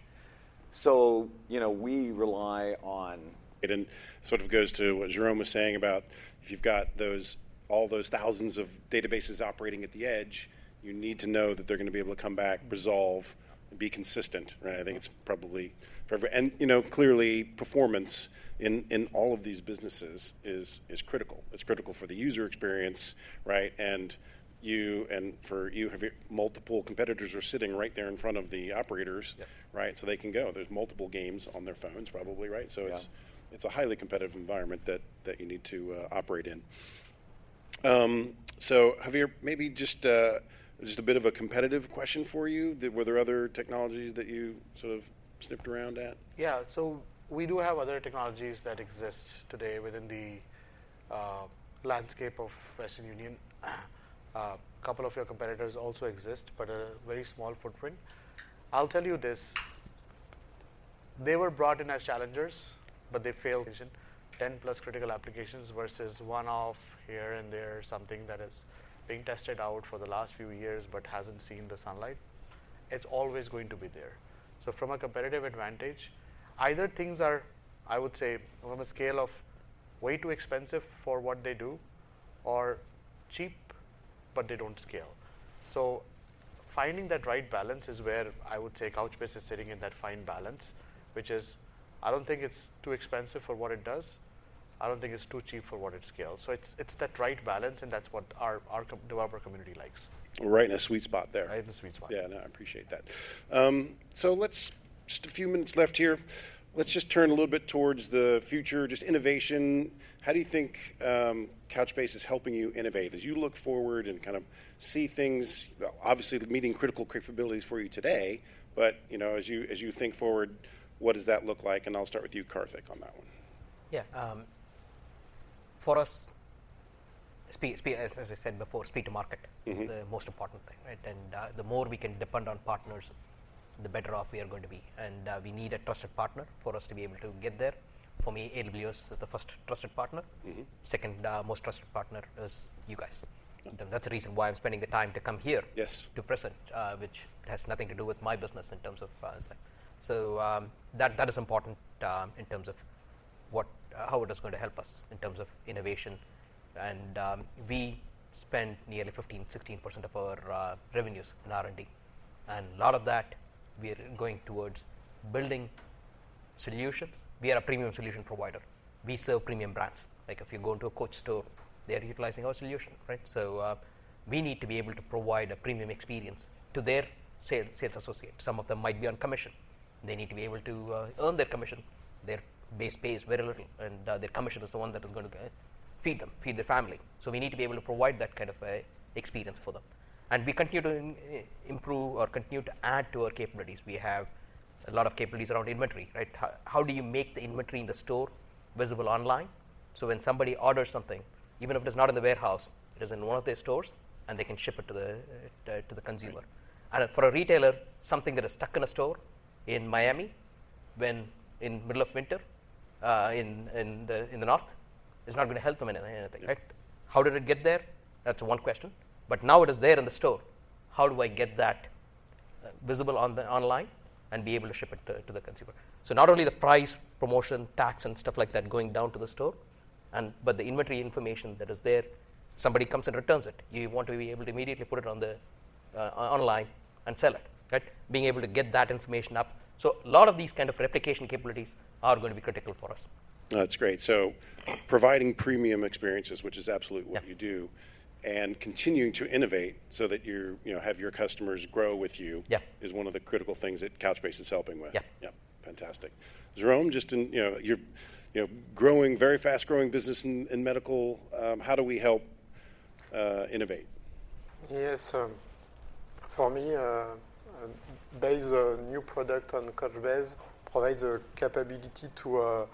So, you know, we rely on- It and sort of goes to what Jerome was saying about if you've got those, all those thousands of databases operating at the edge, you need to know that they're going to be able to come back, resolve, and be consistent, right? Mm-hmm. I think it's probably fair. And, you know, clearly, performance in all of these businesses is critical. It's critical for the user experience, right? And you-- and for you, have your multiple competitors are sitting right there in front of the operators- Yeah. Right? So they can go. There's multiple games on their phones, probably, right? Yeah. So it's a highly competitive environment that you need to operate in. So Haveer, maybe just a bit of a competitive question for you. Were there other technologies that you sort of sniffed around at? Yeah. So we do have other technologies that exist today within the landscape of Western Union. A couple of your competitors also exist, but a very small footprint. I'll tell you this: they were brought in as challengers, but they failed. 10+ critical applications versus one-off here and there, something that is being tested out for the last few years but hasn't seen the sunlight. It's always going to be there. So from a competitive advantage, either things are, I would say, on a scale of way too expensive for what they do or cheap, but they don't scale. So finding that right balance is where I would say Couchbase is sitting in that fine balance, which is, I don't think it's too expensive for what it does. I don't think it's too cheap for what it scales. So it's, it's that right balance, and that's what our, our developer community likes. Right in a sweet spot there. Right in a sweet spot. Yeah, I appreciate that. So, just a few minutes left here. Let's just turn a little bit towards the future, just innovation. How do you think Couchbase is helping you innovate? As you look forward and kind of see things, obviously, the mission critical capabilities for you today, but, you know, as you, as you think forward, what does that look like? And I'll start with you, Karthik, on that one. Yeah, for us, as I said before, speed to market- Mm-hmm. -is the most important thing, right? The more we can depend on partners, the better off we are going to be, and we need a trusted partner for us to be able to get there. For me, AWS is the first trusted partner. Mm-hmm. Second, most trusted partner is you guys. Mm-hmm. That's the reason why I'm spending the time to come here- Yes... to present, which has nothing to do with my business in terms of. So, that is important in terms of how it is going to help us in terms of innovation. We spend nearly 15%-16% of our revenues in R&D, and a lot of that we are going towards building solutions. We are a premium solution provider. We sell premium brands. Like, if you go into a Coach store, they are utilizing our solution, right? So, we need to be able to provide a premium experience to their sales associate. Some of them might be on commission. They need to be able to earn their commission. Their base pay is very little, and their commission is the one that is going to feed them, feed their family. So we need to be able to provide that kind of experience for them. And we continue to improve or continue to add to our capabilities. We have a lot of capabilities around inventory, right? How do you make the inventory in the store visible online? So when somebody orders something, even if it's not in the warehouse, it is in one of their stores, and they can ship it to the consumer. And for a retailer, something that is stuck in a store in Miami, when in the middle of winter in the north, is not going to help them in anything, right? How did it get there? That's one question. But now it is there in the store, how do I get that visible online and be able to ship it to the consumer? So not only the price, promotion, tax, and stuff like that going down to the store, and but the inventory information that is there, somebody comes and returns it. You want to be able to immediately put it on the online and sell it, right? Being able to get that information up. So a lot of these kind of replication capabilities are going to be critical for us. That's great. So providing premium experiences, which is absolutely what you do- Yeah... and continuing to innovate so that you, you know, have your customers grow with you. Yeah... is one of the critical things that Couchbase is helping with. Yeah. Yeah. Fantastic. Jérome, just in, you know, you're, you know, growing very fast-growing business in medical. How do we help innovate? Yes, for me, basing a new product on Couchbase provides a capability to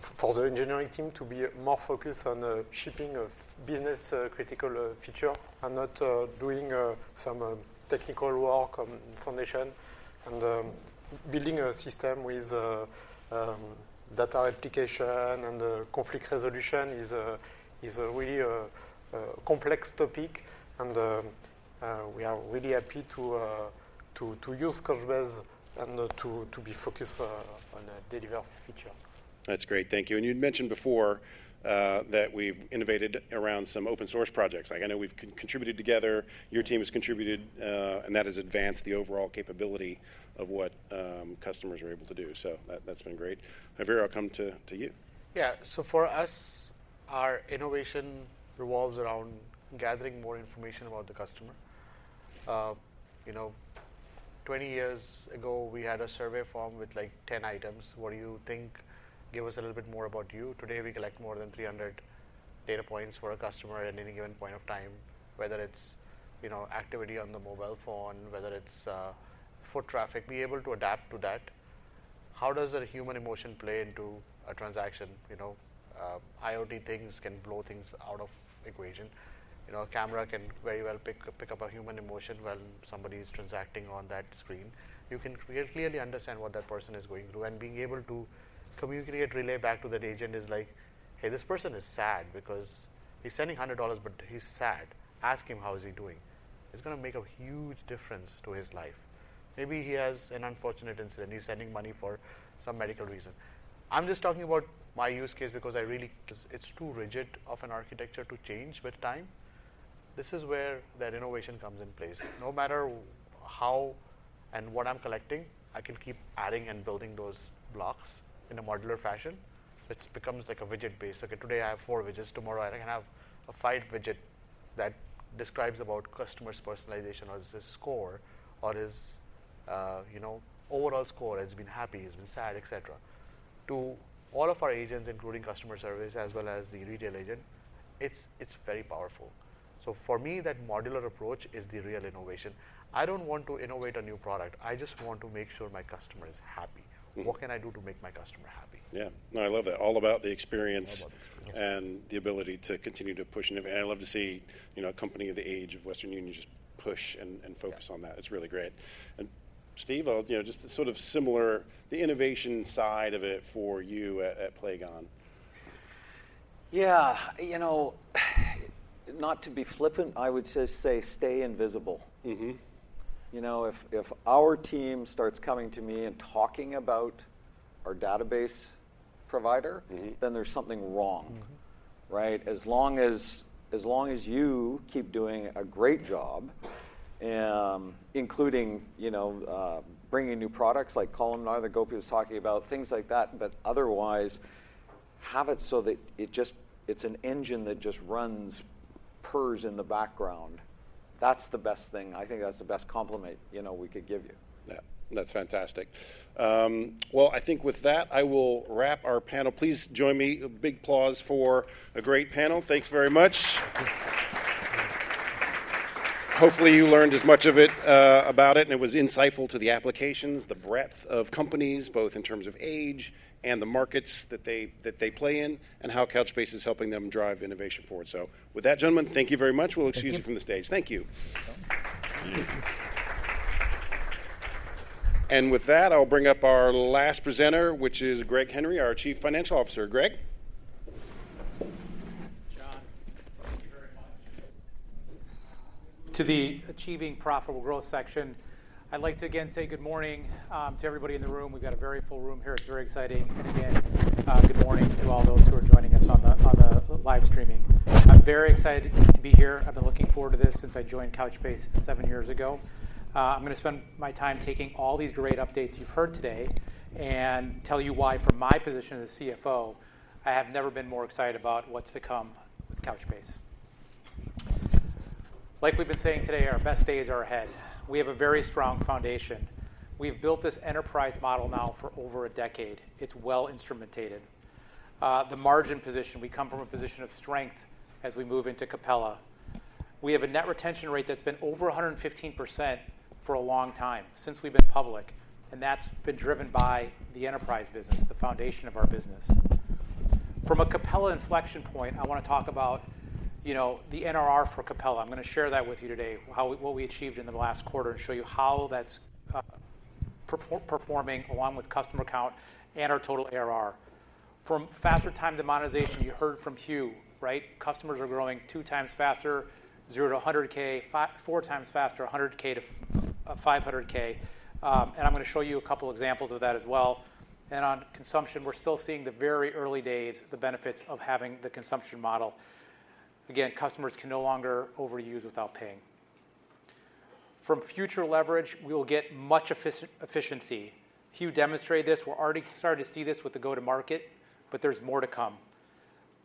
for the engineering team to be more focused on shipping of business critical feature and not doing some technical work on foundation. Building a system with data replication and conflict resolution is a really complex topic, and we are really happy to use Couchbase and to be focused on deliver feature. That's great. Thank you. And you'd mentioned before that we've innovated around some open source projects. Like I know we've contributed together, your team has contributed, and that has advanced the overall capability of what customers are able to do. So that's been great. Haveer, I'll come to you. Yeah. So for us, our innovation revolves around gathering more information about the customer. You know, 20 years ago, we had a survey form with, like, 10 items. What do you think? Give us a little bit more about you. Today, we collect more than 300 data points for a customer at any given point of time, whether it's, you know, activity on the mobile phone, whether it's foot traffic, be able to adapt to that. How does a human emotion play into a transaction? You know, IoT things can blow things out of equation. You know, a camera can very well pick up a human emotion when somebody is transacting on that screen. You can clearly understand what that person is going through, and being able to communicate, relay back to that agent is like: Hey, this person is sad because he's sending $100, but he's sad. Ask him, how is he doing? It's gonna make a huge difference to his life... maybe he has an unfortunate incident. He's sending money for some medical reason. I'm just talking about my use case because I really, 'cause it's too rigid of an architecture to change with time. This is where that innovation comes in place. No matter how and what I'm collecting, I can keep adding and building those blocks in a modular fashion. It becomes like a widget-based. Okay, today I have four widgets. Tomorrow, I think I have a five widget that describes about customer's personalization or his score or his, you know, overall score. Has he been happy? He's been sad, et cetera. To all of our agents, including customer service as well as the retail agent, it's, it's very powerful. So for me, that modular approach is the real innovation. I don't want to innovate a new product. I just want to make sure my customer is happy. Mm-hmm. What can I do to make my customer happy? Yeah. No, I love that. All about the experience- All about the experience. and the ability to continue to push innovative... I love to see, you know, a company of the age of Western Union just push and Yeah... focus on that. It's really great. And Steve, you know, just sort of similar, the innovation side of it for you at Playgon? Yeah. You know, not to be flippant, I would just say stay invisible. Mm-hmm. You know, if our team starts coming to me and talking about our database provider. Mm-hmm... then there's something wrong. Mm-hmm. Right? As long as, as long as you keep doing a great job, including, you know, bringing new products like Columnar that Gopi was talking about, things like that, but otherwise, have it so that it just—it's an engine that just runs, purrs in the background. That's the best thing. I think that's the best compliment, you know, we could give you. Yeah. That's fantastic. Well, I think with that, I will wrap our panel. Please join me, a big applause for a great panel. Thanks very much. Hopefully, you learned as much of it about it, and it was insightful to the applications, the breadth of companies, both in terms of age and the markets that they, that they play in, and how Couchbase is helping them drive innovation forward. So with that, gentlemen, thank you very much. Thank you. We'll excuse you from the stage. Thank you. Thank you. With that, I'll bring up our last presenter, which is Greg Henry, our Chief Financial Officer. Greg? John, thank you very much. To the Achieving Profitable Growth section, I'd like to again say good morning to everybody in the room. We've got a very full room here. It's very exciting. And again, good morning to all those who are joining us on the live streaming. I'm very excited to be here. I've been looking forward to this since I joined Couchbase seven years ago. I'm gonna spend my time taking all these great updates you've heard today and tell you why, from my position as CFO, I have never been more excited about what's to come with Couchbase. Like we've been saying today, our best days are ahead. We have a very strong foundation. We've built this enterprise model now for over a decade. It's well instrumented. The margin position, we come from a position of strength as we move into Capella. We have a net retention rate that's been over 115% for a long time, since we've been public, and that's been driven by the enterprise business, the foundation of our business. From a Capella inflection point, I wanna talk about, you know, the NRR for Capella. I'm gonna share that with you today, how, what we achieved in the last quarter, and show you how that's performing along with customer count and our total ARR. From faster time to monetization, you heard from Huw, right? Customers are growing 2x faster, zero to 100K, 5, 4x faster, 100K to 500K. And I'm gonna show you a couple examples of that as well. On consumption, we're still seeing the very early days, the benefits of having the consumption model. Again, customers can no longer overuse without paying. From future leverage, we will get much efficiency. Huw demonstrated this. We're already starting to see this with the go-to-market, but there's more to come.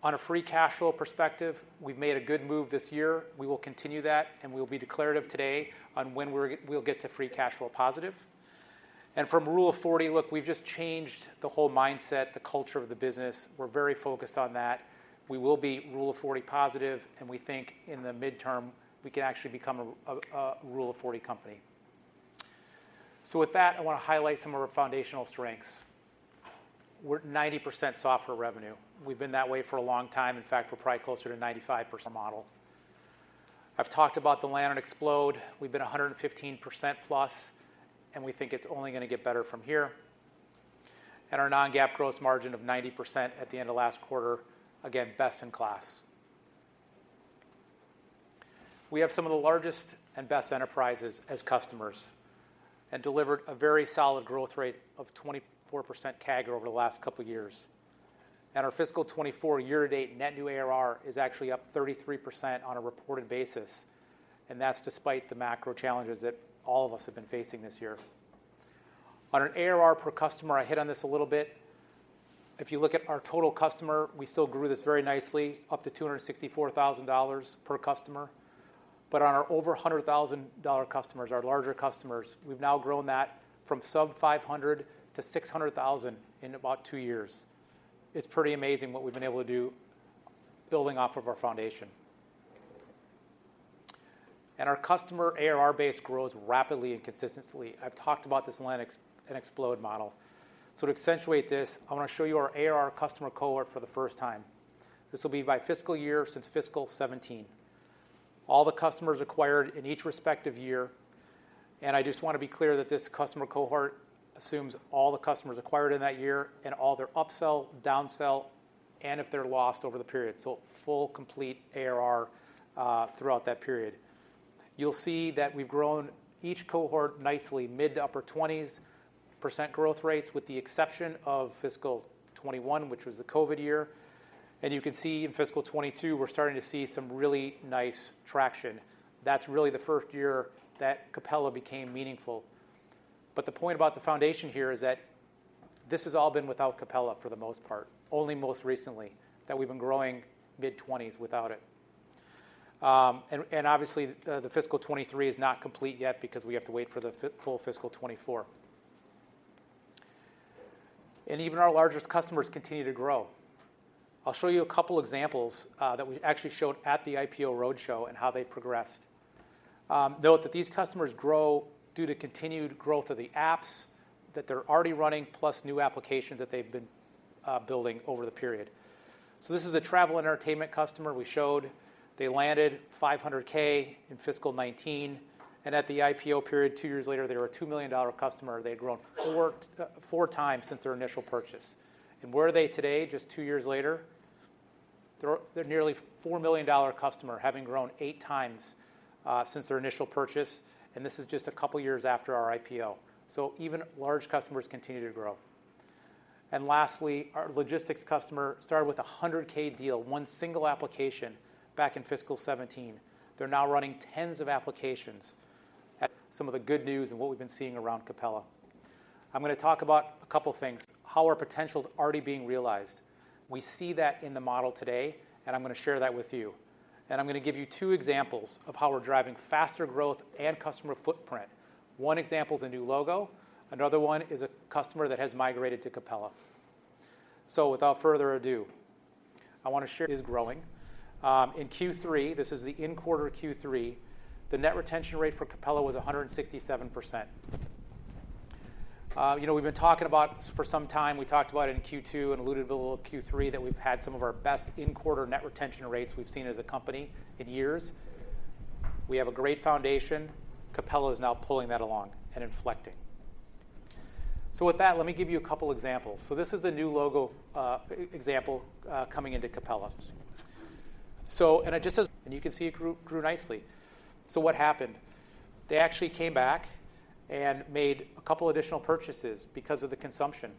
On a free cash flow perspective, we've made a good move this year. We will continue that, and we'll be declarative today on when we'll get to free cash flow positive. From Rule of 40, look, we've just changed the whole mindset, the culture of the business. We're very focused on that. We will be Rule of 40 positive, and we think in the midterm, we can actually become a Rule of 40 company. So with that, I wanna highlight some of our foundational strengths. We're 90% software revenue. We've been that way for a long time. In fact, we're probably closer to 95% model. I've talked about the land and explode. We've been 115%+, and we think it's only gonna get better from here. And our non-GAAP gross margin of 90% at the end of last quarter, again, best in class. We have some of the largest and best enterprises as customers and delivered a very solid growth rate of 24% CAGR over the last couple of years. And our fiscal 2024 year-to-date net new ARR is actually up 33% on a reported basis, and that's despite the macro challenges that all of us have been facing this year. On our ARR per customer, I hit on this a little bit. If you look at our total customer, we still grew this very nicely, up to $264,000 per customer. But on our over $100,000 customers, our larger customers, we've now grown that from sub-$500,000 to $600,000 in about 2 years. It's pretty amazing what we've been able to do building off of our foundation. Our customer ARR base grows rapidly and consistently. I've talked about this land and explode model. To accentuate this, I wanna show you our ARR customer cohort for the first time. This will be by fiscal year since fiscal 2017. All the customers acquired in each respective year, and I just want to be clear that this customer cohort assumes all the customers acquired in that year and all their upsell, downsell, and if they're lost over the period. So full, complete ARR throughout that period. You'll see that we've grown each cohort nicely, mid- to upper-20s% growth rates, with the exception of fiscal 2021, which was the COVID year. And you can see in fiscal 2022, we're starting to see some really nice traction. That's really the first year that Capella became meaningful. But the point about the foundation here is that this has all been without Capella for the most part. Only most recently that we've been growing mid-20s without it. And obviously, the fiscal 2023 is not complete yet because we have to wait for the full fiscal 2024. And even our largest customers continue to grow. I'll show you a couple examples that we actually showed at the IPO roadshow and how they progressed. Note that these customers grow due to continued growth of the apps that they're already running, plus new applications that they've been building over the period. So this is a travel and entertainment customer we showed. They landed $500K in fiscal 2019, and at the IPO period, two years later, they were a $2 million customer. They'd grown four times since their initial purchase. And where are they today, just two years later? They're a nearly $4 million customer, having grown eight times since their initial purchase, and this is just a couple of years after our IPO. So even large customers continue to grow. And lastly, our logistics customer started with a $100K deal, one single application back in fiscal 2017. They're now running tens of applications. At some of the good news and what we've been seeing around Capella. I'm gonna talk about a couple of things, how our potential is already being realized. We see that in the model today, and I'm gonna share that with you. I'm gonna give you two examples of how we're driving faster growth and customer footprint. One example is a new logo, another one is a customer that has migrated to Capella. So without further ado, I want to share, is growing. In Q3, this is the in-quarter Q3, the net retention rate for Capella was 167%. You know, we've been talking about for some time, we talked about it in Q2 and alluded to a little Q3, that we've had some of our best in-quarter net retention rates we've seen as a company in years. We have a great foundation. Capella is now pulling that along and inflecting. So with that, let me give you a couple examples. So this is a new logo, example, coming into Capella. So, and I just... And you can see it grew, grew nicely. So what happened? They actually came back and made a couple additional purchases because of the consumption.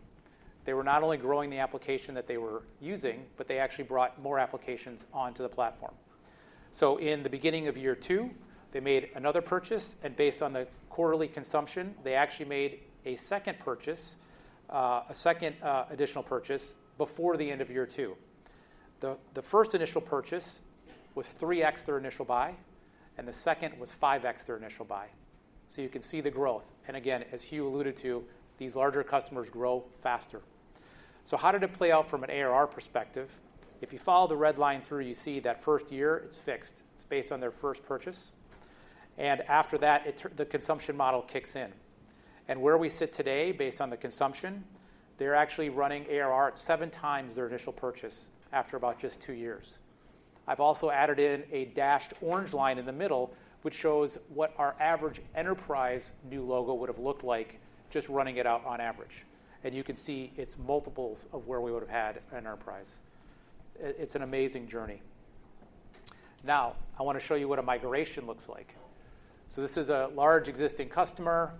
They were not only growing the application that they were using, but they actually brought more applications onto the platform. So in the beginning of year two, they made another purchase, and based on the quarterly consumption, they actually made a second purchase, a second additional purchase before the end of year two. The, the first initial purchase was 3x their initial buy, and the second was 5x their initial buy. So you can see the growth. Again, as Huw alluded to, these larger customers grow faster. So how did it play out from an ARR perspective? If you follow the red line through, you see that first year, it's fixed. It's based on their first purchase, and after that, the consumption model kicks in. And where we sit today, based on the consumption, they're actually running ARR at seven times their initial purchase after about just two years. I've also added in a dashed orange line in the middle, which shows what our average enterprise new logo would have looked like, just running it out on average. And you can see it's multiples of where we would have had in enterprise. It, it's an amazing journey. Now, I want to show you what a migration looks like. So this is a large existing customer.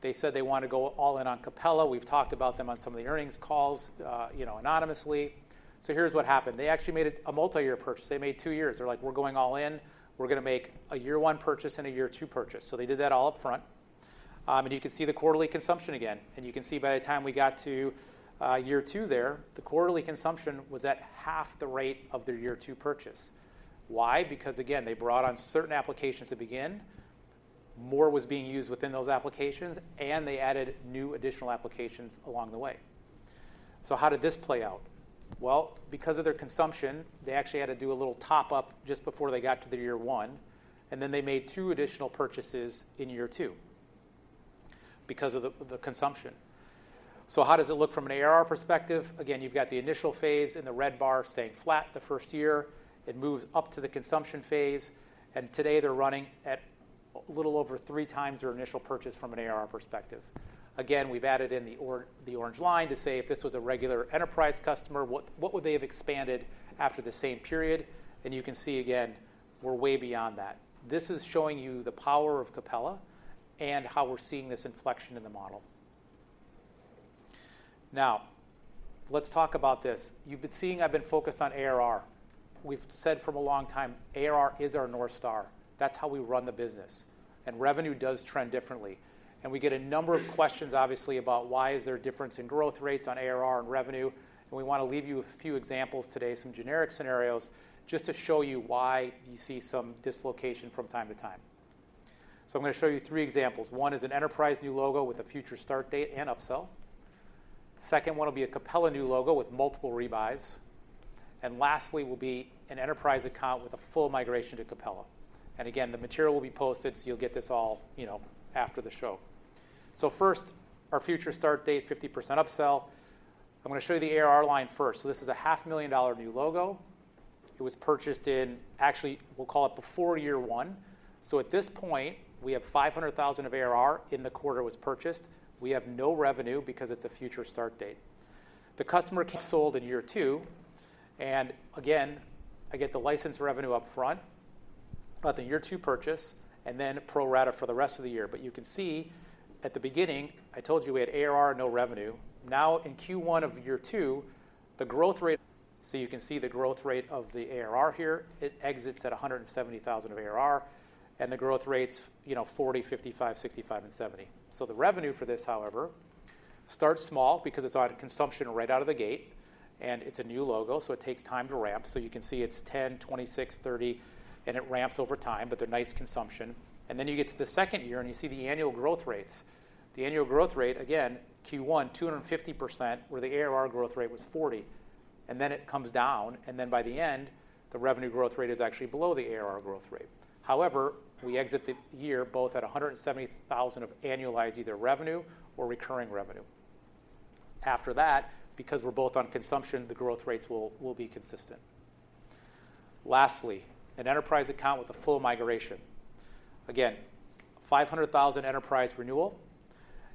They said they want to go all in on Capella. We've talked about them on some of the earnings calls, you know, anonymously. So here's what happened. They actually made a multi-year purchase. They made 2 years. They're like, "We're going all in. We're gonna make a year 1 purchase and a year 2 purchase." So they did that all up front. You can see the quarterly consumption again. You can see by the time we got to year 2 there, the quarterly consumption was at half the rate of their year 2 purchase. Why? Because, again, they brought on certain applications to begin, more was being used within those applications, and they added new additional applications along the way. So how did this play out? Well, because of their consumption, they actually had to do a little top up just before they got to the year 1, and then they made 2 additional purchases in year 2 because of the consumption. So how does it look from an ARR perspective? Again, you've got the initial phase in the red bar staying flat the first year. It moves up to the consumption phase, and today they're running at a little over 3 times their initial purchase from an ARR perspective. Again, we've added in the orange line to say if this was a regular enterprise customer, what would they have expanded after the same period? And you can see again, we're way beyond that. This is showing you the power of Capella and how we're seeing this inflection in the model. Now, let's talk about this. You've been seeing I've been focused on ARR. We've said for a long time, ARR is our North Star. That's how we run the business. Revenue does trend differently. We get a number of questions, obviously, about why is there a difference in growth rates on ARR and revenue, and we want to leave you a few examples today, some generic scenarios, just to show you why you see some dislocation from time to time. So I'm gonna show you three examples. One is an enterprise new logo with a future start date and upsell. Second one will be a Capella new logo with multiple rebuys. Lastly, will be an enterprise account with a full migration to Capella. Again, the material will be posted, so you'll get this all, you know, after the show. So first, our future start date, 50% upsell. I'm gonna show you the ARR line first. So this is a $500,000 new logo. It was purchased in, actually, we'll call it before year one. So at this point, we have 500,000 of ARR in the quarter it was purchased. We have no revenue because it's a future start date. The customer sold in year two, and again, I get the license revenue upfront, at the year two purchase, and then pro rata for the rest of the year. But you can see at the beginning, I told you we had ARR, no revenue. Now, in Q1 of year two, the growth rate. So you can see the growth rate of the ARR here. It exits at 170,000 of ARR, and the growth rate's, you know, 40%, 55%, 65%, and 70%. The revenue for this, however, starts small because it's on a consumption right out of the gate, and it's a new logo, so it takes time to ramp. You can see it's $10, $26, $30, and it ramps over time, but they're nice consumption. Then you get to the second year, and you see the annual growth rates. The annual growth rate, again, Q1 250%, where the ARR growth rate was 40%, and then it comes down, and then by the end, the revenue growth rate is actually below the ARR growth rate. However, we exit the year both at $170,000 of annualized, either revenue or recurring revenue. After that, because we're both on consumption, the growth rates will be consistent. Lastly, an enterprise account with a full migration. Again, $500,000 enterprise renewal,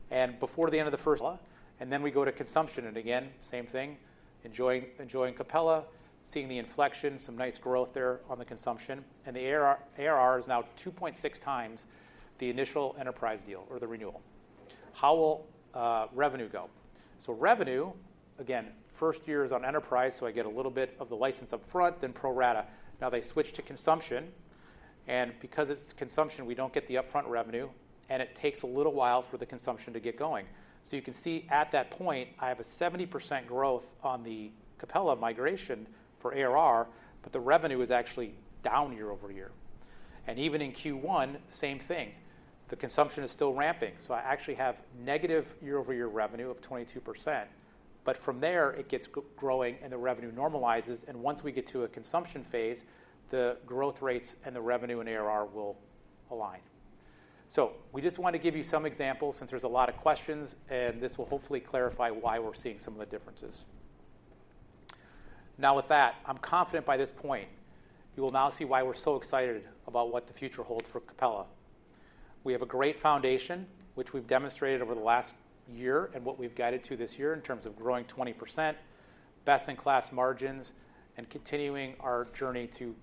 and before the end of the first year. And then we go to consumption, and again, same thing, enjoying, enjoying Capella, seeing the inflection, some nice growth there on the consumption. And the ARR, ARR is now 2.6x the initial enterprise deal or the renewal. How will revenue go? So revenue, again, first year is on enterprise, so I get a little bit of the license upfront, then pro rata. Now they switch to consumption, and because it's consumption, we don't get the upfront revenue, and it takes a little while for the consumption to get going. So you can see at that point, I have a 70% growth on the Capella migration for ARR, but the revenue is actually down year-over-year. And even in Q1, same thing, the consumption is still ramping. So I actually have negative year-over-year revenue of 22%, but from there, it gets growing and the revenue normalizes, and once we get to a consumption phase, the growth rates and the revenue and ARR will align. So we just wanted to give you some examples since there's a lot of questions, and this will hopefully clarify why we're seeing some of the differences. Now, with that, I'm confident by this point you will now see why we're so excited about what the future holds for Capella. We have a great foundation, which we've demonstrated over the last year and what we've guided to this year in terms of growing 20%, best-in-class margins, and continuing our journey to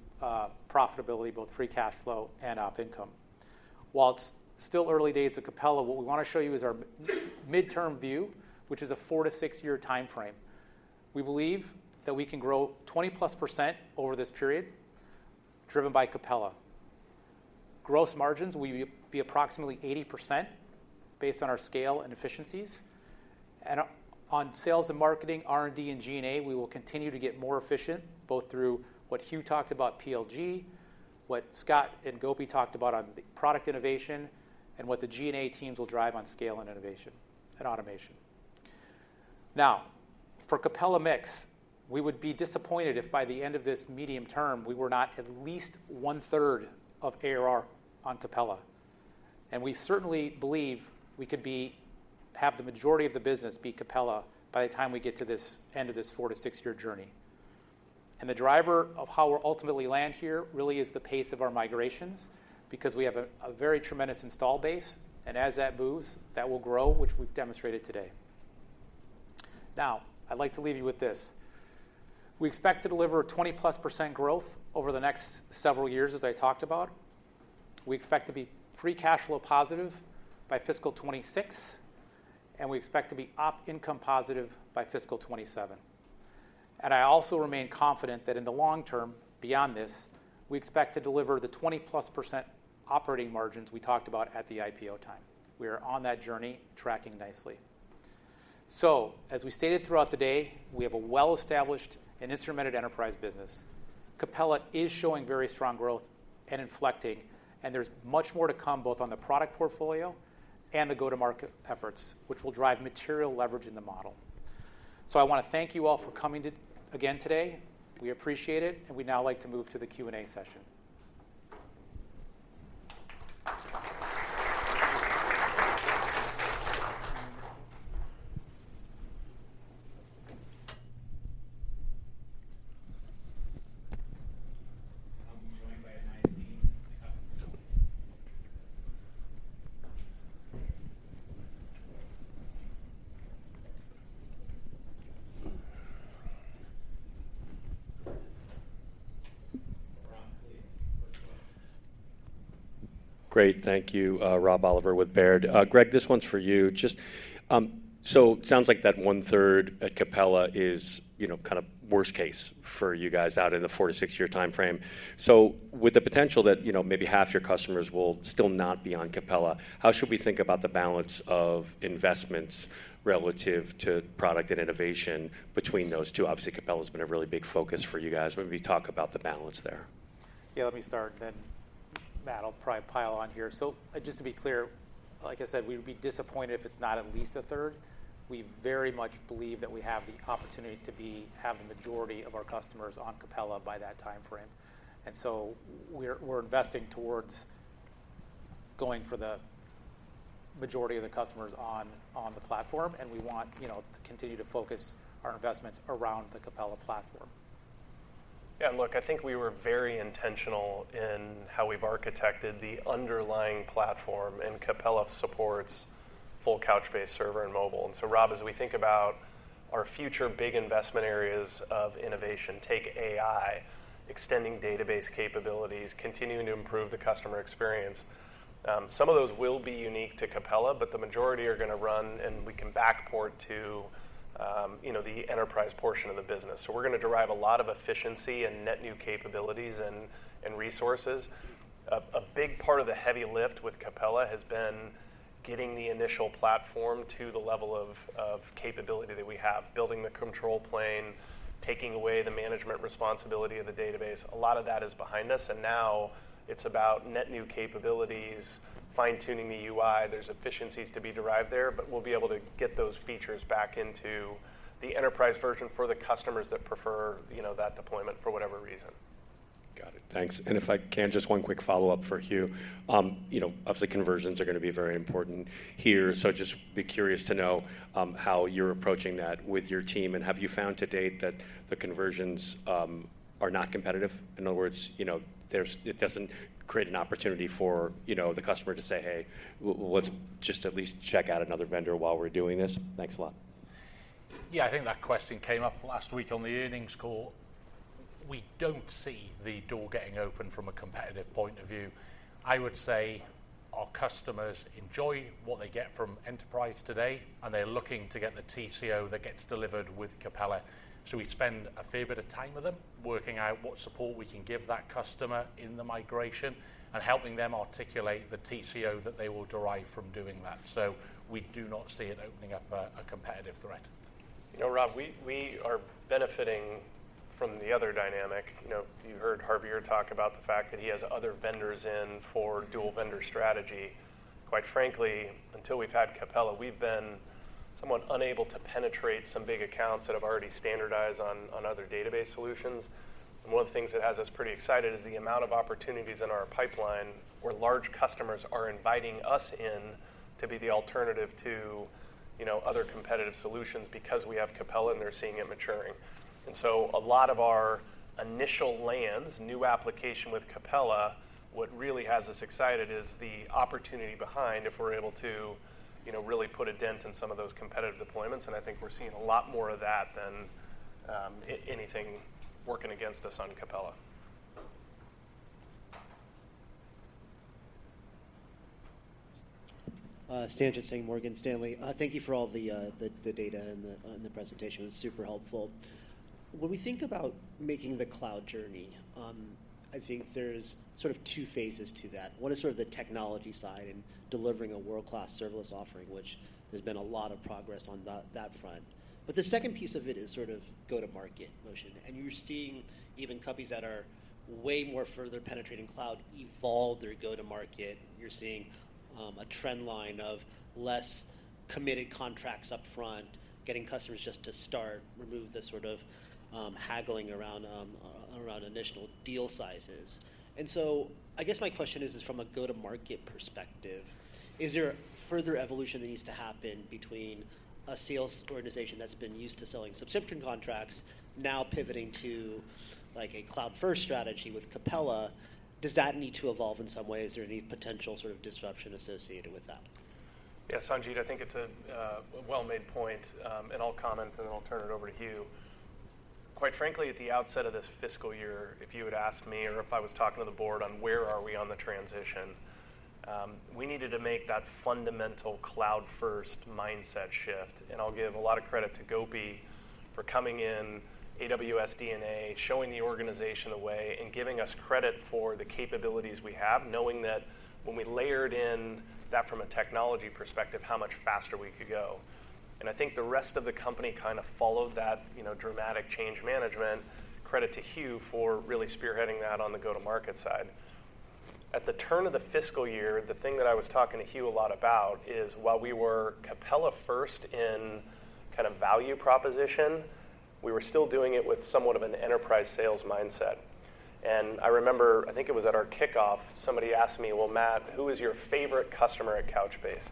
profitability, both free cash flow and op income. While it's still early days at Capella, what we want to show you is our midterm view, which is a 4-6-year timeframe. We believe that we can grow 20%+ over this period, driven by Capella. Gross margins will be approximately 80% based on our scale and efficiencies. On sales and marketing, R&D, and G&A, we will continue to get more efficient, both through what Huw talked about PLG, what Scott and Gopi talked about on the product innovation, and what the G&A teams will drive on scale and innovation and automation. Now, for Capella mix, we would be disappointed if by the end of this medium term, we were not at least 1/3 of ARR on Capella. And we certainly believe we could be, have the majority of the business be Capella by the time we get to this end of this 4-6-year journey. And the driver of how we'll ultimately land here really is the pace of our migrations, because we have a very tremendous install base, and as that moves, that will grow, which we've demonstrated today. Now, I'd like to leave you with this. We expect to deliver a 20+% growth over the next several years, as I talked about. We expect to be free cash flow positive by fiscal 2026, and we expect to be op income positive by fiscal 2027. And I also remain confident that in the long term, beyond this, we expect to deliver the 20+% operating margins we talked about at the IPO time. We are on that journey, tracking nicely. So as we stated throughout the day, we have a well-established and instrumented enterprise business. Capella is showing very strong growth and inflecting, and there's much more to come, both on the product portfolio and the go-to-market efforts, which will drive material leverage in the model. So I want to thank you all for coming to again today. We appreciate it, and we'd now like to move to the Q&A session. I'll be joined by my team. Great. Thank you. Rob Oliver with Baird. Greg, this one's for you. Just, so sounds like that one-third at Capella is, you know, kind of worst case for you guys out in the 4-6-year timeframe. So with the potential that, you know, maybe half your customers will still not be on Capella, how should we think about the balance of investments relative to product and innovation between those two? Obviously, Capella's been a really big focus for you guys. Maybe talk about the balance there. Yeah, let me start then. Matt will probably pile on here. So just to be clear, like I said, we'd be disappointed if it's not at least a third. We very much believe that we have the opportunity to be, have the majority of our customers on Capella by that timeframe. And so we're investing towards going for the majority of the customers on the platform, and we want, you know, to continue to focus our investments around the Capella platform. Yeah, and look, I think we were very intentional in how we've architected the underlying platform, and Capella supports full Couchbase Server and mobile. And so, Rob, as we think about our future big investment areas of innovation, take AI, extending database capabilities, continuing to improve the customer experience, some of those will be unique to Capella, but the majority are going to run, and we can backport to, you know, the enterprise portion of the business. So we're going to derive a lot of efficiency and net new capabilities and resources. A big part of the heavy lift with Capella has been getting the initial platform to the level of capability that we have, building the control plane, taking away the management responsibility of the database. A lot of that is behind us, and now it's about net new capabilities, fine-tuning the UI. There's efficiencies to be derived there, but we'll be able to get those features back into the enterprise version for the customers that prefer, you know, that deployment for whatever reason. Got it. Thanks. And if I can, just one quick follow-up for Huw. You know, obviously, conversions are going to be very important here, so just be curious to know how you're approaching that with your team, and have you found to date that the conversions are not competitive? In other words, you know, there's it doesn't create an opportunity for, you know, the customer to say, "Hey, let's just at least check out another vendor while we're doing this." Thanks a lot. Yeah, I think that question came up last week on the earnings call. We don't see the door getting open from a competitive point of view. I would say our customers enjoy what they get from Enterprise today, and they're looking to get the TCO that gets delivered with Capella. So we spend a fair bit of time with them, working out what support we can give that customer in the migration and helping them articulate the TCO that they will derive from doing that. So we do not see it opening up a competitive threat. You know, Rob, we are benefiting from the other dynamic. You know, you heard Javier talk about the fact that he has other vendors in for dual vendor strategy. Quite frankly, until we've had Capella, we've been somewhat unable to penetrate some big accounts that have already standardized on other database solutions. And one of the things that has us pretty excited is the amount of opportunities in our pipeline, where large customers are inviting us in to be the alternative to, you know, other competitive solutions because we have Capella, and they're seeing it maturing. And so a lot of our initial lands, new application with Capella, what really has us excited is the opportunity behind if we're able to, you know, really put a dent in some of those competitive deployments. I think we're seeing a lot more of that than anything working against us on Capella. Sanjit Singh, Morgan Stanley. Thank you for all the data and the presentation. It was super helpful. When we think about making the cloud journey, I think there's sort of two phases to that. One is sort of the technology side and delivering a world-class serverless offering, which there's been a lot of progress on that front. But the second piece of it is sort of go-to-market motion, and you're seeing even companies that are way more further penetrating cloud evolve their go-to-market. You're seeing a trend line of less committed contracts upfront, getting customers just to start, remove the sort of haggling around initial deal sizes. I guess my question is, from a go-to-market perspective, is there further evolution that needs to happen between a sales organization that's been used to selling subscription contracts now pivoting to, like, a cloud-first strategy with Capella? Does that need to evolve in some way? Is there any potential sort of disruption associated with that? Yeah, Sanjit, I think it's a well-made point, and I'll comment, and then I'll turn it over to Huw. Quite frankly, at the outset of this fiscal year, if you had asked me or if I was talking to the board on where are we on the transition, we needed to make that fundamental cloud-first mindset shift. And I'll give a lot of credit to Gopi for coming in AWS DNA, showing the organization a way, and giving us credit for the capabilities we have, knowing that when we layered in that from a technology perspective, how much faster we could go. And I think the rest of the company kind of followed that, you know, dramatic change management. Credit to Huw for really spearheading that on the go-to-market side. At the turn of the fiscal year, the thing that I was talking to Huw a lot about is, while we were Capella first in kind of value proposition, we were still doing it with somewhat of an enterprise sales mindset. And I remember, I think it was at our kickoff, somebody asked me: "Well, Matt, who is your favorite customer at Couchbase?"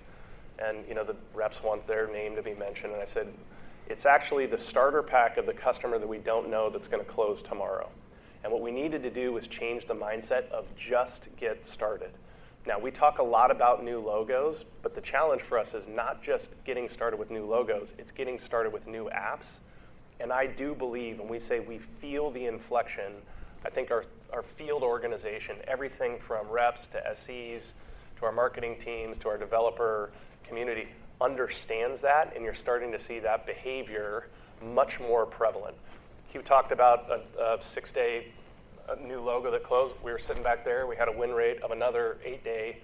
And, you know, the reps want their name to be mentioned, and I said: "It's actually the starter pack of the customer that we don't know that's going to close tomorrow." And what we needed to do was change the mindset of just get started. Now, we talk a lot about new logos, but the challenge for us is not just getting started with new logos, it's getting started with new apps. I do believe when we say we feel the inflection, I think our, our field organization, everything from reps to SEs, to our marketing teams, to our developer community, understands that, and you're starting to see that behavior much more prevalent. Hugh talked about a six-day new logo that closed. We were sitting back there, and we had a win rate of another eight-day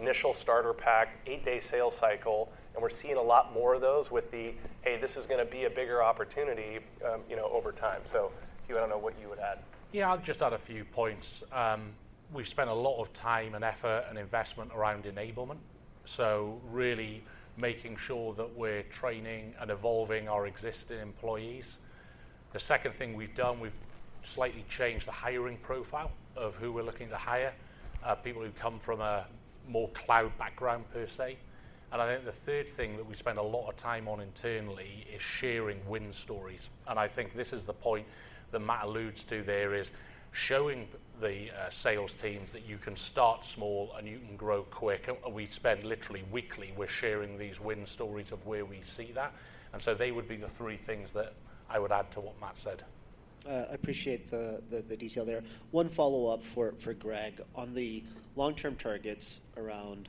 initial starter pack, eight-day sales cycle, and we're seeing a lot more of those with the, "Hey, this is going to be a bigger opportunity," you know, over time. So Hugh, I don't know what you would add. Yeah, I'll just add a few points. We've spent a lot of time and effort and investment around enablement, so really making sure that we're training and evolving our existing employees. The second thing we've done, we've slightly changed the hiring profile of who we're looking to hire, people who come from a more cloud background per se. And I think the third thing that we spend a lot of time on internally is sharing win stories. And I think this is the point that Matt alludes to there, is showing the sales teams that you can start small, and you can grow quick. And we spend literally weekly, we're sharing these win stories of where we see that. And so they would be the three things that I would add to what Matt said. I appreciate the detail there. One follow-up for Greg. On the long-term targets around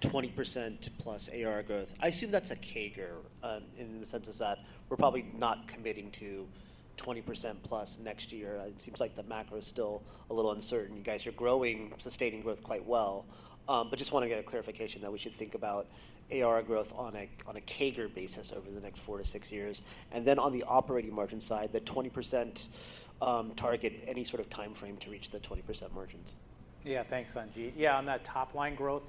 20%+ AR growth, I assume that's a CAGR in the sense that we're probably not committing to 20%+ next year. It seems like the macro is still a little uncertain. You guys are growing, sustaining growth quite well. But just want to get a clarification that we should think about AR growth on a CAGR basis over the next 4-6 years. And then on the operating margin side, the 20% target, any sort of time frame to reach the 20% margins? Yeah, thanks, Sanjit. Yeah, on that top line growth,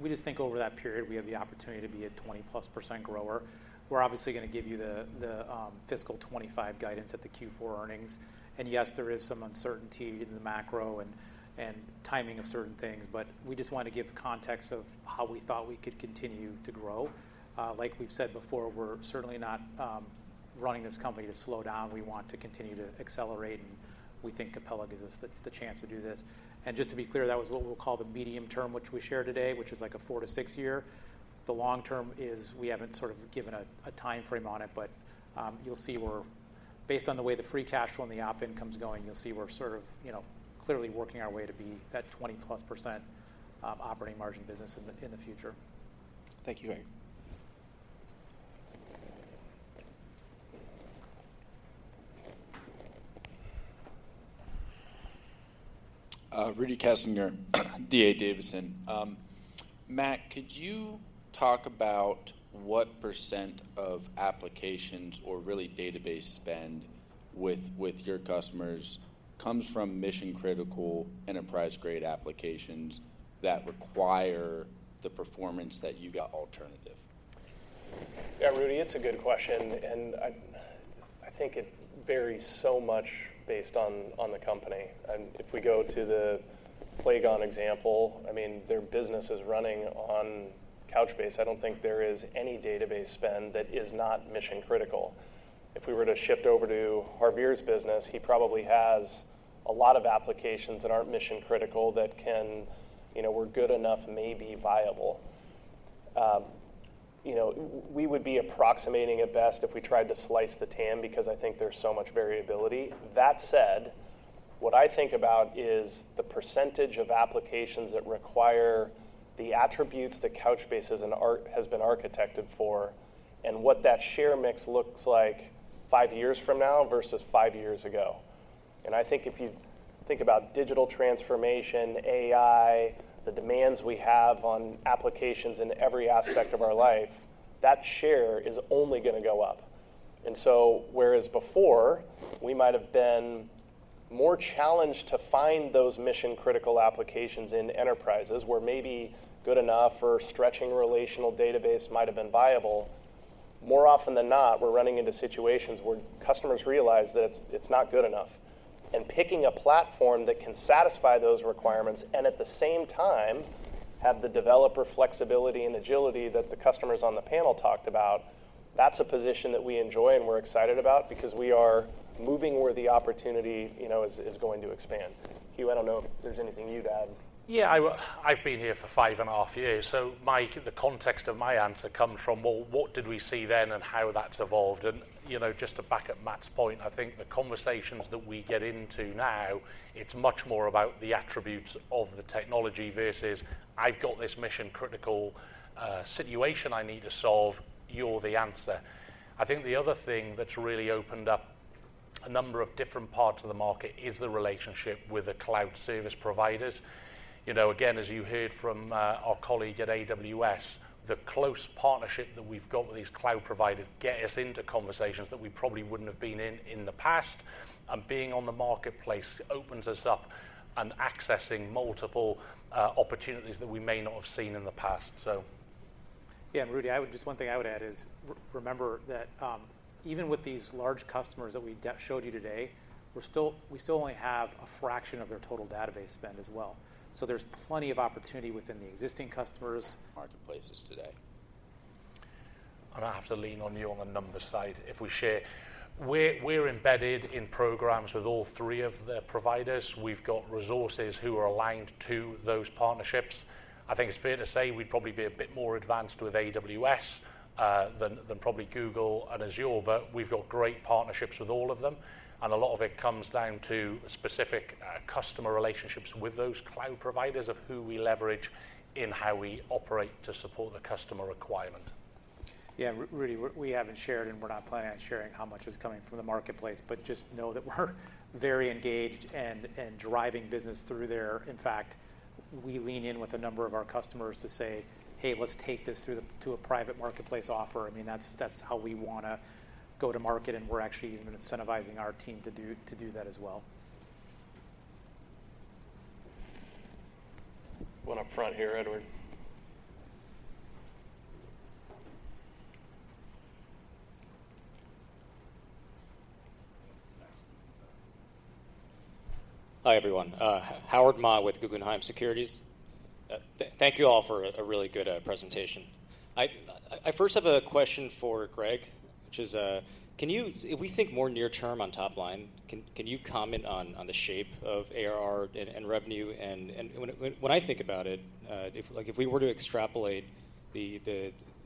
we just think over that period, we have the opportunity to be a 20%+ grower. We're obviously going to give you the fiscal 2025 guidance at the Q4 earnings. And yes, there is some uncertainty in the macro and timing of certain things, but we just want to give context of how we thought we could continue to grow. Like we've said before, we're certainly not running this company to slow down. We want to continue to accelerate, and we think Capella gives us the chance to do this. And just to be clear, that was what we'll call the medium term, which we shared today, which is like a 4-6 year. The long term is we haven't sort of given a time frame on it, but you'll see we're based on the way the free cash flow and the op income is going, you'll see we're sort of, you know, clearly working our way to be that 20%+ operating margin business in the future. Thank you, Greg. Rudy Kessinger, DA Davidson. Matt, could you talk about what % of applications or really database spend with your customers comes from mission-critical enterprise-grade applications that require the performance that you got alternative? Yeah, Rudy, it's a good question, and I think it varies so much based on the company. And if we go to the Playgon example, I mean, their business is running on Couchbase. I don't think there is any database spend that is not mission-critical. If we were to shift over to Harvir's business, he probably has a lot of applications that aren't mission-critical that can, you know, we're good enough, maybe viable. You know, we would be approximating at best if we tried to slice the TAM because I think there's so much variability. That said, what I think about is the percentage of applications that require the attributes that Couchbase as an architecture has been architected for, and what that share mix looks like five years from now versus five years ago. And I think if you think about digital transformation, AI, the demands we have on applications in every aspect of our life, that share is only going to go up. And so whereas before, we might have been more challenged to find those mission-critical applications in enterprises, where maybe good enough or stretching relational database might have been viable, more often than not, we're running into situations where customers realize that it's, it's not good enough. And picking a platform that can satisfy those requirements, and at the same time, have the developer flexibility and agility that the customers on the panel talked about, that's a position that we enjoy and we're excited about because we are moving where the opportunity, you know, is, is going to expand. Huw, I don't know if there's anything you'd add. Yeah, I've been here for five and a half years, so my, the context of my answer comes from, well, what did we see then and how that's evolved. And, you know, just to back up Matt's point, I think the conversations that we get into now, it's much more about the attributes of the technology versus, "I've got this mission-critical situation I need to solve, you're the answer." I think the other thing that's really opened up a number of different parts of the market is the relationship with the cloud service providers. You know, again, as you heard from our colleague at AWS, the close partnership that we've got with these cloud providers get us into conversations that we probably wouldn't have been in in the past, and being on the marketplace opens us up and accessing multiple opportunities that we may not have seen in the past, so. Yeah, Rudy, I would just one thing I would add is remember that, even with these large customers that we showed you today, we're still we still only have a fraction of their total database spend as well. So there's plenty of opportunity within the existing customers' marketplaces today. I have to lean on you on the numbers side. If we share, we're embedded in programs with all three of the providers. We've got resources who are aligned to those partnerships. I think it's fair to say we'd probably be a bit more advanced with AWS than probably Google and Azure, but we've got great partnerships with all of them, and a lot of it comes down to specific customer relationships with those cloud providers of who we leverage in how we operate to support the customer requirement. Yeah, Rudy, we haven't shared, and we're not planning on sharing how much is coming from the marketplace, but just know that we're very engaged and driving business through there. In fact, we lean in with a number of our customers to say, "Hey, let's take this through to a private marketplace offer." I mean, that's how we wanna go to market, and we're actually even incentivizing our team to do that as well.... One up front here, Edward. Hi, everyone. Howard Ma with Guggenheim Securities. Thank you all for a really good presentation. I first have a question for Greg, which is, can you—if we think more near term on top line, can you comment on the shape of ARR and revenue? When I think about it, if, like, if we were to extrapolate the...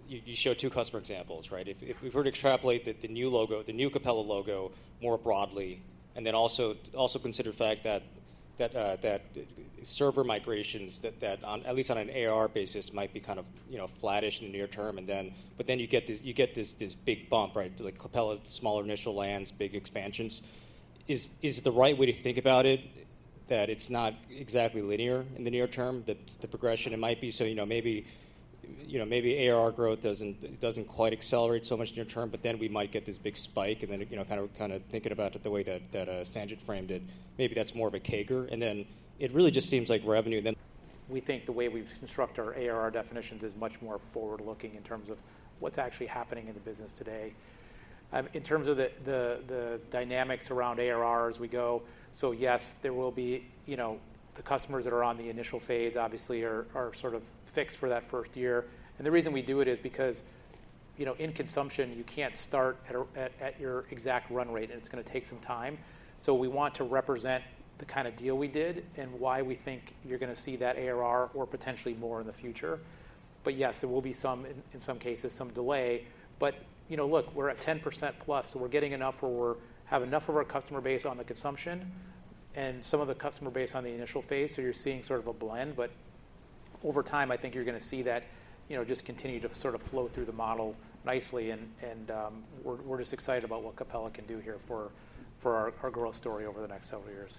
you showed two customer examples, right? If we were to extrapolate that the new logo, the new Capella logo, more broadly, and then also consider the fact that server migrations, that on at least on an ARR basis, might be kind of, you know, flattish in the near term, and then—but then you get this, you get this, this big bump, right? To, like, Capella, smaller initial lands, big expansions. Is the right way to think about it, that it's not exactly linear in the near term, that the progression it might be? So, you know, maybe, you know, maybe ARR growth doesn't quite accelerate so much near term, but then we might get this big spike, and then, you know, kind of thinking about it the way that Sanjit framed it, maybe that's more of a CAGR. And then it really just seems like revenue, then- We think the way we've constructed our ARR definitions is much more forward-looking in terms of what's actually happening in the business today. In terms of the dynamics around ARR as we go, so yes, there will be, you know, the customers that are on the initial phase obviously are sort of fixed for that first year. And the reason we do it is because, you know, in consumption, you can't start at a, at your exact run rate, and it's gonna take some time. So we want to represent the kind of deal we did and why we think you're gonna see that ARR or potentially more in the future. But yes, there will be some, in some cases, some delay. But, you know, look, we're at 10%+, so we're getting enough where we're have enough of our customer base on the consumption and some of the customer base on the initial phase, so you're seeing sort of a blend. But over time, I think you're gonna see that, you know, just continue to sort of flow through the model nicely, and, and, we're, we're just excited about what Capella can do here for, for our, our growth story over the next several years.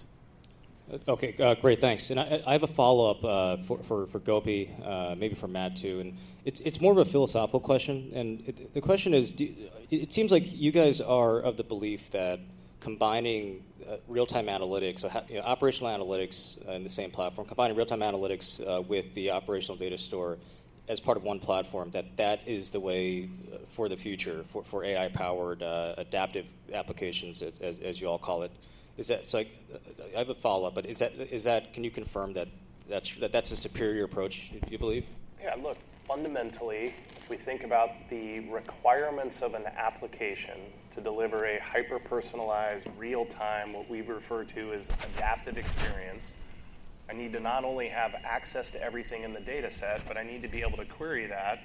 Okay, great, thanks. I have a follow-up for Gopi, maybe for Matt too, and it's more of a philosophical question. The question is, it seems like you guys are of the belief that combining real-time analytics, or you know, operational analytics in the same platform, combining real-time analytics with the operational data store as part of one platform, that that is the way for the future, for AI-powered adaptive applications, as you all call it. Is that? Like, I have a follow-up, but is that, can you confirm that that's, that's a superior approach, you believe? Yeah, look, fundamentally, if we think about the requirements of an application to deliver a hyper-personalized, real-time, what we refer to as adaptive experience, I need to not only have access to everything in the dataset, but I need to be able to query that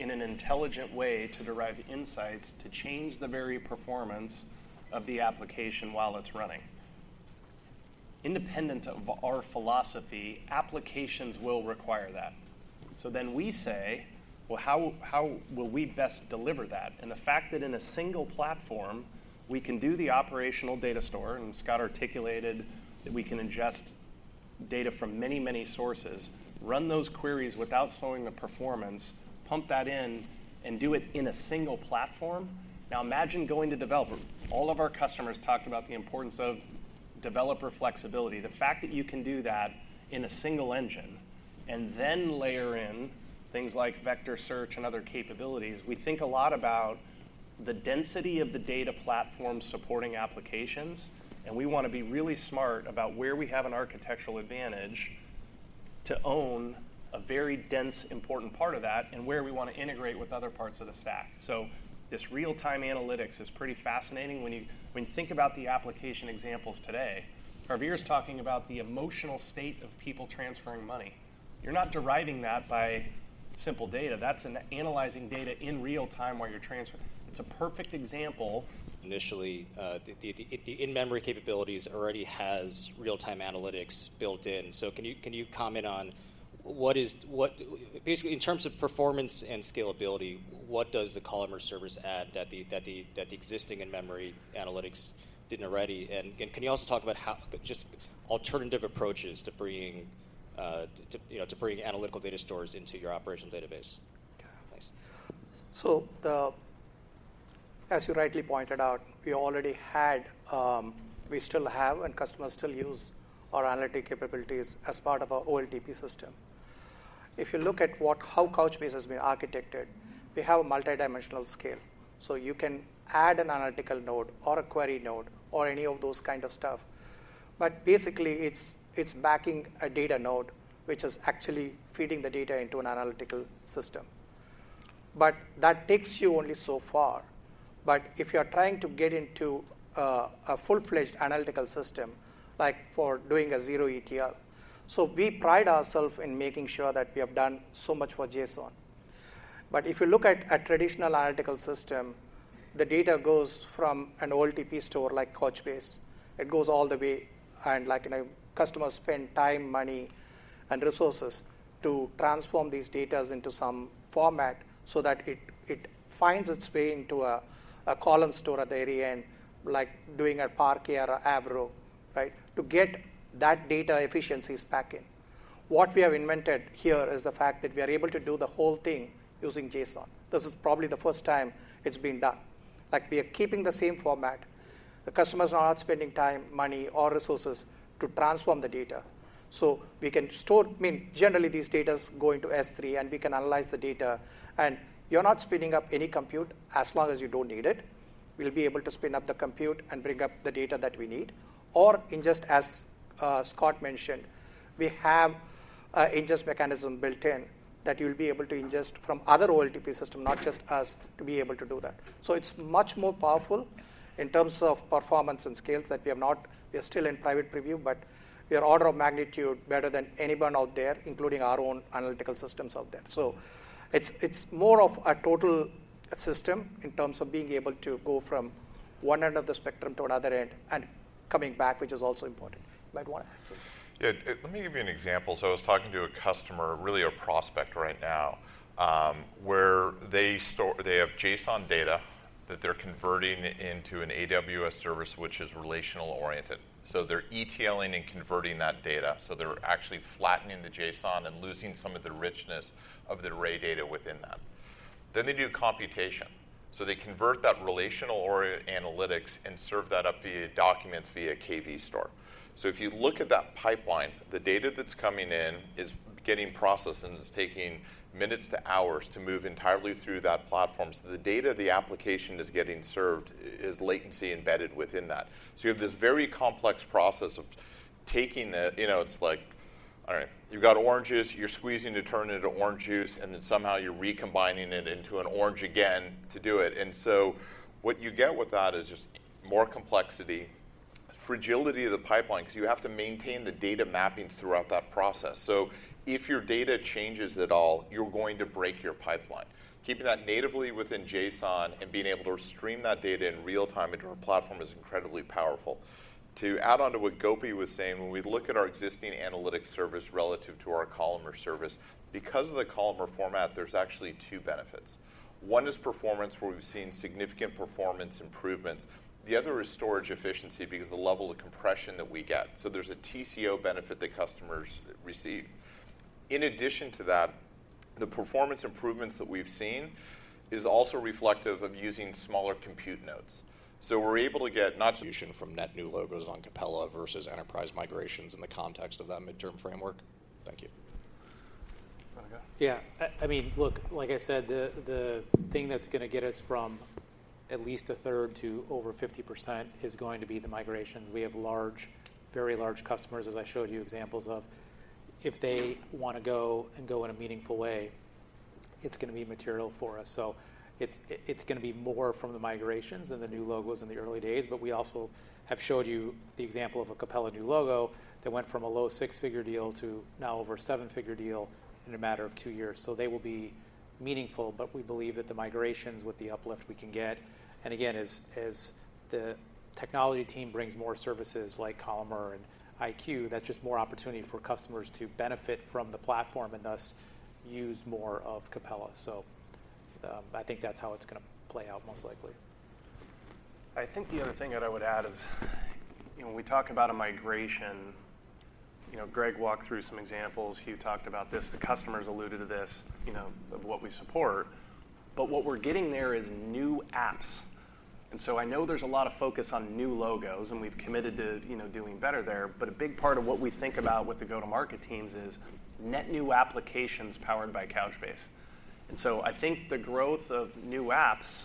in an intelligent way to derive insights to change the very performance of the application while it's running. Independent of our philosophy, applications will require that. So then we say, "Well, how, how will we best deliver that?" And the fact that in a single platform, we can do the operational data store, and Scott articulated that we can ingest data from many, many sources, run those queries without slowing the performance, pump that in, and do it in a single platform? Now, imagine going to developer. All of our customers talked about the importance of developer flexibility. The fact that you can do that in a single engine and then layer in things like vector search and other capabilities. We think a lot about the density of the data platform supporting applications, and we want to be really smart about where we have an architectural advantage to own a very dense, important part of that and where we want to integrate with other parts of the stack. So this real-time analytics is pretty fascinating when you, when you think about the application examples today. Javier's talking about the emotional state of people transferring money. You're not deriving that by simple data. That's analyzing data in real time while you're transferring. It's a perfect example- Initially, the in-memory capabilities already has real-time analytics built in, so can you comment on what... Basically, in terms of performance and scalability, what does the columnar service add that the existing in-memory analytics didn't already? And can you also talk about alternative approaches to bringing, you know, analytical data stores into your operational database? Okay. Thanks. So, as you rightly pointed out, we already had, we still have, and customers still use our analytic capabilities as part of our OLTP system. If you look at what, how Couchbase has been architected, we have a multidimensional scale, so you can add an analytical node or a query node or any of those kind of stuff. But basically, it's backing a data node, which is actually feeding the data into an analytical system. But that takes you only so far. But if you are trying to get into a full-fledged analytical system, like for doing a Zero-ETL. So we pride ourself in making sure that we have done so much for JSON. But if you look at a traditional analytical system, the data goes from an OLTP store like Couchbase. It goes all the way, and, like, you know, customers spend time, money, and resources to transform these data into some format so that it finds its way into a column store at the very end, like doing a Parquet or Avro, right? To get that data efficiencies back in. What we have invented here is the fact that we are able to do the whole thing using JSON. This is probably the first time it's been done.... like we are keeping the same format. The customers are not spending time, money, or resources to transform the data. So we can store—I mean, generally, these data go into S3, and we can analyze the data, and you're not spinning up any compute as long as you don't need it. We'll be able to spin up the compute and bring up the data that we need. Or ingest, as Scott mentioned, we have a ingest mechanism built in that you'll be able to ingest from other OLTP system, not just us, to be able to do that. So it's much more powerful in terms of performance and scale. We are still in private preview, but we are order of magnitude better than anyone out there, including our own analytical systems out there. So it's more of a total system in terms of being able to go from one end of the spectrum to another end and coming back, which is also important. Matt, want to answer? Yeah. Let me give you an example. So I was talking to a customer, really a prospect right now, where they store... They have JSON data that they're converting into an AWS service, which is relational-oriented. So they're ETL-ing and converting that data, so they're actually flattening the JSON and losing some of the richness of the array data within that. Then they do a computation. So they convert that relational-oriented analytics and serve that up via documents via KV store. So if you look at that pipeline, the data that's coming in is getting processed, and it's taking minutes to hours to move entirely through that platform. So the data the application is getting served is latency embedded within that. So you have this very complex process of taking the... You know, it's like, all right, you've got oranges, you're squeezing to turn it into orange juice, and then somehow you're recombining it into an orange again to do it. And so what you get with that is just more complexity, fragility of the pipeline, because you have to maintain the data mappings throughout that process. So if your data changes at all, you're going to break your pipeline. Keeping that natively within JSON and being able to stream that data in real time into our platform is incredibly powerful. To add on to what Gopi was saying, when we look at our existing analytics service relative to our columnar service, because of the columnar format, there's actually two benefits. One is performance, where we've seen significant performance improvements. The other is storage efficiency because the level of compression that we get. So there's a TCO benefit that customers receive. In addition to that, the performance improvements that we've seen is also reflective of using smaller compute nodes. So we're able to get not-... solution from net new logos on Capella versus enterprise migrations in the context of that midterm framework? Thank you. Want to go? Yeah. I mean, look, like I said, the thing that's going to get us from at least a third to over 50% is going to be the migrations. We have large, very large customers, as I showed you examples of. If they want to go, and go in a meaningful way, it's going to be material for us. So it's going to be more from the migrations and the new logos in the early days, but we also have showed you the example of a Capella new logo that went from a low six-figure deal to now over a seven-figure deal in a matter of two years. They will be meaningful, but we believe that the migrations with the uplift we can get, and again, as the technology team brings more services like Columnar and iQ, that's just more opportunity for customers to benefit from the platform and thus use more of Capella. I think that's how it's going to play out, most likely. I think the other thing that I would add is, you know, when we talk about a migration, you know, Greg walked through some examples, Huw talked about this, the customers alluded to this, you know, of what we support, but what we're getting there is new apps. And so I know there's a lot of focus on new logos, and we've committed to, you know, doing better there, but a big part of what we think about with the go-to-market teams is net new applications powered by Couchbase. And so I think the growth of new apps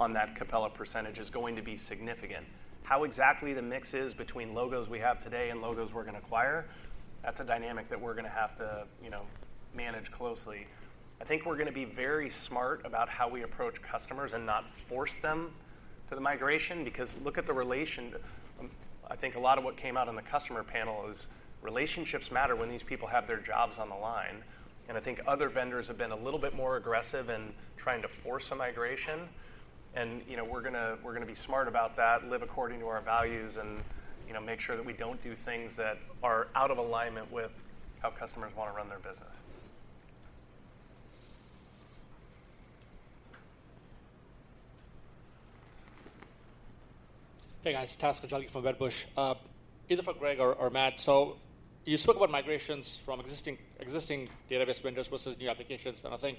on that Capella percentage is going to be significant. How exactly the mix is between logos we have today and logos we're going to acquire, that's a dynamic that we're going to have to, you know, manage closely. I think we're going to be very smart about how we approach customers and not force them to the migration, because look at the relationship. I think a lot of what came out in the customer panel is relationships matter when these people have their jobs on the line, and I think other vendors have been a little bit more aggressive in trying to force a migration. And, you know, we're going to, we're going to be smart about that, live according to our values, and, you know, make sure that we don't do things that are out of alignment with how customers want to run their business. Hey, guys. Taz Koujalgi from Wedbush. Either for Greg or Matt. So you spoke about migrations from existing database vendors versus new applications, and I think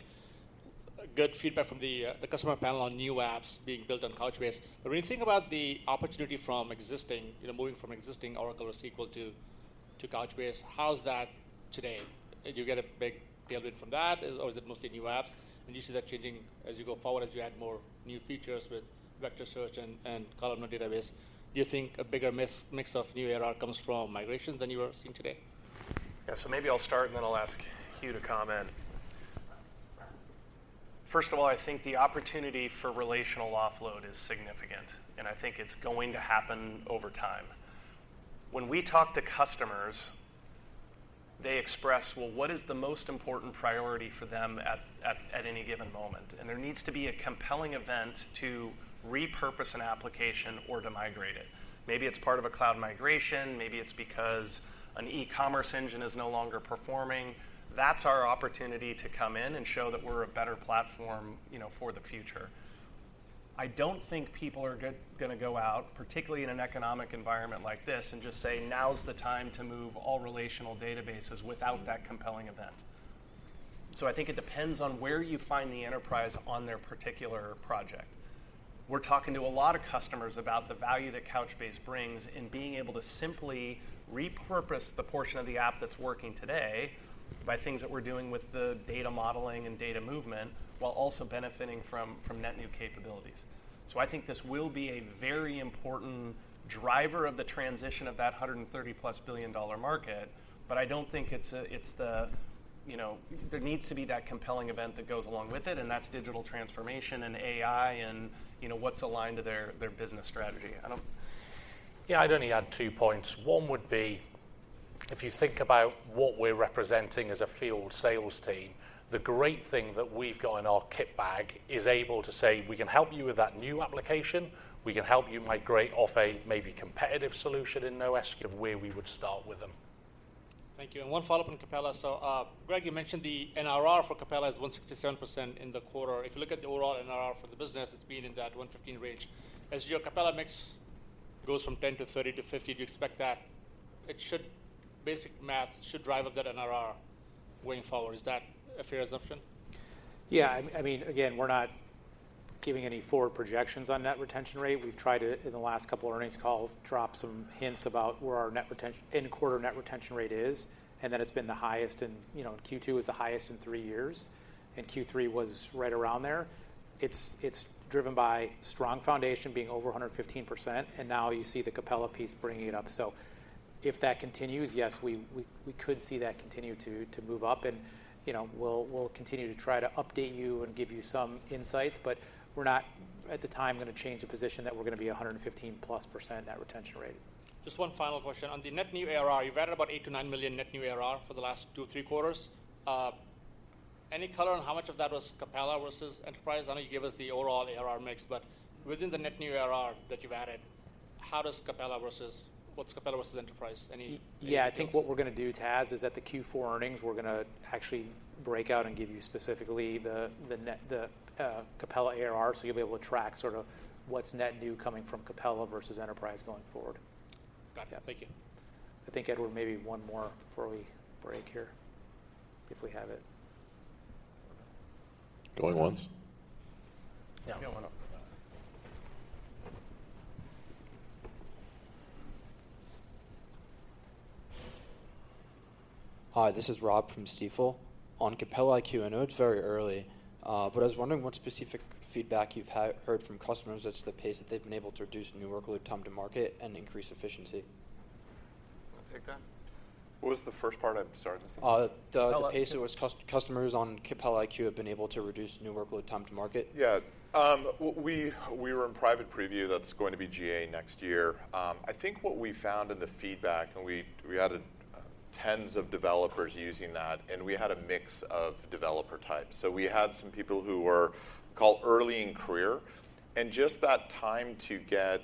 good feedback from the customer panel on new apps being built on Couchbase. But when you think about the opportunity from existing, you know, moving from existing Oracle or SQL to Couchbase, how's that today? Do you get a big deal win from that, or is it mostly new apps? And do you see that changing as you go forward, as you add more new features with vector search and columnar database? Do you think a bigger mix of new ARR comes from migrations than you are seeing today? Yeah. So maybe I'll start, and then I'll ask Huw to comment. First of all, I think the opportunity for relational offload is significant, and I think it's going to happen over time. When we talk to customers, they express, well, what is the most important priority for them at any given moment? And there needs to be a compelling event to repurpose an application or to migrate it. Maybe it's part of a cloud migration, maybe it's because an e-commerce engine is no longer performing. That's our opportunity to come in and show that we're a better platform, you know, for the future. I don't think people are going to go out, particularly in an economic environment like this, and just say, "Now's the time to move all relational databases," without that compelling event.... So I think it depends on where you find the enterprise on their particular project. We're talking to a lot of customers about the value that Couchbase brings in being able to simply repurpose the portion of the app that's working today by things that we're doing with the data modeling and data movement, while also benefiting from, from net new capabilities. So I think this will be a very important driver of the transition of that $130+ billion market, but I don't think it's a, it's the, you know—there needs to be that compelling event that goes along with it, and that's digital transformation and AI, and, you know, what's aligned to their, their business strategy. I don't- Yeah, I'd only add two points. One would be, if you think about what we're representing as a field sales team, the great thing that we've got in our kit bag is able to say, "We can help you with that new application. We can help you migrate off a maybe competitive solution," in no risk of where we would start with them. Thank you. And one follow-up on Capella. So, Greg, you mentioned the NRR for Capella is 167% in the quarter. If you look at the overall NRR for the business, it's been in that 115 range. As your Capella mix goes from 10 to 30 to 50, do you expect that it should, basic math, should drive up that NRR way forward. Is that a fair assumption? Yeah, I mean, again, we're not giving any forward projections on Net Retention Rate. We've tried to, in the last couple of earnings calls, drop some hints about where our net retention, end quarter Net Retention Rate is, and that it's been the highest in, you know, Q2 was the highest in three years, and Q3 was right around there. It's driven by strong foundation being over 115%, and now you see the Capella piece bringing it up. So if that continues, yes, we could see that continue to move up, and, you know, we'll continue to try to update you and give you some insights, but we're not, at the time, going to change the position that we're going to be 115%+ Net Retention Rate. Just one final question. On the net new ARR, you've added about $8 million-$9 million net new ARR for the last two, three quarters. Any color on how much of that was Capella versus Enterprise? I know you gave us the overall ARR mix, but within the net new ARR that you've added, how does Capella versus... What's Capella versus Enterprise? Any- Yeah, I think what we're going to do, Taz, is at the Q4 earnings, we're going to actually break out and give you specifically the net Capella ARR, so you'll be able to track sort of what's net new coming from Capella versus Enterprise going forward. Got it. Yeah. Thank you. I think, Edward, maybe one more before we break here, if we have it. Going once? Yeah, one more. Hi, this is Rob from Stifel. On Capella iQ, I know it's very early, but I was wondering what specific feedback you've heard from customers as to the pace that they've been able to reduce new workload time to market and increase efficiency? Want to take that? What was the first part? I'm sorry. The pace in which customers on Capella iQ have been able to reduce new workload time to market. Yeah. We were in private preview. That's going to be GA next year. I think what we found in the feedback, and we added tens of developers using that, and we had a mix of developer types. So we had some people who were called early in career, and just that time to get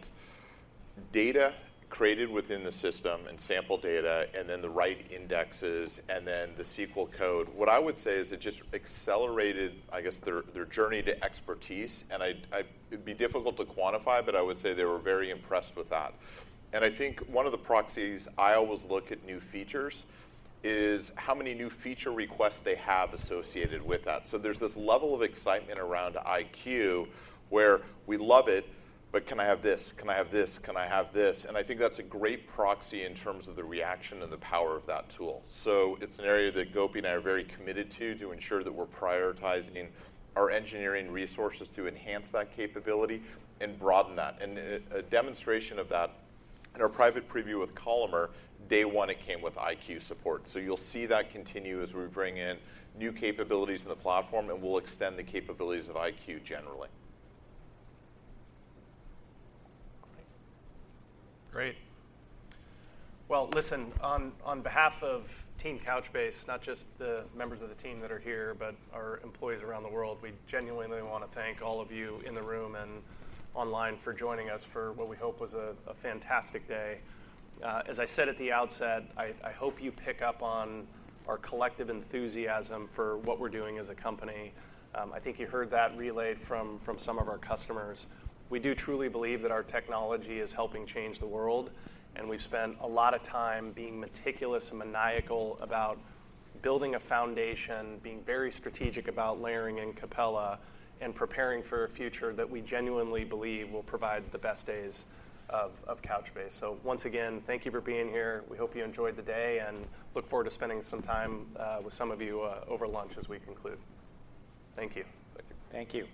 data created within the system and sample data, and then the right indexes, and then the SQL code. What I would say is it just accelerated, I guess, their journey to expertise, and it'd be difficult to quantify, but I would say they were very impressed with that. And I think one of the proxies I always look at new features is how many new feature requests they have associated with that. So there's this level of excitement around iQ where we love it, but can I have this? Can I have this? Can I have this? And I think that's a great proxy in terms of the reaction and the power of that tool. So it's an area that Gopi and I are very committed to, to ensure that we're prioritizing our engineering resources to enhance that capability and broaden that. And a demonstration of that in our private preview with Columnar, day one, it came with iQ support. So you'll see that continue as we bring in new capabilities in the platform, and we'll extend the capabilities of iQ generally. Great. Well, listen, on behalf of Team Couchbase, not just the members of the team that are here, but our employees around the world, we genuinely want to thank all of you in the room and online for joining us for what we hope was a fantastic day. As I said at the outset, I hope you pick up on our collective enthusiasm for what we're doing as a company. I think you heard that relayed from some of our customers. We do truly believe that our technology is helping change the world, and we've spent a lot of time being meticulous and maniacal about building a foundation, being very strategic about layering in Capella, and preparing for a future that we genuinely believe will provide the best days of Couchbase. So once again, thank you for being here. We hope you enjoyed the day, and look forward to spending some time, with some of you, over lunch as we conclude. Thank you. Thank you. Thank you.